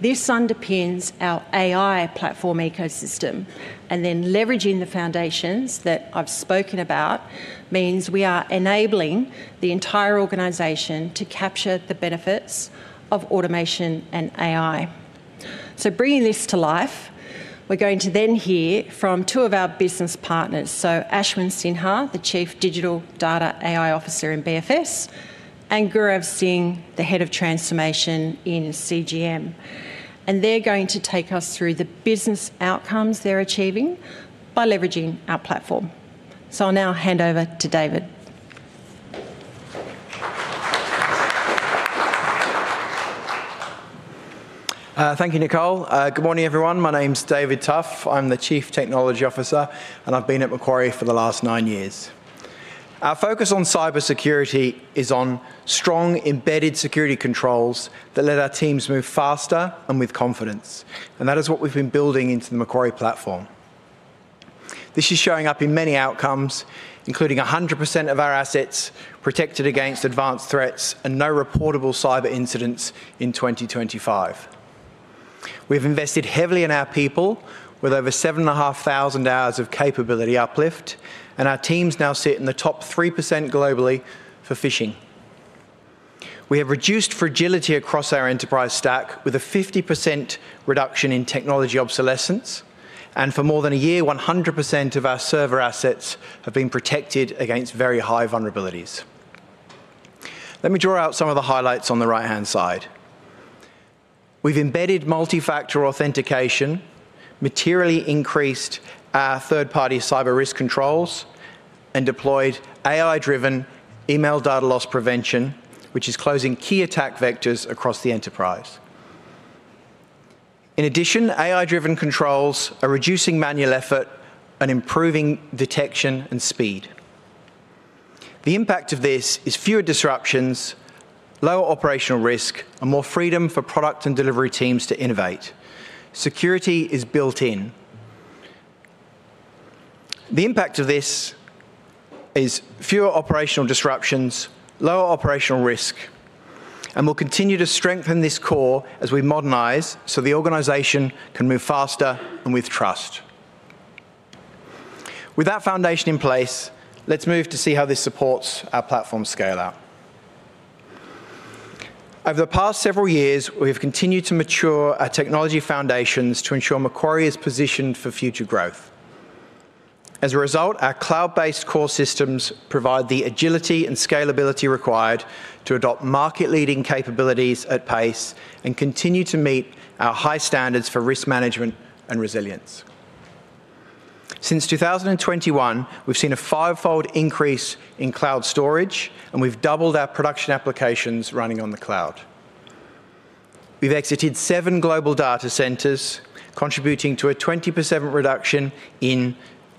[SPEAKER 22] This underpins our AI platform ecosystem, and then leveraging the foundations that I've spoken about means we are enabling the entire organization to capture the benefits of automation and AI. So bringing this to life, we're going to then hear from two of our business partners, so Ashwin Sinha, the Chief Digital Data AI Officer in BFS, and Gaurav Singh, the Head of Transformation in CGM. And they're going to take us through the business outcomes they're achieving by leveraging our platform. So I'll now hand over to David.
[SPEAKER 23] Thank you, Nicole. Good morning, everyone. My name's David Tough. I'm the Chief Technology Officer, and I've been at Macquarie for the last nine years. Our focus on cybersecurity is on strong, embedded security controls that let our teams move faster and with confidence, and that is what we've been building into the Macquarie platform. This is showing up in many outcomes, including 100% of our assets protected against advanced threats and no reportable cyber incidents in 2025. We've invested heavily in our people with over 7,500 hours of capability uplift, and our teams now sit in the top 3% globally for phishing. We have reduced fragility across our enterprise stack with a 50% reduction in technology obsolescence, and for more than a year, 100% of our server assets have been protected against very high vulnerabilities. Let me draw out some of the highlights on the right-hand side. We've embedded multifactor authentication, materially increased our third-party cyber risk controls, and deployed AI-driven email data loss prevention, which is closing key attack vectors across the enterprise. In addition, AI-driven controls are reducing manual effort and improving detection and speed. The impact of this is fewer disruptions, lower operational risk, and more freedom for product and delivery teams to innovate. Security is built in. The impact of this is fewer operational disruptions, lower operational risk, and we'll continue to strengthen this core as we modernize so the organization can move faster and with trust. With that foundation in place, let's move to see how this supports our platform scale-out. Over the past several years, we have continued to mature our technology foundations to ensure Macquarie is positioned for future growth. As a result, our cloud-based core systems provide the agility and scalability required to adopt market-leading capabilities at pace and continue to meet our high standards for risk management and resilience. Since 2021, we've seen a fivefold increase in cloud storage, and we've doubled our production applications running on the cloud. We've exited seven global data centers, contributing to a 20% reduction in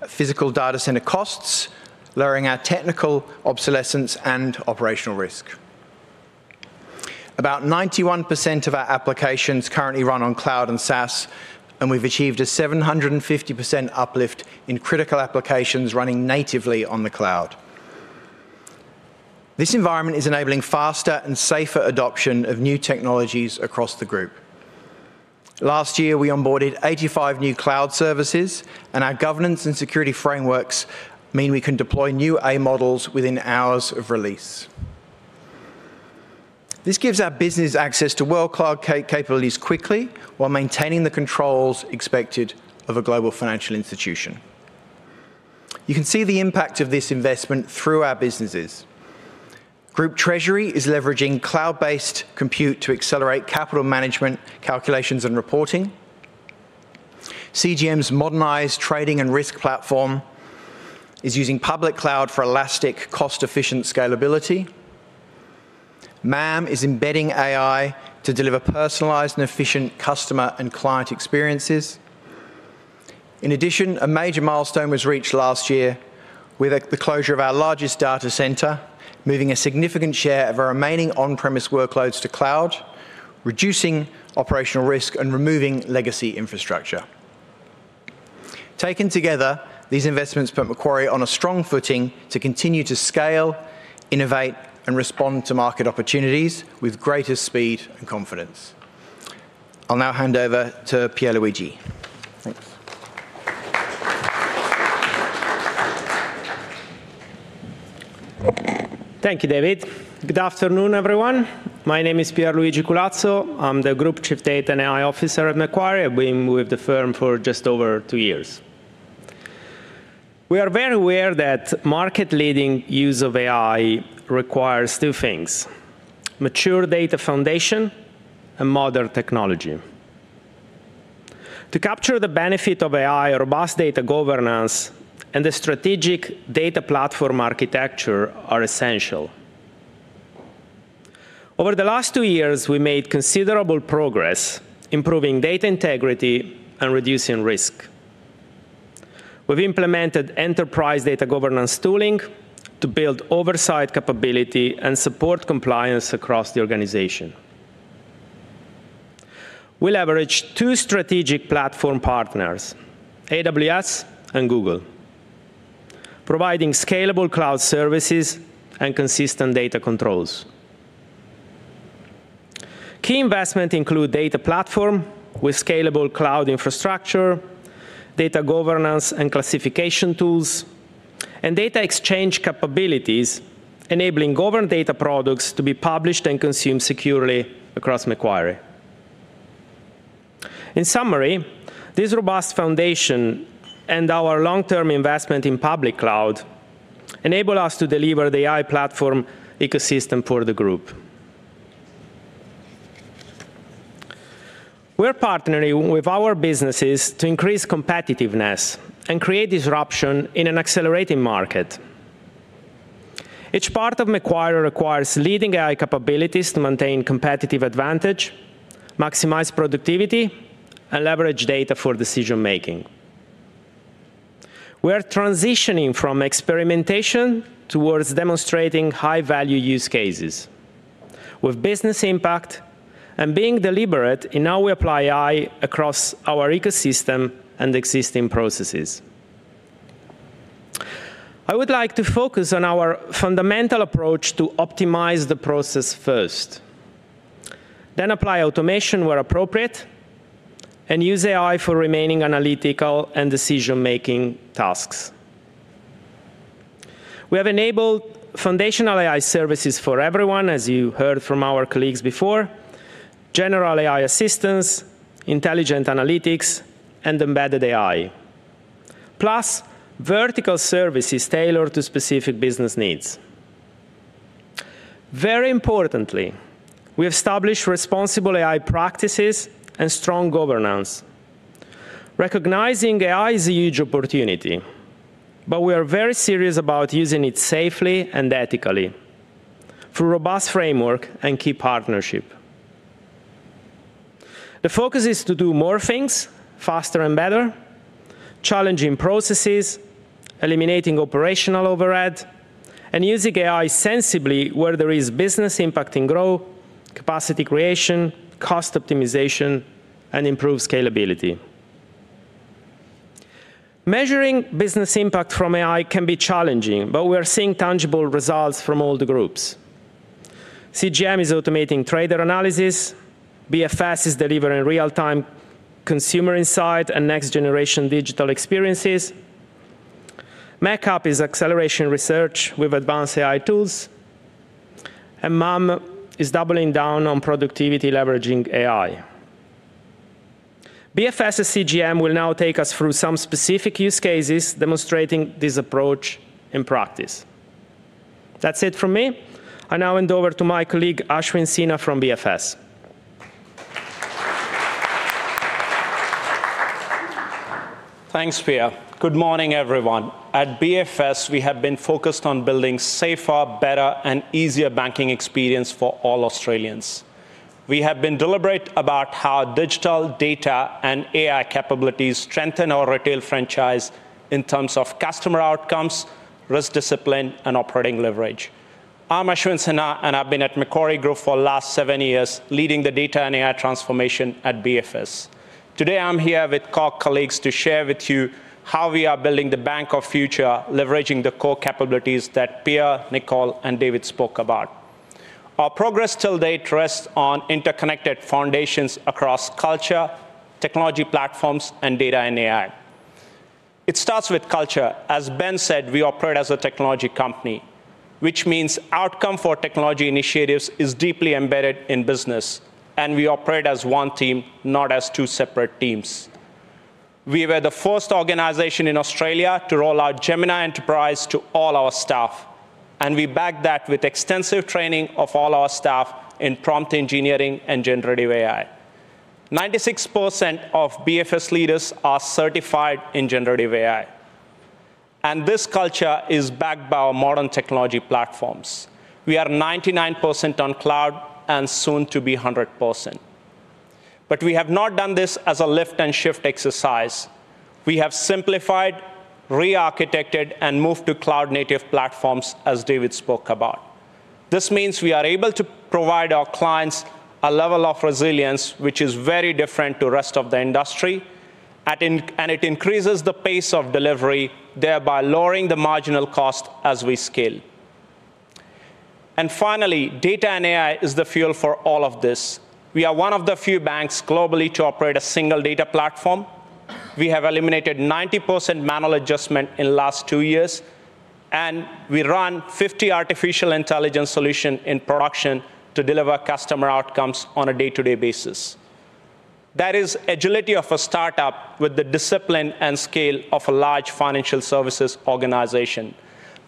[SPEAKER 23] physical data center costs, lowering our technical obsolescence and operational risk. About 91% of our applications currently run on cloud and SaaS, and we've achieved a 750% uplift in critical applications running natively on the cloud. This environment is enabling faster and safer adoption of new technologies across the group. Last year, we onboarded 85 new cloud services, and our governance and security frameworks mean we can deploy new AI models within hours of release. This gives our business access to world-class cloud capabilities quickly while maintaining the controls expected of a global financial institution. You can see the impact of this investment through our businesses. Group Treasury is leveraging cloud-based compute to accelerate capital management calculations and reporting. CGM's modernized trading and risk platform is using public cloud for elastic, cost-efficient scalability. MAM is embedding AI to deliver personalized and efficient customer and client experiences. In addition, a major milestone was reached last year with the closure of our largest data centre, moving a significant share of our remaining on-premise workloads to cloud, reducing operational risk, and removing legacy infrastructure. Taken together, these investments put Macquarie on a strong footing to continue to scale, innovate, and respond to market opportunities with greatest speed and confidence. I'll now hand over to Pier Luigi. Thanks.
[SPEAKER 24] Thank you, David. Good afternoon, everyone. My name is Pier Luigi Culazzo. I'm the Group Chief Data and AI Officer at Macquarie. I've been with the firm for just over two years. We are very aware that market-leading use of AI requires two things: mature data foundation and modern technology. To capture the benefit of AI, robust data governance, and a strategic data platform architecture are essential. Over the last two years, we made considerable progress improving data integrity and reducing risk. We've implemented enterprise data governance tooling to build oversight capability and support compliance across the organization. We leverage two strategic platform partners, AWS and Google, providing scalable cloud services and consistent data controls. Key investments include data platform with scalable cloud infrastructure, data governance and classification tools, and data exchange capabilities enabling governed data products to be published and consumed securely across Macquarie. In summary, this robust foundation and our long-term investment in public cloud enable us to deliver the AI platform ecosystem for the group. We're partnering with our businesses to increase competitiveness and create disruption in an accelerating market. Each part of Macquarie requires leading AI capabilities to maintain competitive advantage, maximize productivity, and leverage data for decision-making. We are transitioning from experimentation towards demonstrating high-value use cases with business impact and being deliberate in how we apply AI across our ecosystem and existing processes. I would like to focus on our fundamental approach to optimize the process first, then apply automation where appropriate, and use AI for remaining analytical and decision-making tasks. We have enabled foundational AI services for everyone, as you heard from our colleagues before, general AI assistance, intelligent analytics, and embedded AI, plus vertical services tailored to specific business needs. Very importantly, we have established responsible AI practices and strong governance, recognizing AI is a huge opportunity, but we are very serious about using it safely and ethically through robust framework and key partnership. The focus is to do more things faster and better, challenging processes, eliminating operational overhead, and using AI sensibly where there is business impact in growth, capacity creation, cost optimization, and improved scalability. Measuring business impact from AI can be challenging, but we are seeing tangible results from all the groups. CGM is automating trader analysis. BFS is delivering real-time consumer insight and next-generation digital experiences. MacCap is accelerating research with advanced AI tools, and MAM is doubling down on productivity leveraging AI. BFS and CGM will now take us through some specific use cases demonstrating this approach in practice. That's it from me. I now hand over to my colleague, Ashwin Sinha, from BFS.
[SPEAKER 25] Thanks, Pier. Good morning, everyone. At BFS, we have been focused on building safer, better, and easier banking experience for all Australians. We have been deliberate about how digital data and AI capabilities strengthen our retail franchise in terms of customer outcomes, risk discipline, and operating leverage. I'm Ashwin Sinha, and I've been at Macquarie Group for the last seven years leading the data and AI transformation at BFS. Today, I'm here with colleagues to share with you how we are building the bank of the future, leveraging the core capabilities that Pier, Nicole, and David spoke about. Our progress to date rests on interconnected foundations across culture, technology platforms, and data and AI. It starts with culture. As Ben said, we operate as a technology company, which means outcome for technology initiatives is deeply embedded in business, and we operate as one team, not as two separate teams. We were the first organization in Australia to roll out Gemini Enterprise to all our staff, and we back that with extensive training of all our staff in prompt engineering and generative AI. 96% of BFS leaders are certified in generative AI, and this culture is backed by our modern technology platforms. We are 99% on cloud and soon to be 100%. But we have not done this as a lift-and-shift exercise. We have simplified, re-architected, and moved to cloud-native platforms, as David spoke about. This means we are able to provide our clients a level of resilience which is very different from the rest of the industry, and it increases the pace of delivery, thereby lowering the marginal cost as we scale. And finally, data and AI is the fuel for all of this. We are one of the few banks globally to operate a single data platform. We have eliminated 90% manual adjustment in the last two years, and we run 50 artificial intelligence solutions in production to deliver customer outcomes on a day-to-day basis. That is the agility of a startup with the discipline and scale of a large financial services organization.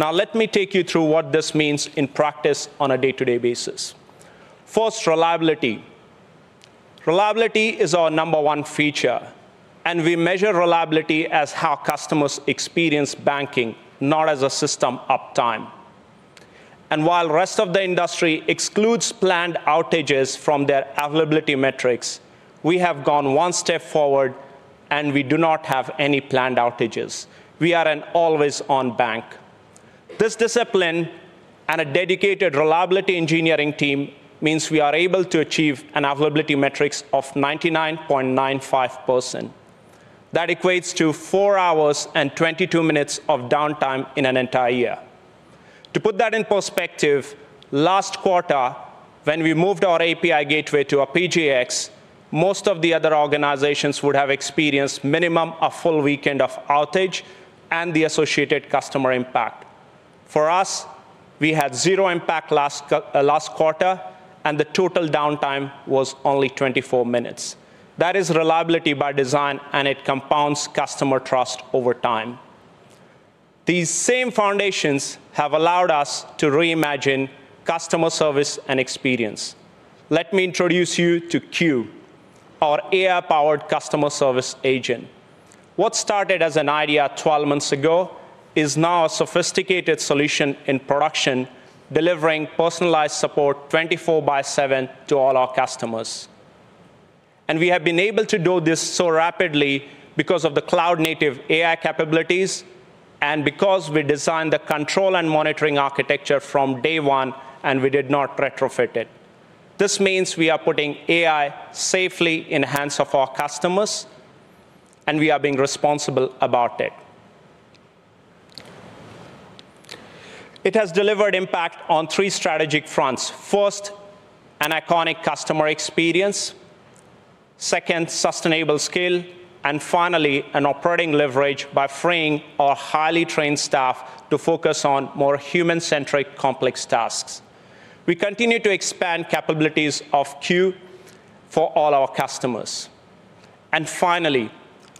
[SPEAKER 25] Now, let me take you through what this means in practice on a day-to-day basis. First, reliability. Reliability is our number one feature, and we measure reliability as how customers experience banking, not as a system uptime. And while the rest of the industry excludes planned outages from their availability metrics, we have gone one step forward, and we do not have any planned outages. We are an always-on bank. This discipline and a dedicated reliability engineering team mean we are able to achieve an availability metric of 99.95%. That equates to four hours and 22 minutes of downtime in an entire year. To put that in perspective, last quarter, when we moved our API gateway to Apigee X, most of the other organizations would have experienced at minimum a full weekend of outage and the associated customer impact. For us, we had zero impact last quarter, and the total downtime was only 24 minutes. That is reliability by design, and it compounds customer trust over time. These same foundations have allowed us to reimagine customer service and experience. Let me introduce you to Q, our AI-powered customer service agent. What started as an idea 12 months ago is now a sophisticated solution in production, delivering personalized support 24/7 to all our customers. We have been able to do this so rapidly because of the cloud-native AI capabilities and because we designed the control and monitoring architecture from day one, and we did not retrofit it. This means we are putting AI safely in the hands of our customers, and we are being responsible about it. It has delivered impact on three strategic fronts. First, an iconic customer experience. Second, sustainable scale. And finally, an operating leverage by freeing our highly trained staff to focus on more human-centric, complex tasks. We continue to expand capabilities of Q for all our customers. And finally,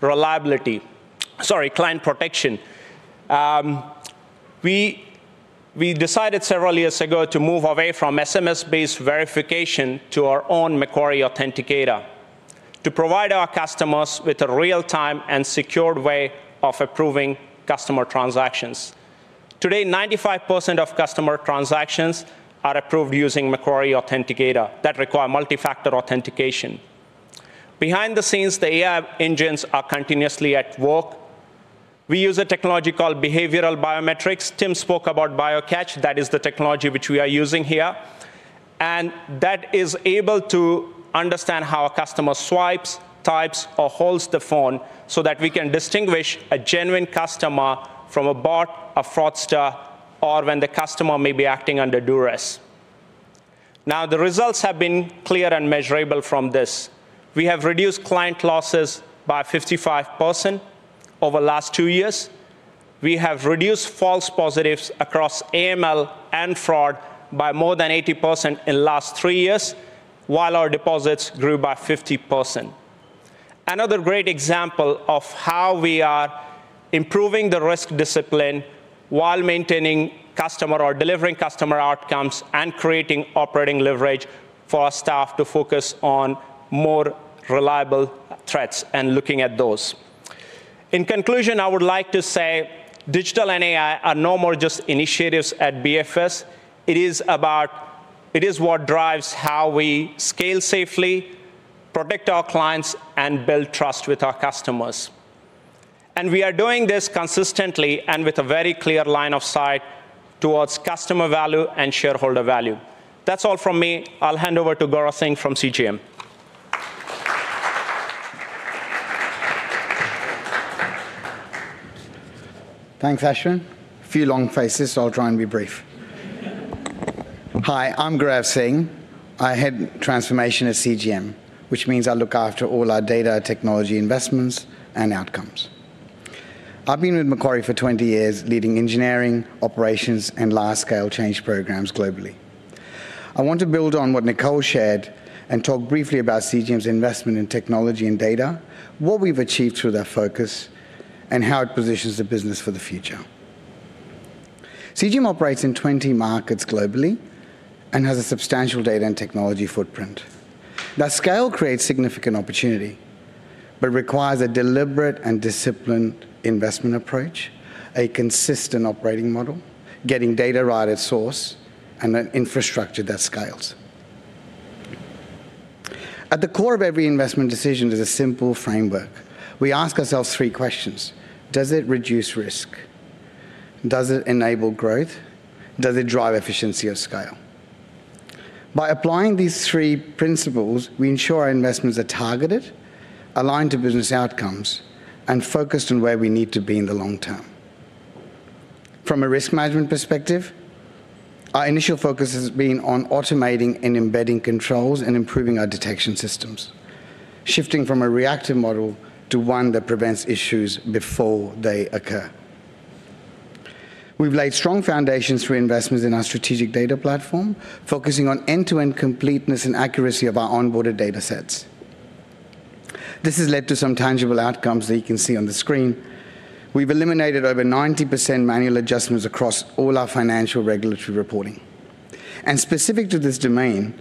[SPEAKER 25] reliability - sorry, client protection. We decided several years ago to move away from SMS-based verification to our own Macquarie Authenticator to provide our customers with a real-time and secured way of approving customer transactions. Today, 95% of customer transactions are approved using Macquarie Authenticator that require multi-factor authentication. Behind the scenes, the AI engines are continuously at work. We use a technology called behavioral biometrics. Tim spoke about BioCatch. That is the technology which we are using here. That is able to understand how a customer swipes, types, or holds the phone so that we can distinguish a genuine customer from a bot, a fraudster, or when the customer may be acting under duress. Now, the results have been clear and measurable from this. We have reduced client losses by 55% over the last two years. We have reduced false positives across AML and fraud by more than 80% in the last three years, while our deposits grew by 50%. Another great example of how we are improving the risk discipline while maintaining customer or delivering customer outcomes and creating operating leverage for our staff to focus on more reliable threats and looking at those. In conclusion, I would like to say digital and AI are no more just initiatives at BFS. It is what drives how we scale safely, protect our clients, and build trust with our customers. And we are doing this consistently and with a very clear line of sight towards customer value and shareholder value. That's all from me. I'll hand over to Gaurav Singh from CGM.
[SPEAKER 26] Thanks, Ashwin. A few long faces. I'll try and be brief. Hi, I'm Gaurav Singh. I head transformation at CGM, which means I look after all our data, technology investments, and outcomes. I've been with Macquarie for 20 years, leading engineering, operations, and large-scale change programmes globally. I want to build on what Nicole shared and talk briefly about CGM's investment in technology and data, what we've achieved through their focus, and how it positions the business for the future. CGM operates in 20 markets globally and has a substantial data and technology footprint. Their scale creates significant opportunity but requires a deliberate and disciplined investment approach, a consistent operating model, getting data right at source, and an infrastructure that scales. At the core of every investment decision is a simple framework. We ask ourselves three questions. Does it reduce risk? Does it enable growth? Does it drive efficiency of scale? By applying these three principles, we ensure our investments are targeted, aligned to business outcomes, and focused on where we need to be in the long term. From a risk management perspective, our initial focus has been on automating and embedding controls and improving our detection systems, shifting from a reactive model to one that prevents issues before they occur. We've laid strong foundations for investments in our strategic data platform, focusing on end-to-end completeness and accuracy of our onboarded data sets. This has led to some tangible outcomes that you can see on the screen. We've eliminated over 90% manual adjustments across all our financial regulatory reporting. Specific to this domain,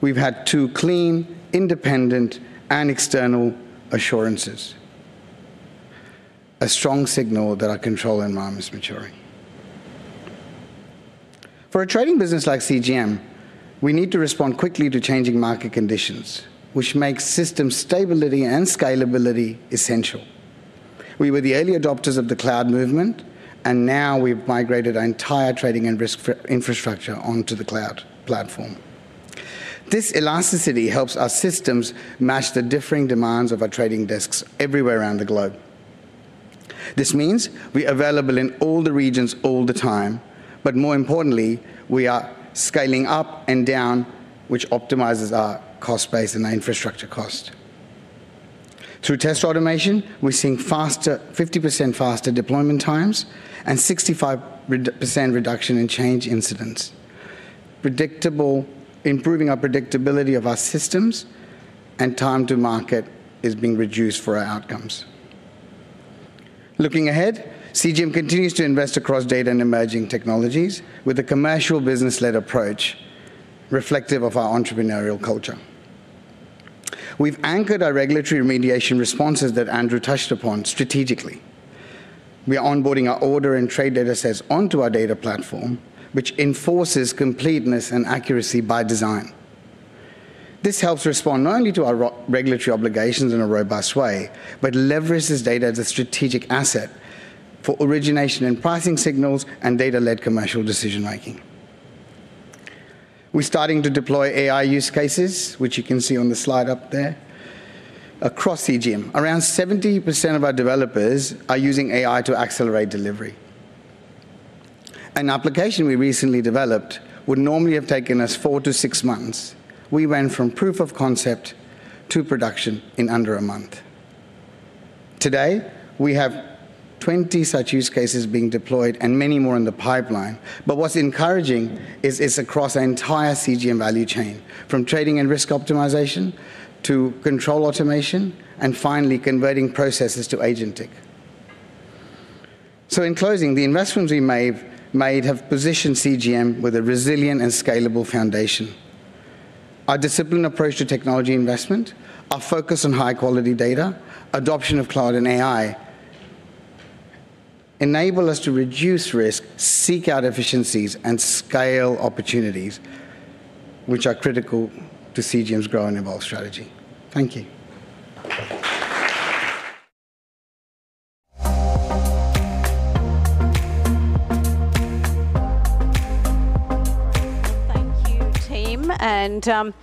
[SPEAKER 26] we've had two clean, independent, and external assurances, a strong signal that our control environment is maturing. For a trading business like CGM, we need to respond quickly to changing market conditions, which makes system stability and scalability essential. We were the early adopters of the cloud movement, and now we've migrated our entire trading and risk infrastructure onto the cloud platform. This elasticity helps our systems match the differing demands of our trading desks everywhere around the globe. This means we're available in all the regions all the time. But more importantly, we are scaling up and down, which optimizes our cost base and our infrastructure cost. Through test automation, we're seeing 50% faster deployment times and 65% reduction in change incidents, improving our predictability of our systems, and time to market is being reduced for our outcomes. Looking ahead, CGM continues to invest across data and emerging technologies with a commercial business-led approach reflective of our entrepreneurial culture. We've anchored our regulatory remediation responses that Andrew touched upon strategically. We are onboarding our order and trade data sets onto our data platform, which enforces completeness and accuracy by design. This helps respond not only to our regulatory obligations in a robust way but leverages data as a strategic asset for origination and pricing signals and data-led commercial decision-making. We're starting to deploy AI use cases, which you can see on the slide up there, across CGM. Around 70% of our developers are using AI to accelerate delivery. An application we recently developed would normally have taken us 4-6 months. We went from proof of concept to production in under a month. Today, we have 20 such use cases being deployed and many more in the pipeline. But what's encouraging is it's across our entire CGM value chain, from trading and risk optimization to control automation and finally converting processes to agentic. So in closing, the investments we made have positioned CGM with a resilient and scalable foundation. Our disciplined approach to technology investment, our focus on high-quality data, adoption of cloud and AI enable us to reduce risk, seek out efficiencies, and scale opportunities, which are critical to CGM's grow and evolve strategy. Thank you.
[SPEAKER 2] Thank you team.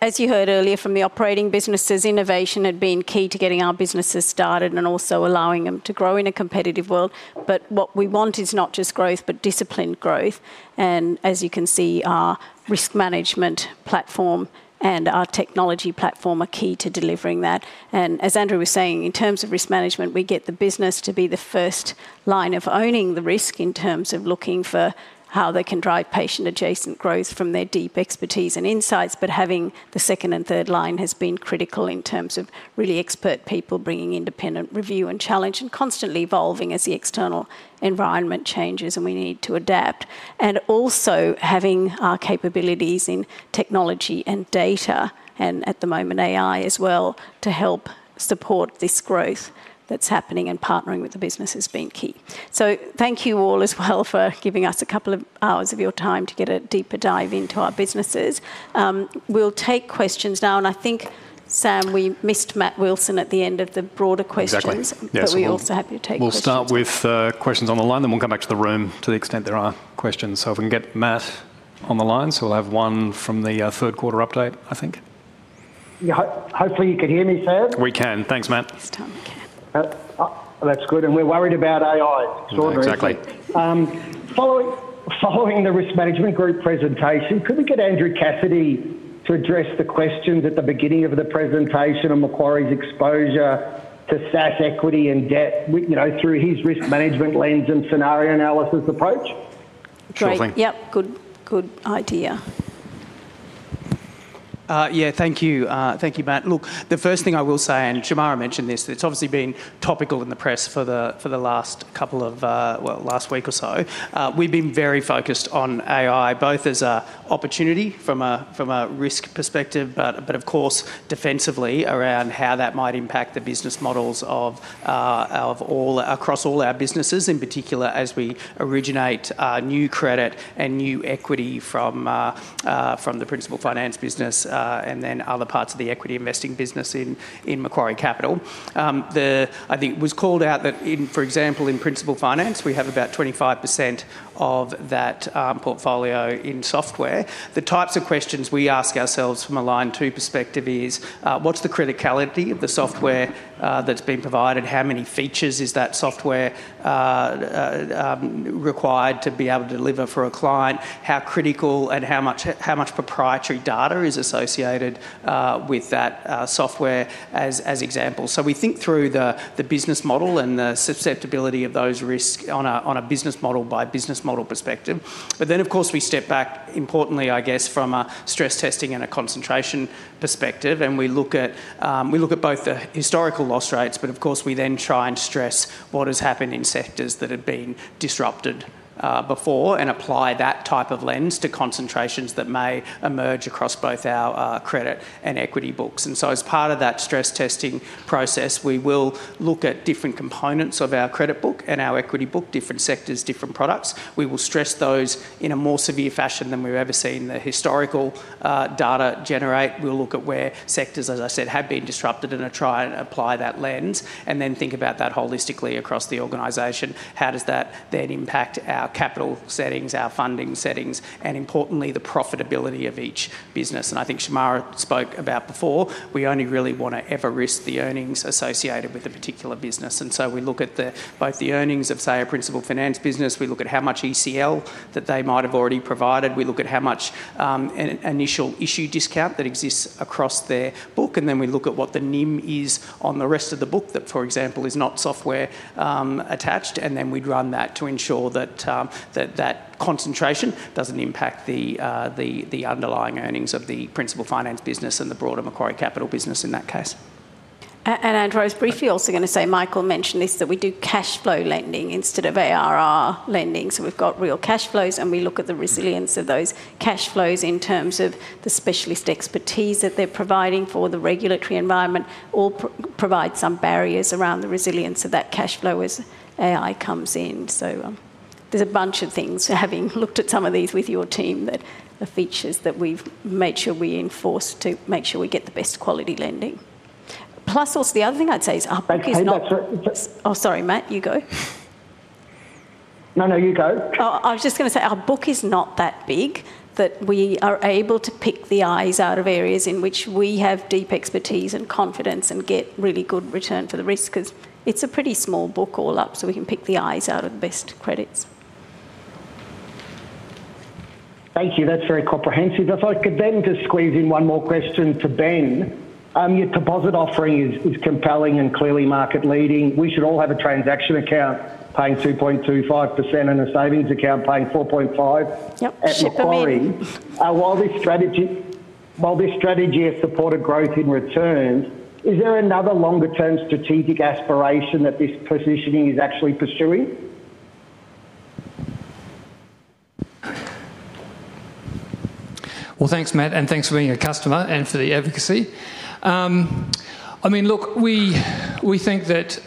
[SPEAKER 2] As you heard earlier from the operating businesses, innovation had been key to getting our businesses started and also allowing them to grow in a competitive world. But what we want is not just growth but disciplined growth. And as you can see, our risk management platform and our technology platform are key to delivering that. And as Andrew was saying, in terms of risk management, we get the business to be the first line of owning the risk in terms of looking for how they can drive patient-adjacent growth from their deep expertise and insights. But having the second and third line has been critical in terms of really expert people bringing independent review and challenge and constantly evolving as the external environment changes and we need to adapt. And also having our capabilities in technology and data, and at the moment, AI as well, to help support this growth that's happening and partnering with the business has been key. So thank you all as well for giving us a couple of hours of your time to get a deeper dive into our businesses. We'll take questions now. And I think, Sam, we missed Matt Wilson at the end of the broader questions. Exactly. But we're also happy to take questions.
[SPEAKER 1] We'll start with questions on the line. Then we'll come back to the room to the extent there are questions. So if we can get Matt on the line. So we'll have one from the third quarter update, I think.
[SPEAKER 27] Yeah. Hopefully, you can hear me, Sam. We can. Thanks, Matt. This time we can. That's good. And we're worried about AI. It's extraordinary.
[SPEAKER 1] Exactly.
[SPEAKER 27] Following the Risk Management Group presentation, could we get Andrew Cassidy to address the questions at the beginning of the presentation on Macquarie's exposure to SaaS equity and debt, you know, through his risk management lens and scenario analysis approach?
[SPEAKER 2] That's right. Yep. Good, good idea.
[SPEAKER 21] Yeah. Thank you. Thank you, Matt. Look, the first thing I will say, and Shemara mentioned this, it's obviously been topical in the press for the last couple of, well, last week or so. We've been very focused on AI both as an opportunity from a risk perspective but, of course, defensively around how that might impact the business models of, of all across all our businesses, in particular as we originate, new credit and new equity from, from the principal finance business, and then other parts of the equity investing business in Macquarie Capital. I think it was called out that, for example, in principal finance, we have about 25% of that portfolio in software. The types of questions we ask ourselves from a Line Two perspective is, what's the criticality of the software that's been provided? How many features is that software required to be able to deliver for a client? How critical and how much proprietary data is associated with that software as examples? So we think through the business model and the susceptibility of those risks on a business model by business model perspective. But then, of course, we step back, importantly, I guess, from a stress testing and a concentration perspective. We look at, we look at both the historical loss rates. But, of course, we then try and stress what has happened in sectors that have been disrupted, before and apply that type of lens to concentrations that may emerge across both our, credit and equity books. And so as part of that stress testing process, we will look at different components of our credit book and our equity book, different sectors, different products. We will stress those in a more severe fashion than we've ever seen the historical, data generate. We'll look at where sectors, as I said, have been disrupted and try and apply that lens and then think about that holistically across the organization. How does that then impact our capital settings, our funding settings, and importantly, the profitability of each business? And I think Shemara spoke about before, we only really want to ever risk the earnings associated with a particular business. We look at both the earnings of, say, a principal finance business. We look at how much ECL that they might have already provided. We look at how much an initial issue discount that exists across their book. And then we look at what the NIM is on the rest of the book that, for example, is not software attached. And then we'd run that to ensure that that concentration doesn't impact the underlying earnings of the principal finance business and the broader Macquarie Capital business in that case.
[SPEAKER 2] And Andrew, I was briefly also going to say, Michael mentioned this, that we do cash flow lending instead of ARR lending. So we've got real cash flows. We look at the resilience of those cash flows in terms of the specialist expertise that they're providing for the regulatory environment, all provide some barriers around the resilience of that cash flow as AI comes in. So there's a bunch of things, having looked at some of these with your team, that are features that we've made sure we enforce to make sure we get the best quality lending. Plus, also the other thing I'd say is our book is not. Hey, that's right. Oh, sorry, Matt. You go.
[SPEAKER 27] No, no. You go.
[SPEAKER 2] Oh, I was just going to say our book is not that big, that we are able to pick the eyes out of areas in which we have deep expertise and confidence and get really good return for the risk because it's a pretty small book all up. So we can pick the eyes out of the best credits.
[SPEAKER 27] Thank you. That's very comprehensive. If I could then just squeeze in one more question to Ben. Your deposit offering is compelling and clearly market-leading. We should all have a transaction account paying 2.25% and a savings account paying 4.5% at Macquarie. While this strategy has supported growth in returns, is there another longer-term strategic aspiration that this positioning is actually pursuing?
[SPEAKER 14] Well, thanks, Matt. And thanks for being a customer and for the advocacy. I mean, look, we think that,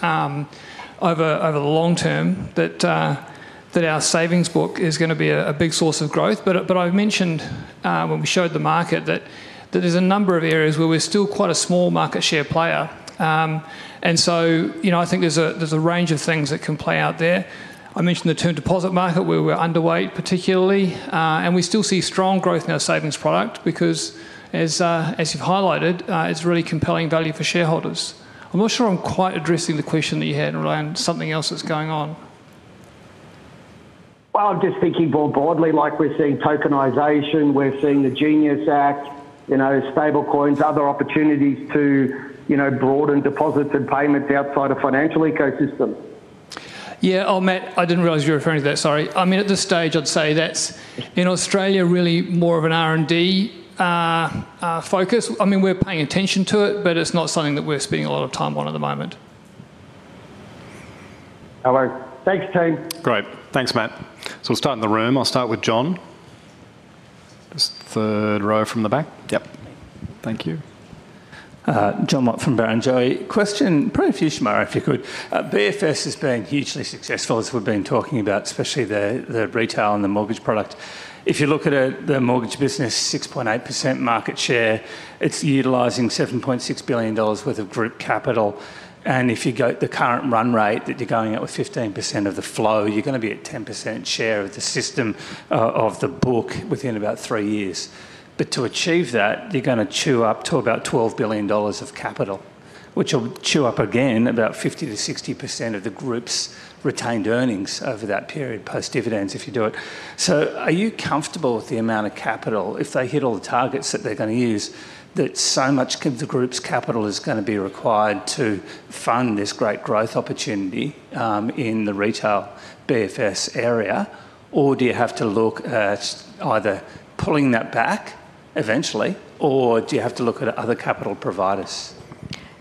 [SPEAKER 14] over the long term, that, that our savings book is going to be a big source of growth. But I mentioned, when we showed the market that there's a number of areas where we're still quite a small market share player. And so, you know, I think there's a range of things that can play out there. I mentioned the term deposit market where we're underweight, particularly. And we still see strong growth in our savings product because, as you've highlighted, it's really compelling value for shareholders. I'm not sure I'm quite addressing the question that you had around something else that's going on.
[SPEAKER 27] Well, I'm just thinking more broadly. Like we're seeing tokenization. We're seeing the Genesis Act, you know, stablecoins, other opportunities to, you know, broaden deposits and payments outside of financial ecosystems.
[SPEAKER 14] Yeah. Oh, Matt. I didn't realise you were referring to that. Sorry. I mean, at this stage, I'd say that's in Australia, really more of an R&D focus. I mean, we're paying attention to it. But it's not something that we're spending a lot of time on at the moment.
[SPEAKER 27] Hello. Thanks, team.
[SPEAKER 1] Great. Thanks, Matt. So we'll start in the room. I'll start with John. Just third row from the back.
[SPEAKER 5] Yep. Thank you. John Mott from Barrenjoey. Question. Probably for you, Shemara, if you could. BFS has been hugely successful as we've been talking about, especially the retail and the mortgage product. If you look at the mortgage business, 6.8% market share. It's utilizing 7.6 billion dollars worth of group capital. And if you go the current run rate that you're going at with 15% of the flow, you're going to be at 10% share of the system of the book within about three years. But to achieve that, you're going to chew up to about 12 billion dollars of capital, which will chew up again about 50%-60% of the group's retained earnings over that period post-dividends if you do it. Are you comfortable with the amount of capital if they hit all the targets that they're going to use that so much of the group's capital is going to be required to fund this great growth opportunity in the retail BFS area? Or do you have to look at either pulling that back eventually? Or do you have to look at other capital providers?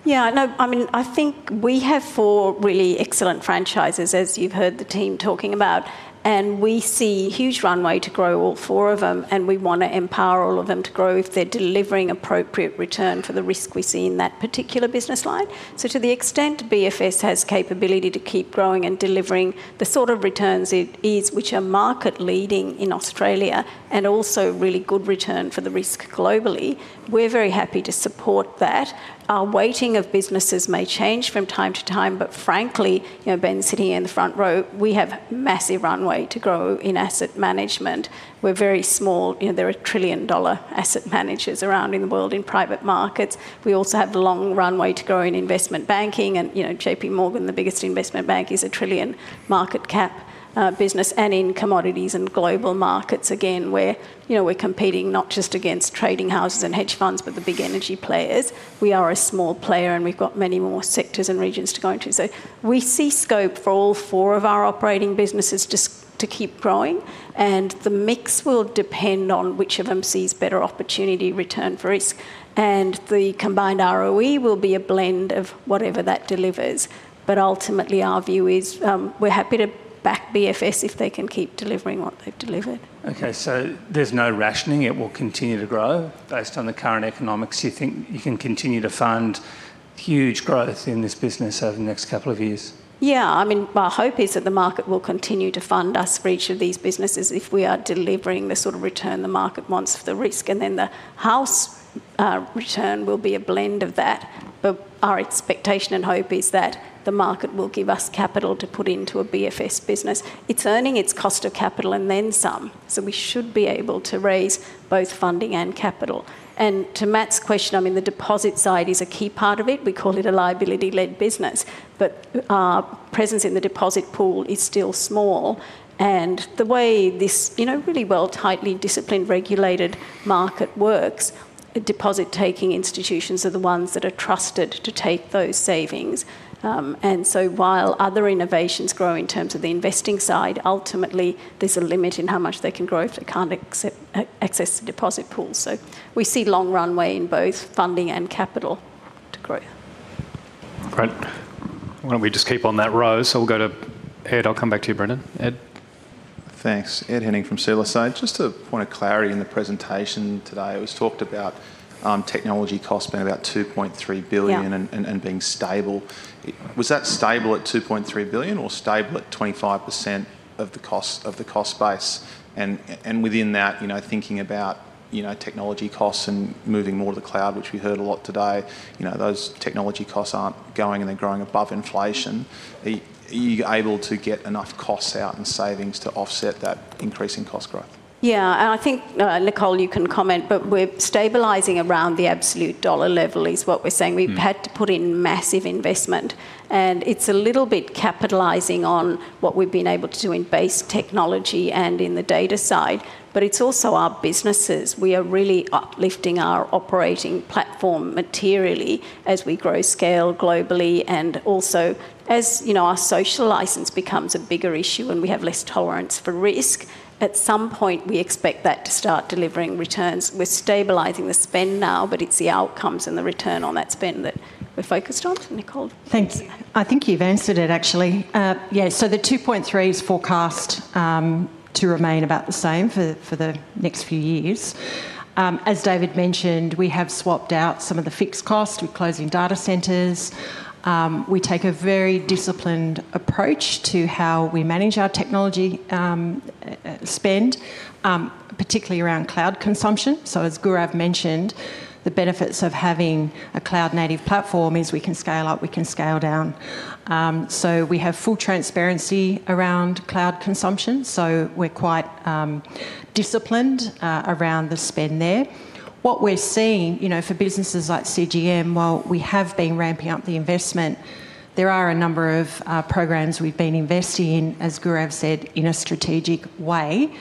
[SPEAKER 2] Yeah. No, I mean, I think we have four really excellent franchises, as you've heard the team talking about. We see huge runway to grow all four of them. We want to empower all of them to grow if they're delivering appropriate return for the risk we see in that particular business line. So to the extent BFS has capability to keep growing and delivering the sort of returns it is which are market-leading in Australia and also really good return for the risk globally, we're very happy to support that. Our weighting of businesses may change from time to time. But frankly, you know, Ben sitting here in the front row, we have massive runway to grow in asset management. We're very small. You know, there are trillion-dollar asset managers around in the world in private markets. We also have long runway to grow in investment banking. And, you know, JPMorgan, the biggest investment bank, is a trillion market cap business. And in commodities and global markets, again, where, you know, we're competing not just against trading houses and hedge funds but the big energy players. We are a small player. And we've got many more sectors and regions to go into. So we see scope for all four of our operating businesses to keep growing. And the mix will depend on which of them sees better opportunity return for risk. And the combined ROE will be a blend of whatever that delivers. But ultimately, our view is we're happy to back BFS if they can keep delivering what they've delivered. Okay. So there's no rationing. It will continue to grow based on the current economics. You think you can continue to fund huge growth in this business over the next couple of years? Yeah. I mean, my hope is that the market will continue to fund us for each of these businesses if we are delivering the sort of return the market wants for the risk. And then the house, return will be a blend of that. But our expectation and hope is that the market will give us capital to put into a BFS business. It's earning its cost of capital and then some. So we should be able to raise both funding and capital. And to Matt's question, I mean, the deposit side is a key part of it. We call it a liability-led business. But our presence in the deposit pool is still small. And the way this, you know, really well, tightly disciplined, regulated market works, deposit-taking institutions are the ones that are trusted to take those savings. And so while other innovations grow in terms of the investing side, ultimately, there's a limit in how much they can grow if they can't access the deposit pool. So we see long runway in both funding and capital to growth.
[SPEAKER 1] Great. Why don't we just keep on that row? So we'll go to Ed. I'll come back to you, Brendan. Ed?
[SPEAKER 7] Thanks. Ed Henning from CLSA. Just to point of clarity in the presentation today, it was talked about, technology costs being about 2.3 billion and being stable. Was that stable at 2.3 billion or stable at 25% of the cost base? And within that, you know, thinking about, you know, technology costs and moving more to the cloud, which we heard a lot today, you know, those technology costs aren't going and they're growing above inflation. Are you able to get enough costs out and savings to offset that increasing cost growth?
[SPEAKER 2] Yeah. And I think, Nicole, you can comment. But we're stabilizing around the absolute dollar level is what we're saying. We've had to put in massive investment. And it's a little bit capitalizing on what we've been able to do in base technology and in the data side. But it's also our businesses. We are really uplifting our operating platform materially as we grow scale globally. And also, as, you know, our social license becomes a bigger issue and we have less tolerance for risk, at some point we expect that to start delivering returns. We're stabilizing the spend now. But it's the outcomes and the return on that spend that we're focused on. Nicole?
[SPEAKER 22] Thanks. I think you've answered it, actually. Yeah. So the 2.3 is forecast to remain about the same for the next few years. As David mentioned, we have swapped out some of the fixed costs. We're closing data centers. We take a very disciplined approach to how we manage our technology spend, particularly around cloud consumption. So as Gaurav mentioned, the benefits of having a cloud-native platform is we can scale up. We can scale down. So we have full transparency around cloud consumption. So we're quite disciplined around the spend there. What we're seeing, you know, for businesses like CGM, while we have been ramping up the investment, there are a number of programs we've been investing in, as Gaurav said, in a strategic way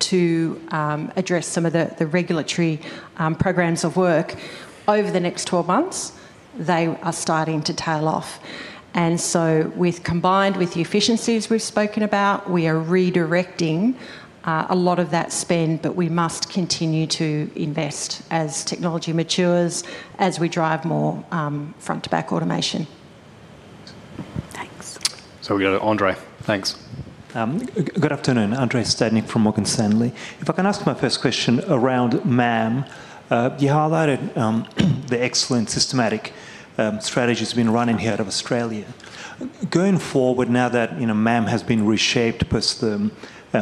[SPEAKER 22] to address some of the regulatory programs of work. Over the next 12 months, they are starting to tail off. And so combined with the efficiencies we've spoken about, we are redirecting a lot of that spend. But we must continue to invest as technology matures, as we drive more front-to-back automation. Thanks.
[SPEAKER 1] So we go to Andrei.
[SPEAKER 28] Thanks. Good afternoon. Andrei Stadnik from Morgan Stanley. If I can ask my first question around MAM. You highlighted the excellent systematic strategies being run in here out of Australia. Going forward now that, you know, MAM has been reshaped post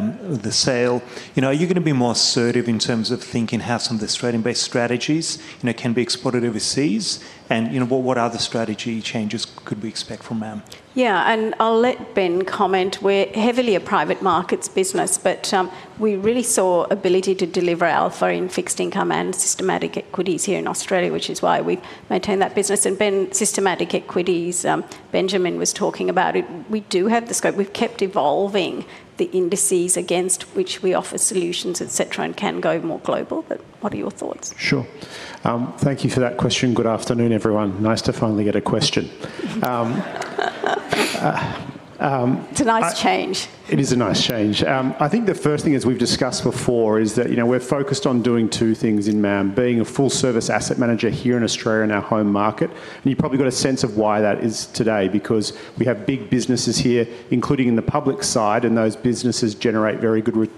[SPEAKER 28] the sale, you know, are you going to be more assertive in terms of thinking how some of the Australian-based strategies, you know, can be exported overseas? And, you know, what other strategy changes could we expect from MAM?
[SPEAKER 2] Yeah. And I'll let Ben comment. We're heavily a private markets business. But, we really saw ability to deliver alpha in fixed income and systematic equities here in Australia, which is why we've maintained that business. And Ben, systematic equities, Benjamin was talking about it. We do have the scope. We've kept evolving the indices against which we offer solutions, etc., and can go more global. But what are your thoughts?
[SPEAKER 29] Sure. Thank you for that question. Good afternoon, everyone. Nice to finally get a question. It's a nice change. It is a nice change. I think the first thing, as we've discussed before, is that, you know, we're focused on doing two things in MAM: being a full-service asset manager here in Australia in our home market. You've probably got a sense of why that is today because we have big businesses here, including in the public side. Those businesses generate very good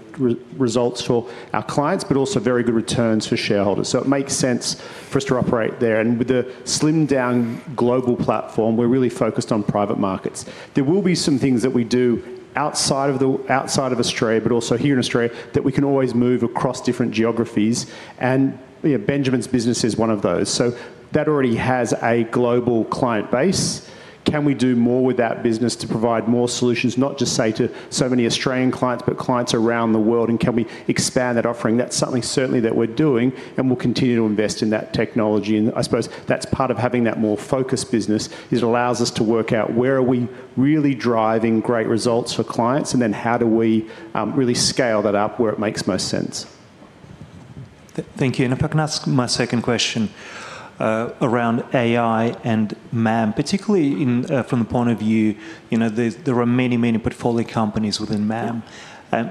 [SPEAKER 29] results for our clients but also very good returns for shareholders. It makes sense for us to operate there. With the slimmed-down global platform, we're really focused on private markets. There will be some things that we do outside of Australia but also here in Australia that we can always move across different geographies. You know, Benjamin's business is one of those. That already has a global client base. Can we do more with that business to provide more solutions, not just, say, to so many Australian clients but clients around the world? And can we expand that offering? That's something, certainly, that we're doing. And we'll continue to invest in that technology. And I suppose that's part of having that more focused business is it allows us to work out where are we really driving great results for clients? And then how do we, really scale that up where it makes most sense?
[SPEAKER 28] Thank you. And if I can ask my second question, around AI and MAM, particularly from the point of view, you know, there are many, many portfolio companies within MAM.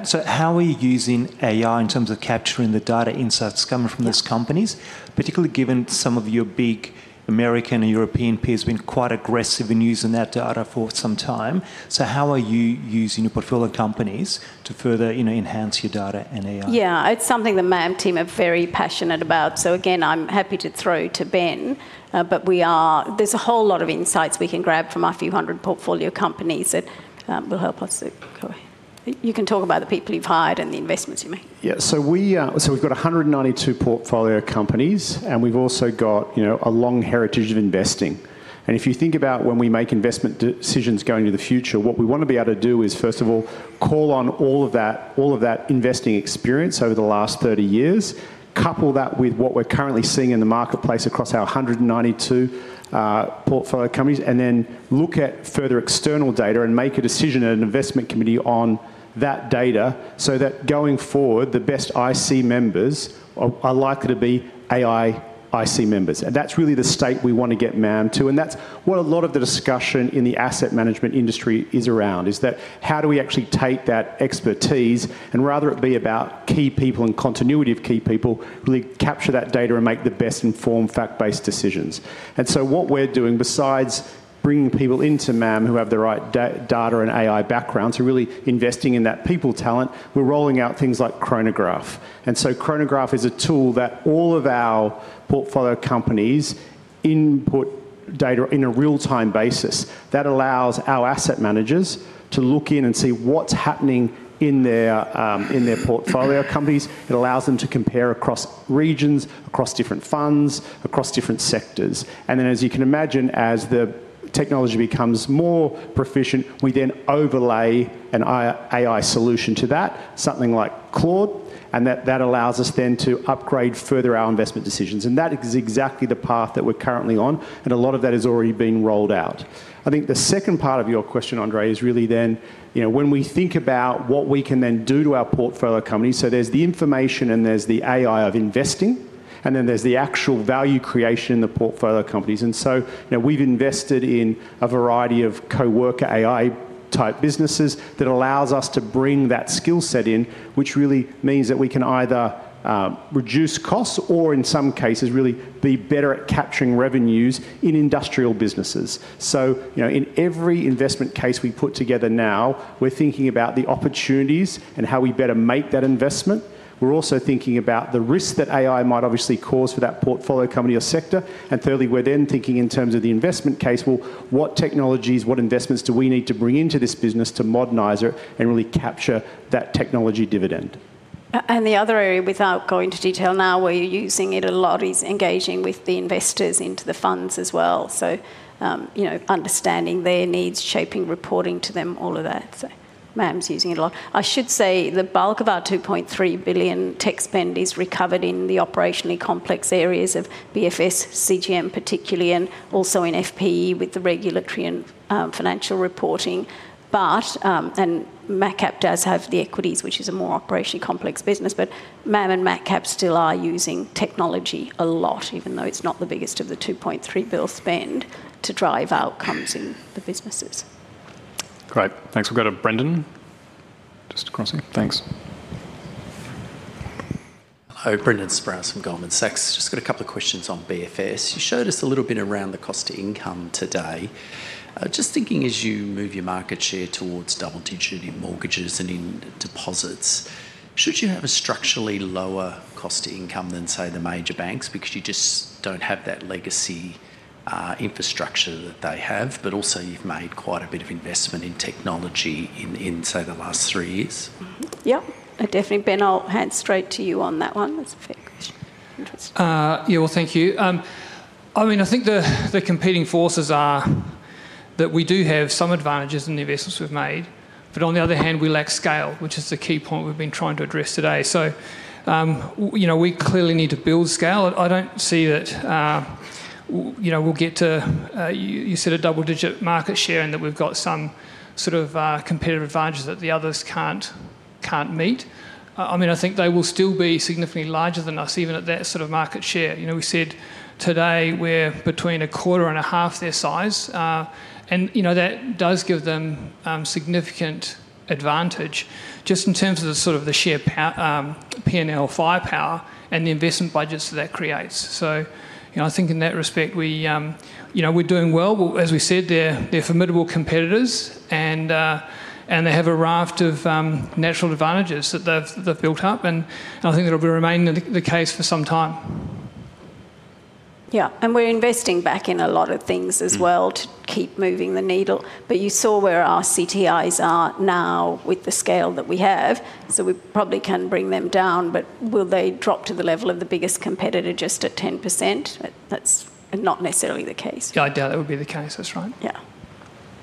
[SPEAKER 28] So how are you using AI in terms of capturing the data insights coming from those companies, particularly given some of your big American and European peers have been quite aggressive in using that data for some time? So how are you using your portfolio companies to further, you know, enhance your data and AI? Yeah. It's something the MAM team are very passionate about. So again, I'm happy to throw to Ben. But we are, there's a whole lot of insights we can grab from our few hundred portfolio companies that will help us. Go ahead. You can talk about the people you've hired and the investments you make.
[SPEAKER 29] Yeah. So we've got 192 portfolio companies. And we've also got, you know, a long heritage of investing. If you think about when we make investment decisions going into the future, what we want to be able to do is, first of all, call on all of that investing experience over the last 30 years, couple that with what we're currently seeing in the marketplace across our 192 portfolio companies, and then look at further external data and make a decision at an investment committee on that data so that going forward, the best IC members are likely to be AI IC members. And that's really the state we want to get MAM to. And that's what a lot of the discussion in the asset management industry is around, is that how do we actually take that expertise and rather it be about key people and continuity of key people, really capture that data and make the best informed, fact-based decisions? What we're doing, besides bringing people into MAM who have the right data and AI backgrounds and really investing in that people talent, we're rolling out things like Chronograph. Chronograph is a tool that all of our portfolio companies input data in a real-time basis. That allows our asset managers to look in and see what's happening in their portfolio companies. It allows them to compare across regions, across different funds, across different sectors. Then, as you can imagine, as the technology becomes more proficient, we then overlay an AI solution to that, something like Claude. That allows us then to upgrade further our investment decisions. That is exactly the path that we're currently on. A lot of that has already been rolled out. I think the second part of your question, André, is really then, you know, when we think about what we can then do to our portfolio companies, so there's the information and there's the AI of investing. Then there's the actual value creation in the portfolio companies. So, you know, we've invested in a variety of coworker AI-type businesses that allows us to bring that skill set in, which really means that we can either reduce costs or, in some cases, really be better at capturing revenues in industrial businesses. So, you know, in every investment case we put together now, we're thinking about the opportunities and how we better make that investment. We're also thinking about the risks that AI might obviously cause for that portfolio company or sector. Thirdly, we're then thinking in terms of the investment case, well, what technologies, what investments do we need to bring into this business to modernize it and really capture that technology dividend?
[SPEAKER 2] The other area, without going into detail now, where you're using it a lot is engaging with the investors into the funds as well. So, you know, understanding their needs, shaping reporting to them, all of that. So MAM's using it a lot. I should say the bulk of our 2.3 billion tech spend is recovered in the operationally complex areas of BFS, CGM particularly, and also in FPE with the regulatory and financial reporting. But and MacCap does have the equities, which is a more operationally complex business. But MAM and MacCap still are using technology a lot, even though it's not the biggest of the 2.3 billion spend, to drive outcomes in the businesses.
[SPEAKER 1] Great. Thanks. We'll go to Brendan. Just crossing. Thanks.
[SPEAKER 3] Hello. Brendan Sproules from Goldman Sachs. Just got a couple of questions on BFS. You showed us a little bit around the cost-to-income today. Just thinking as you move your market share towards double-digit in mortgages and in deposits, should you have a structurally lower cost-to-income than, say, the major banks because you just don't have that legacy infrastructure that they have? But also you've made quite a bit of investment in technology in, say, the last three years?
[SPEAKER 2] Yep. Definitely. Ben, I'll hand straight to you on that one. That's a fair question. Interesting.
[SPEAKER 14] Yeah. Well, thank you. I mean, I think the competing forces are that we do have some advantages in the investments we've made. But on the other hand, we lack scale, which is the key point we've been trying to address today. So, you know, we clearly need to build scale. I don't see that, you know, we'll get to, you said a double-digit market share and that we've got some sort of competitive advantages that the others can't meet. I mean, I think they will still be significantly larger than us even at that sort of market share. You know, we said today we're between a quarter and a half their size. And, you know, that does give them significant advantage just in terms of the sort of the sheer power, P&L, firepower, and the investment budgets that that creates. So, you know, I think in that respect, we, you know, we're doing well. Well, as we said, they're formidable competitors. And they have a raft of natural advantages that they've built up. And I think that'll remain the case for some time.
[SPEAKER 2] Yeah. And we're investing back in a lot of things as well to keep moving the needle. But you saw where our CTIs are now with the scale that we have. So we probably can bring them down. But will they drop to the level of the biggest competitor just at 10%? That's not necessarily the case.
[SPEAKER 14] Yeah. I doubt that would be the case. That's right.
[SPEAKER 3] Yeah.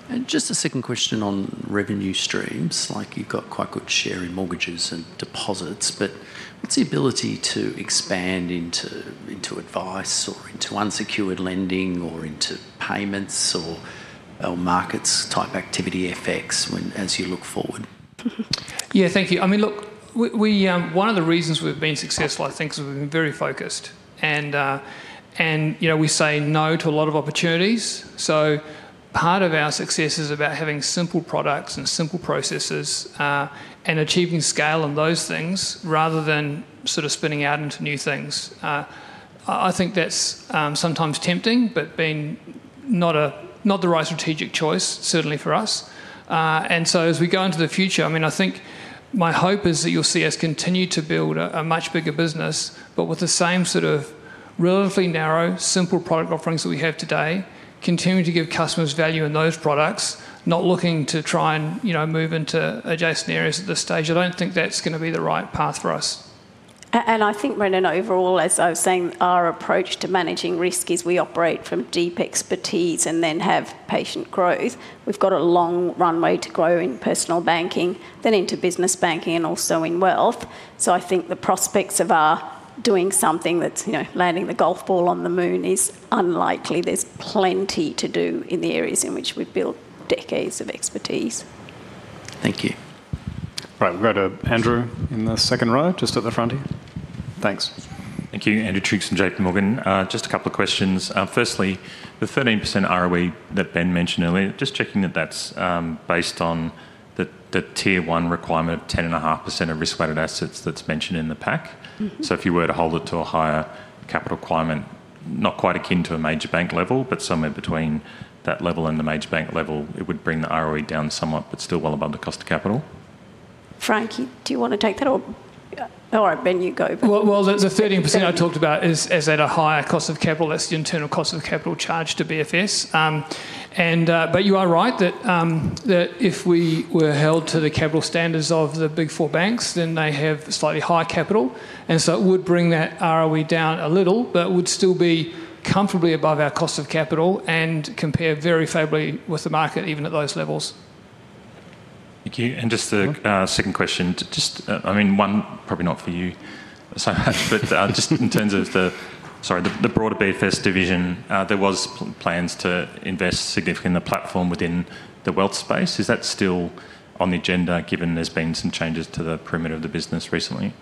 [SPEAKER 3] And just a second question on revenue streams. Like, you've got quite good share in mortgages and deposits. But what's the ability to expand into, into advice or into unsecured lending or into payments or markets-type activity effects as you look forward?
[SPEAKER 14] Yeah. Thank you. I mean, look, we, one of the reasons we've been successful, I think, is we've been very focused. And, you know, we say no to a lot of opportunities. So part of our success is about having simple products and simple processes, and achieving scale and those things rather than sort of spinning out into new things. I think that's, sometimes tempting but being not the right strategic choice, certainly for us. And so as we go into the future, I mean, I think my hope is that you'll see us continue to build a much bigger business but with the same sort of relatively narrow, simple product offerings that we have today, continuing to give customers value in those products, not looking to try and, you know, move into adjacent areas at this stage. I don't think that's going to be the right path for us.
[SPEAKER 2] And I think, Brendan, overall, as I was saying, our approach to managing risk is we operate from deep expertise and then have patient growth. We've got a long runway to grow in personal banking, then into business banking and also in wealth. So I think the prospects of our doing something that's, you know, landing the golf ball on the moon is unlikely. There's plenty to do in the areas in which we've built decades of expertise. Thank you. All right. We've got Andrew in the second row just at the front here.
[SPEAKER 3] Thanks.
[SPEAKER 8] Thank you. Andrew Triggs and JPMorgan. Just a couple of questions. Firstly, the 13% ROE that Ben mentioned earlier, just checking that that's based on the Tier 1 requirement of 10.5% of risk-weighted assets that's mentioned in the PAC. So if you were to hold it to a higher capital requirement, not quite akin to a major bank level but somewhere between that level and the major bank level, it would bring the ROE down somewhat but still well above the cost of capital.
[SPEAKER 14] Frank, do you want to take that? Or all right. Ben, you go. Well, the 13% I talked about is at a higher cost of capital. That's the internal cost of capital charge to BFS. But you are right that if we were held to the capital standards of the Big Four banks, then they have slightly higher capital. And so it would bring that ROE down a little but would still be comfortably above our cost of capital and compare very favorably with the market even at those levels.
[SPEAKER 8] Thank you. And just a second question. Just, I mean, one probably not for you so much. But just in terms of the, sorry, the broader BFS division, there were plans to invest significantly in the platform within the wealth space. Is that still on the agenda given there's been some changes to the perimeter of the business recently?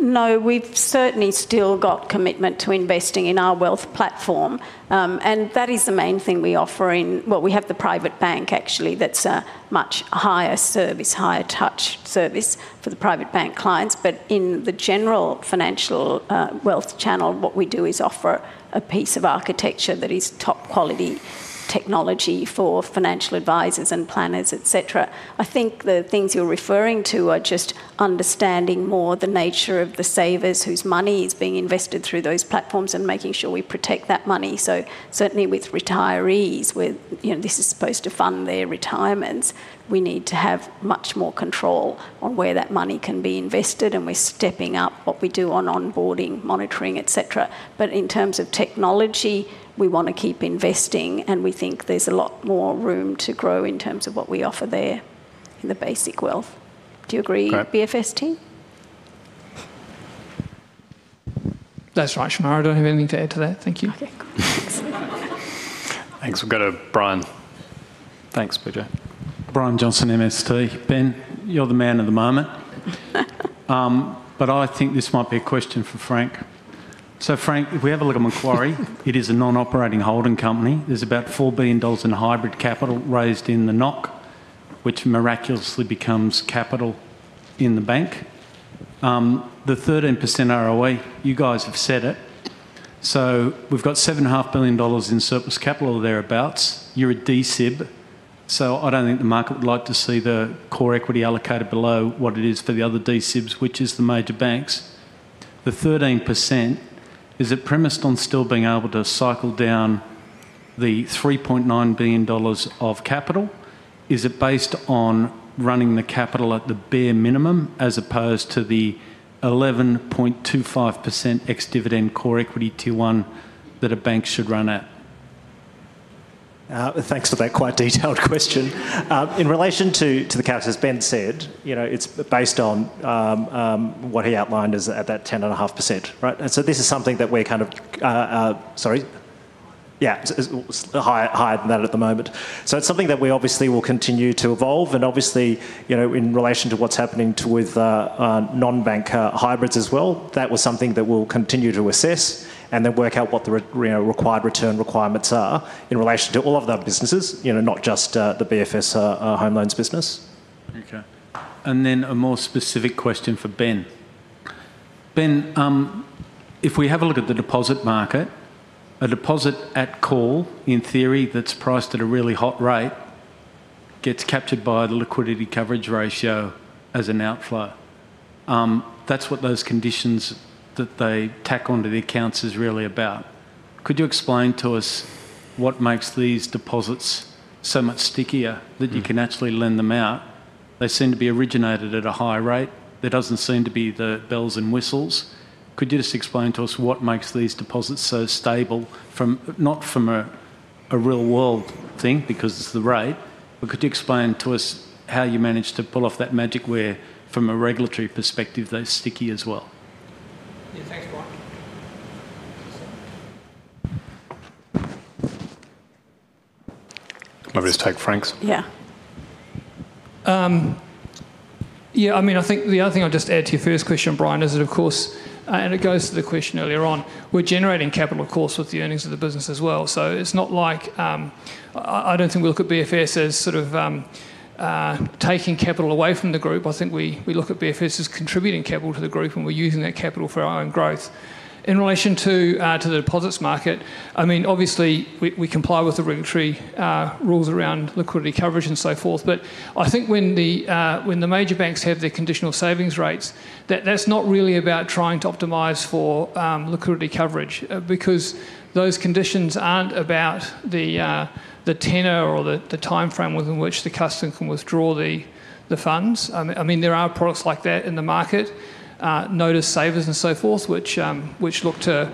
[SPEAKER 2] No. We've certainly still got commitment to investing in our wealth platform. And that is the main thing we offer in wealth. Well, we have the private bank, actually, that's a much higher service, higher touch service for the private bank clients. But in the general financial wealth channel, what we do is offer a piece of architecture that is top-quality technology for financial advisors and planners, etc. I think the things you're referring to are just understanding more the nature of the savers whose money is being invested through those platforms and making sure we protect that money. So certainly with retirees, where, you know, this is supposed to fund their retirements, we need to have much more control on where that money can be invested. And we're stepping up what we do on onboarding, monitoring, etc. But in terms of technology, we want to keep investing. And we think there's a lot more room to grow in terms of what we offer there in the basic wealth. Do you agree, BFS team?
[SPEAKER 14] That's right. Shemara, I don't have anything to add to that. Thank you.
[SPEAKER 2] Okay. Thanks.
[SPEAKER 1] We've got a Brian.
[SPEAKER 10] Thanks, BJ. Brian Johnson, MST. Ben, you're the man of the moment. But I think this might be a question for Frank. So Frank, if we have a look at Macquarie, it is a non-operating holding company. There's about 4 billion dollars in hybrid capital raised in the NOHC, which miraculously becomes capital in the bank. The 13% ROE, you guys have said it. So we've got 7.5 billion dollars in surplus capital thereabouts. You're a D-SIB. So I don't think the market would like to see the core equity allocated below what it is for the other D-SIBs, which is the major banks. The 13%, is it premised on still being able to cycle down the 3.9 billion dollars of capital? Is it based on running the capital at the bare minimum as opposed to the 11.25% ex-dividend core equity Tier 1 that a bank should run at?
[SPEAKER 4] Thanks for that quite detailed question. In relation to the cap, as Ben said, you know, it's based on what he outlined at that 10.5%, right? And so this is something that we're kind of, sorry. Yeah. It's higher than that at the moment. So it's something that we obviously will continue to evolve. And obviously, you know, in relation to what's happening with non-bank hybrids as well, that was something that we'll continue to assess and then work out what the required return requirements are in relation to all of the other businesses, you know, not just the BFS home loans business.
[SPEAKER 10] Okay. And then a more specific question for Ben. Ben, if we have a look at the deposit market, a deposit at call, in theory, that's priced at a really hot rate gets captured by the liquidity coverage ratio as an outflow. That's what those conditions that they tack onto the accounts is really about. Could you explain to us what makes these deposits so much stickier that you can actually lend them out? They seem to be originated at a high rate. There doesn't seem to be the bells and whistles. Could you just explain to us what makes these deposits so stable from not from a real-world thing because it's the rate, but could you explain to us how you manage to pull off that magic where from a regulatory perspective, they're sticky as well?
[SPEAKER 14] Yeah. Thanks, Brian. Can I just take Frank's? Yeah. Yeah. I mean, I think the other thing I'll just add to your first question, Brian, is that, of course, and it goes to the question earlier on, we're generating capital, of course, with the earnings of the business as well. So it's not like I don't think we look at BFS as sort of taking capital away from the group. I think we look at BFS as contributing capital to the group and we're using that capital for our own growth. In relation to the deposits market, I mean, obviously, we comply with the regulatory rules around liquidity coverage and so forth. But I think when the major banks have their conditional savings rates, that's not really about trying to optimize for liquidity coverage because those conditions aren't about the tenor or the timeframe within which the customer can withdraw the funds. I mean, there are products like that in the market, notice savers and so forth, which look to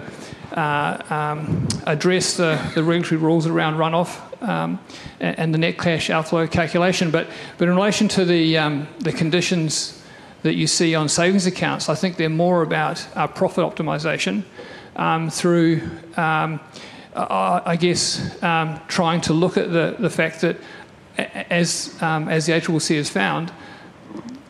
[SPEAKER 14] address the regulatory rules around runoff and the net cash outflow calculation. But in relation to the conditions that you see on savings accounts, I think they're more about profit optimization through, I guess, trying to look at the fact that as the ACCC will say is found,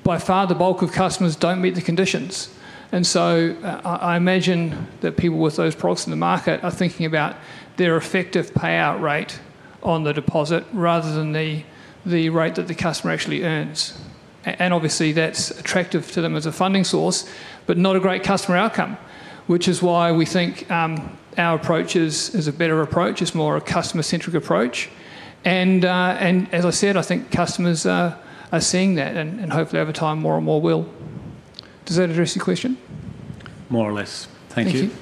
[SPEAKER 14] by far the bulk of customers don't meet the conditions. I imagine that people with those products in the market are thinking about their effective payout rate on the deposit rather than the rate that the customer actually earns. Obviously, that's attractive to them as a funding source but not a great customer outcome, which is why we think our approach is a better approach. It's more a customer-centric approach. As I said, I think customers are seeing that. Hopefully, over time, more and more will. Does that address your question?
[SPEAKER 10] More or less. Thank you.
[SPEAKER 14] Thank you.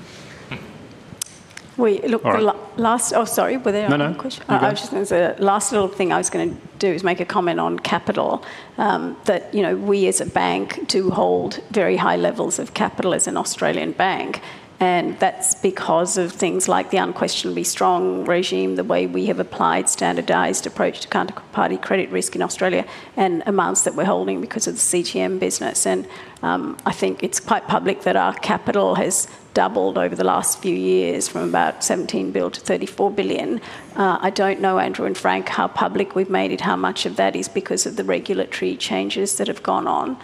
[SPEAKER 2] Wait. Look, the last, sorry. Were there any questions?
[SPEAKER 1] No, no.
[SPEAKER 2] I was just going to say the last little thing I was going to do is make a comment on capital. That, you know, we as a bank do hold very high levels of capital as an Australian bank. That's because of things like the Unquestionably Strong regime, the way we have applied standardized approach to counterparty credit risk in Australia and amounts that we're holding because of the CMT business. I think it's quite public that our capital has doubled over the last few years from about 17 billion to 34 billion. I don't know, Andrew and Frank, how public we've made it, how much of that is because of the regulatory changes that have gone on.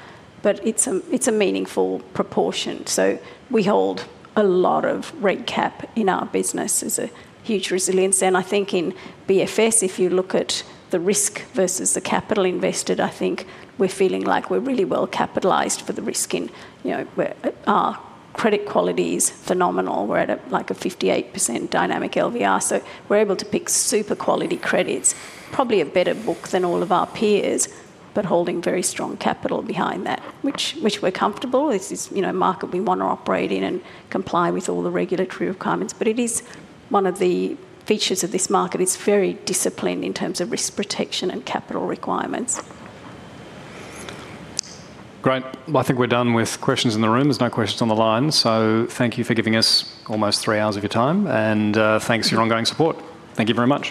[SPEAKER 2] But it's a meaningful proportion. So we hold a lot of reg cap in our business as a huge resilience. I think in BFS, if you look at the risk versus the capital invested, I think we're feeling like we're really well capitalized for the risk in, you know, our credit quality is phenomenal. We're at like a 58% dynamic LVR. So we're able to pick super quality credits, probably a better book than all of our peers but holding very strong capital behind that, which we're comfortable. This is a market we want to operate in and comply with all the regulatory requirements. But it is one of the features of this market. It's very disciplined in terms of risk protection and capital requirements.
[SPEAKER 1] Great. Well, I think we're done with questions in the room. There's no questions on the line. So thank you for giving us almost three hours of your time. And thanks for your ongoing support. Thank you very much.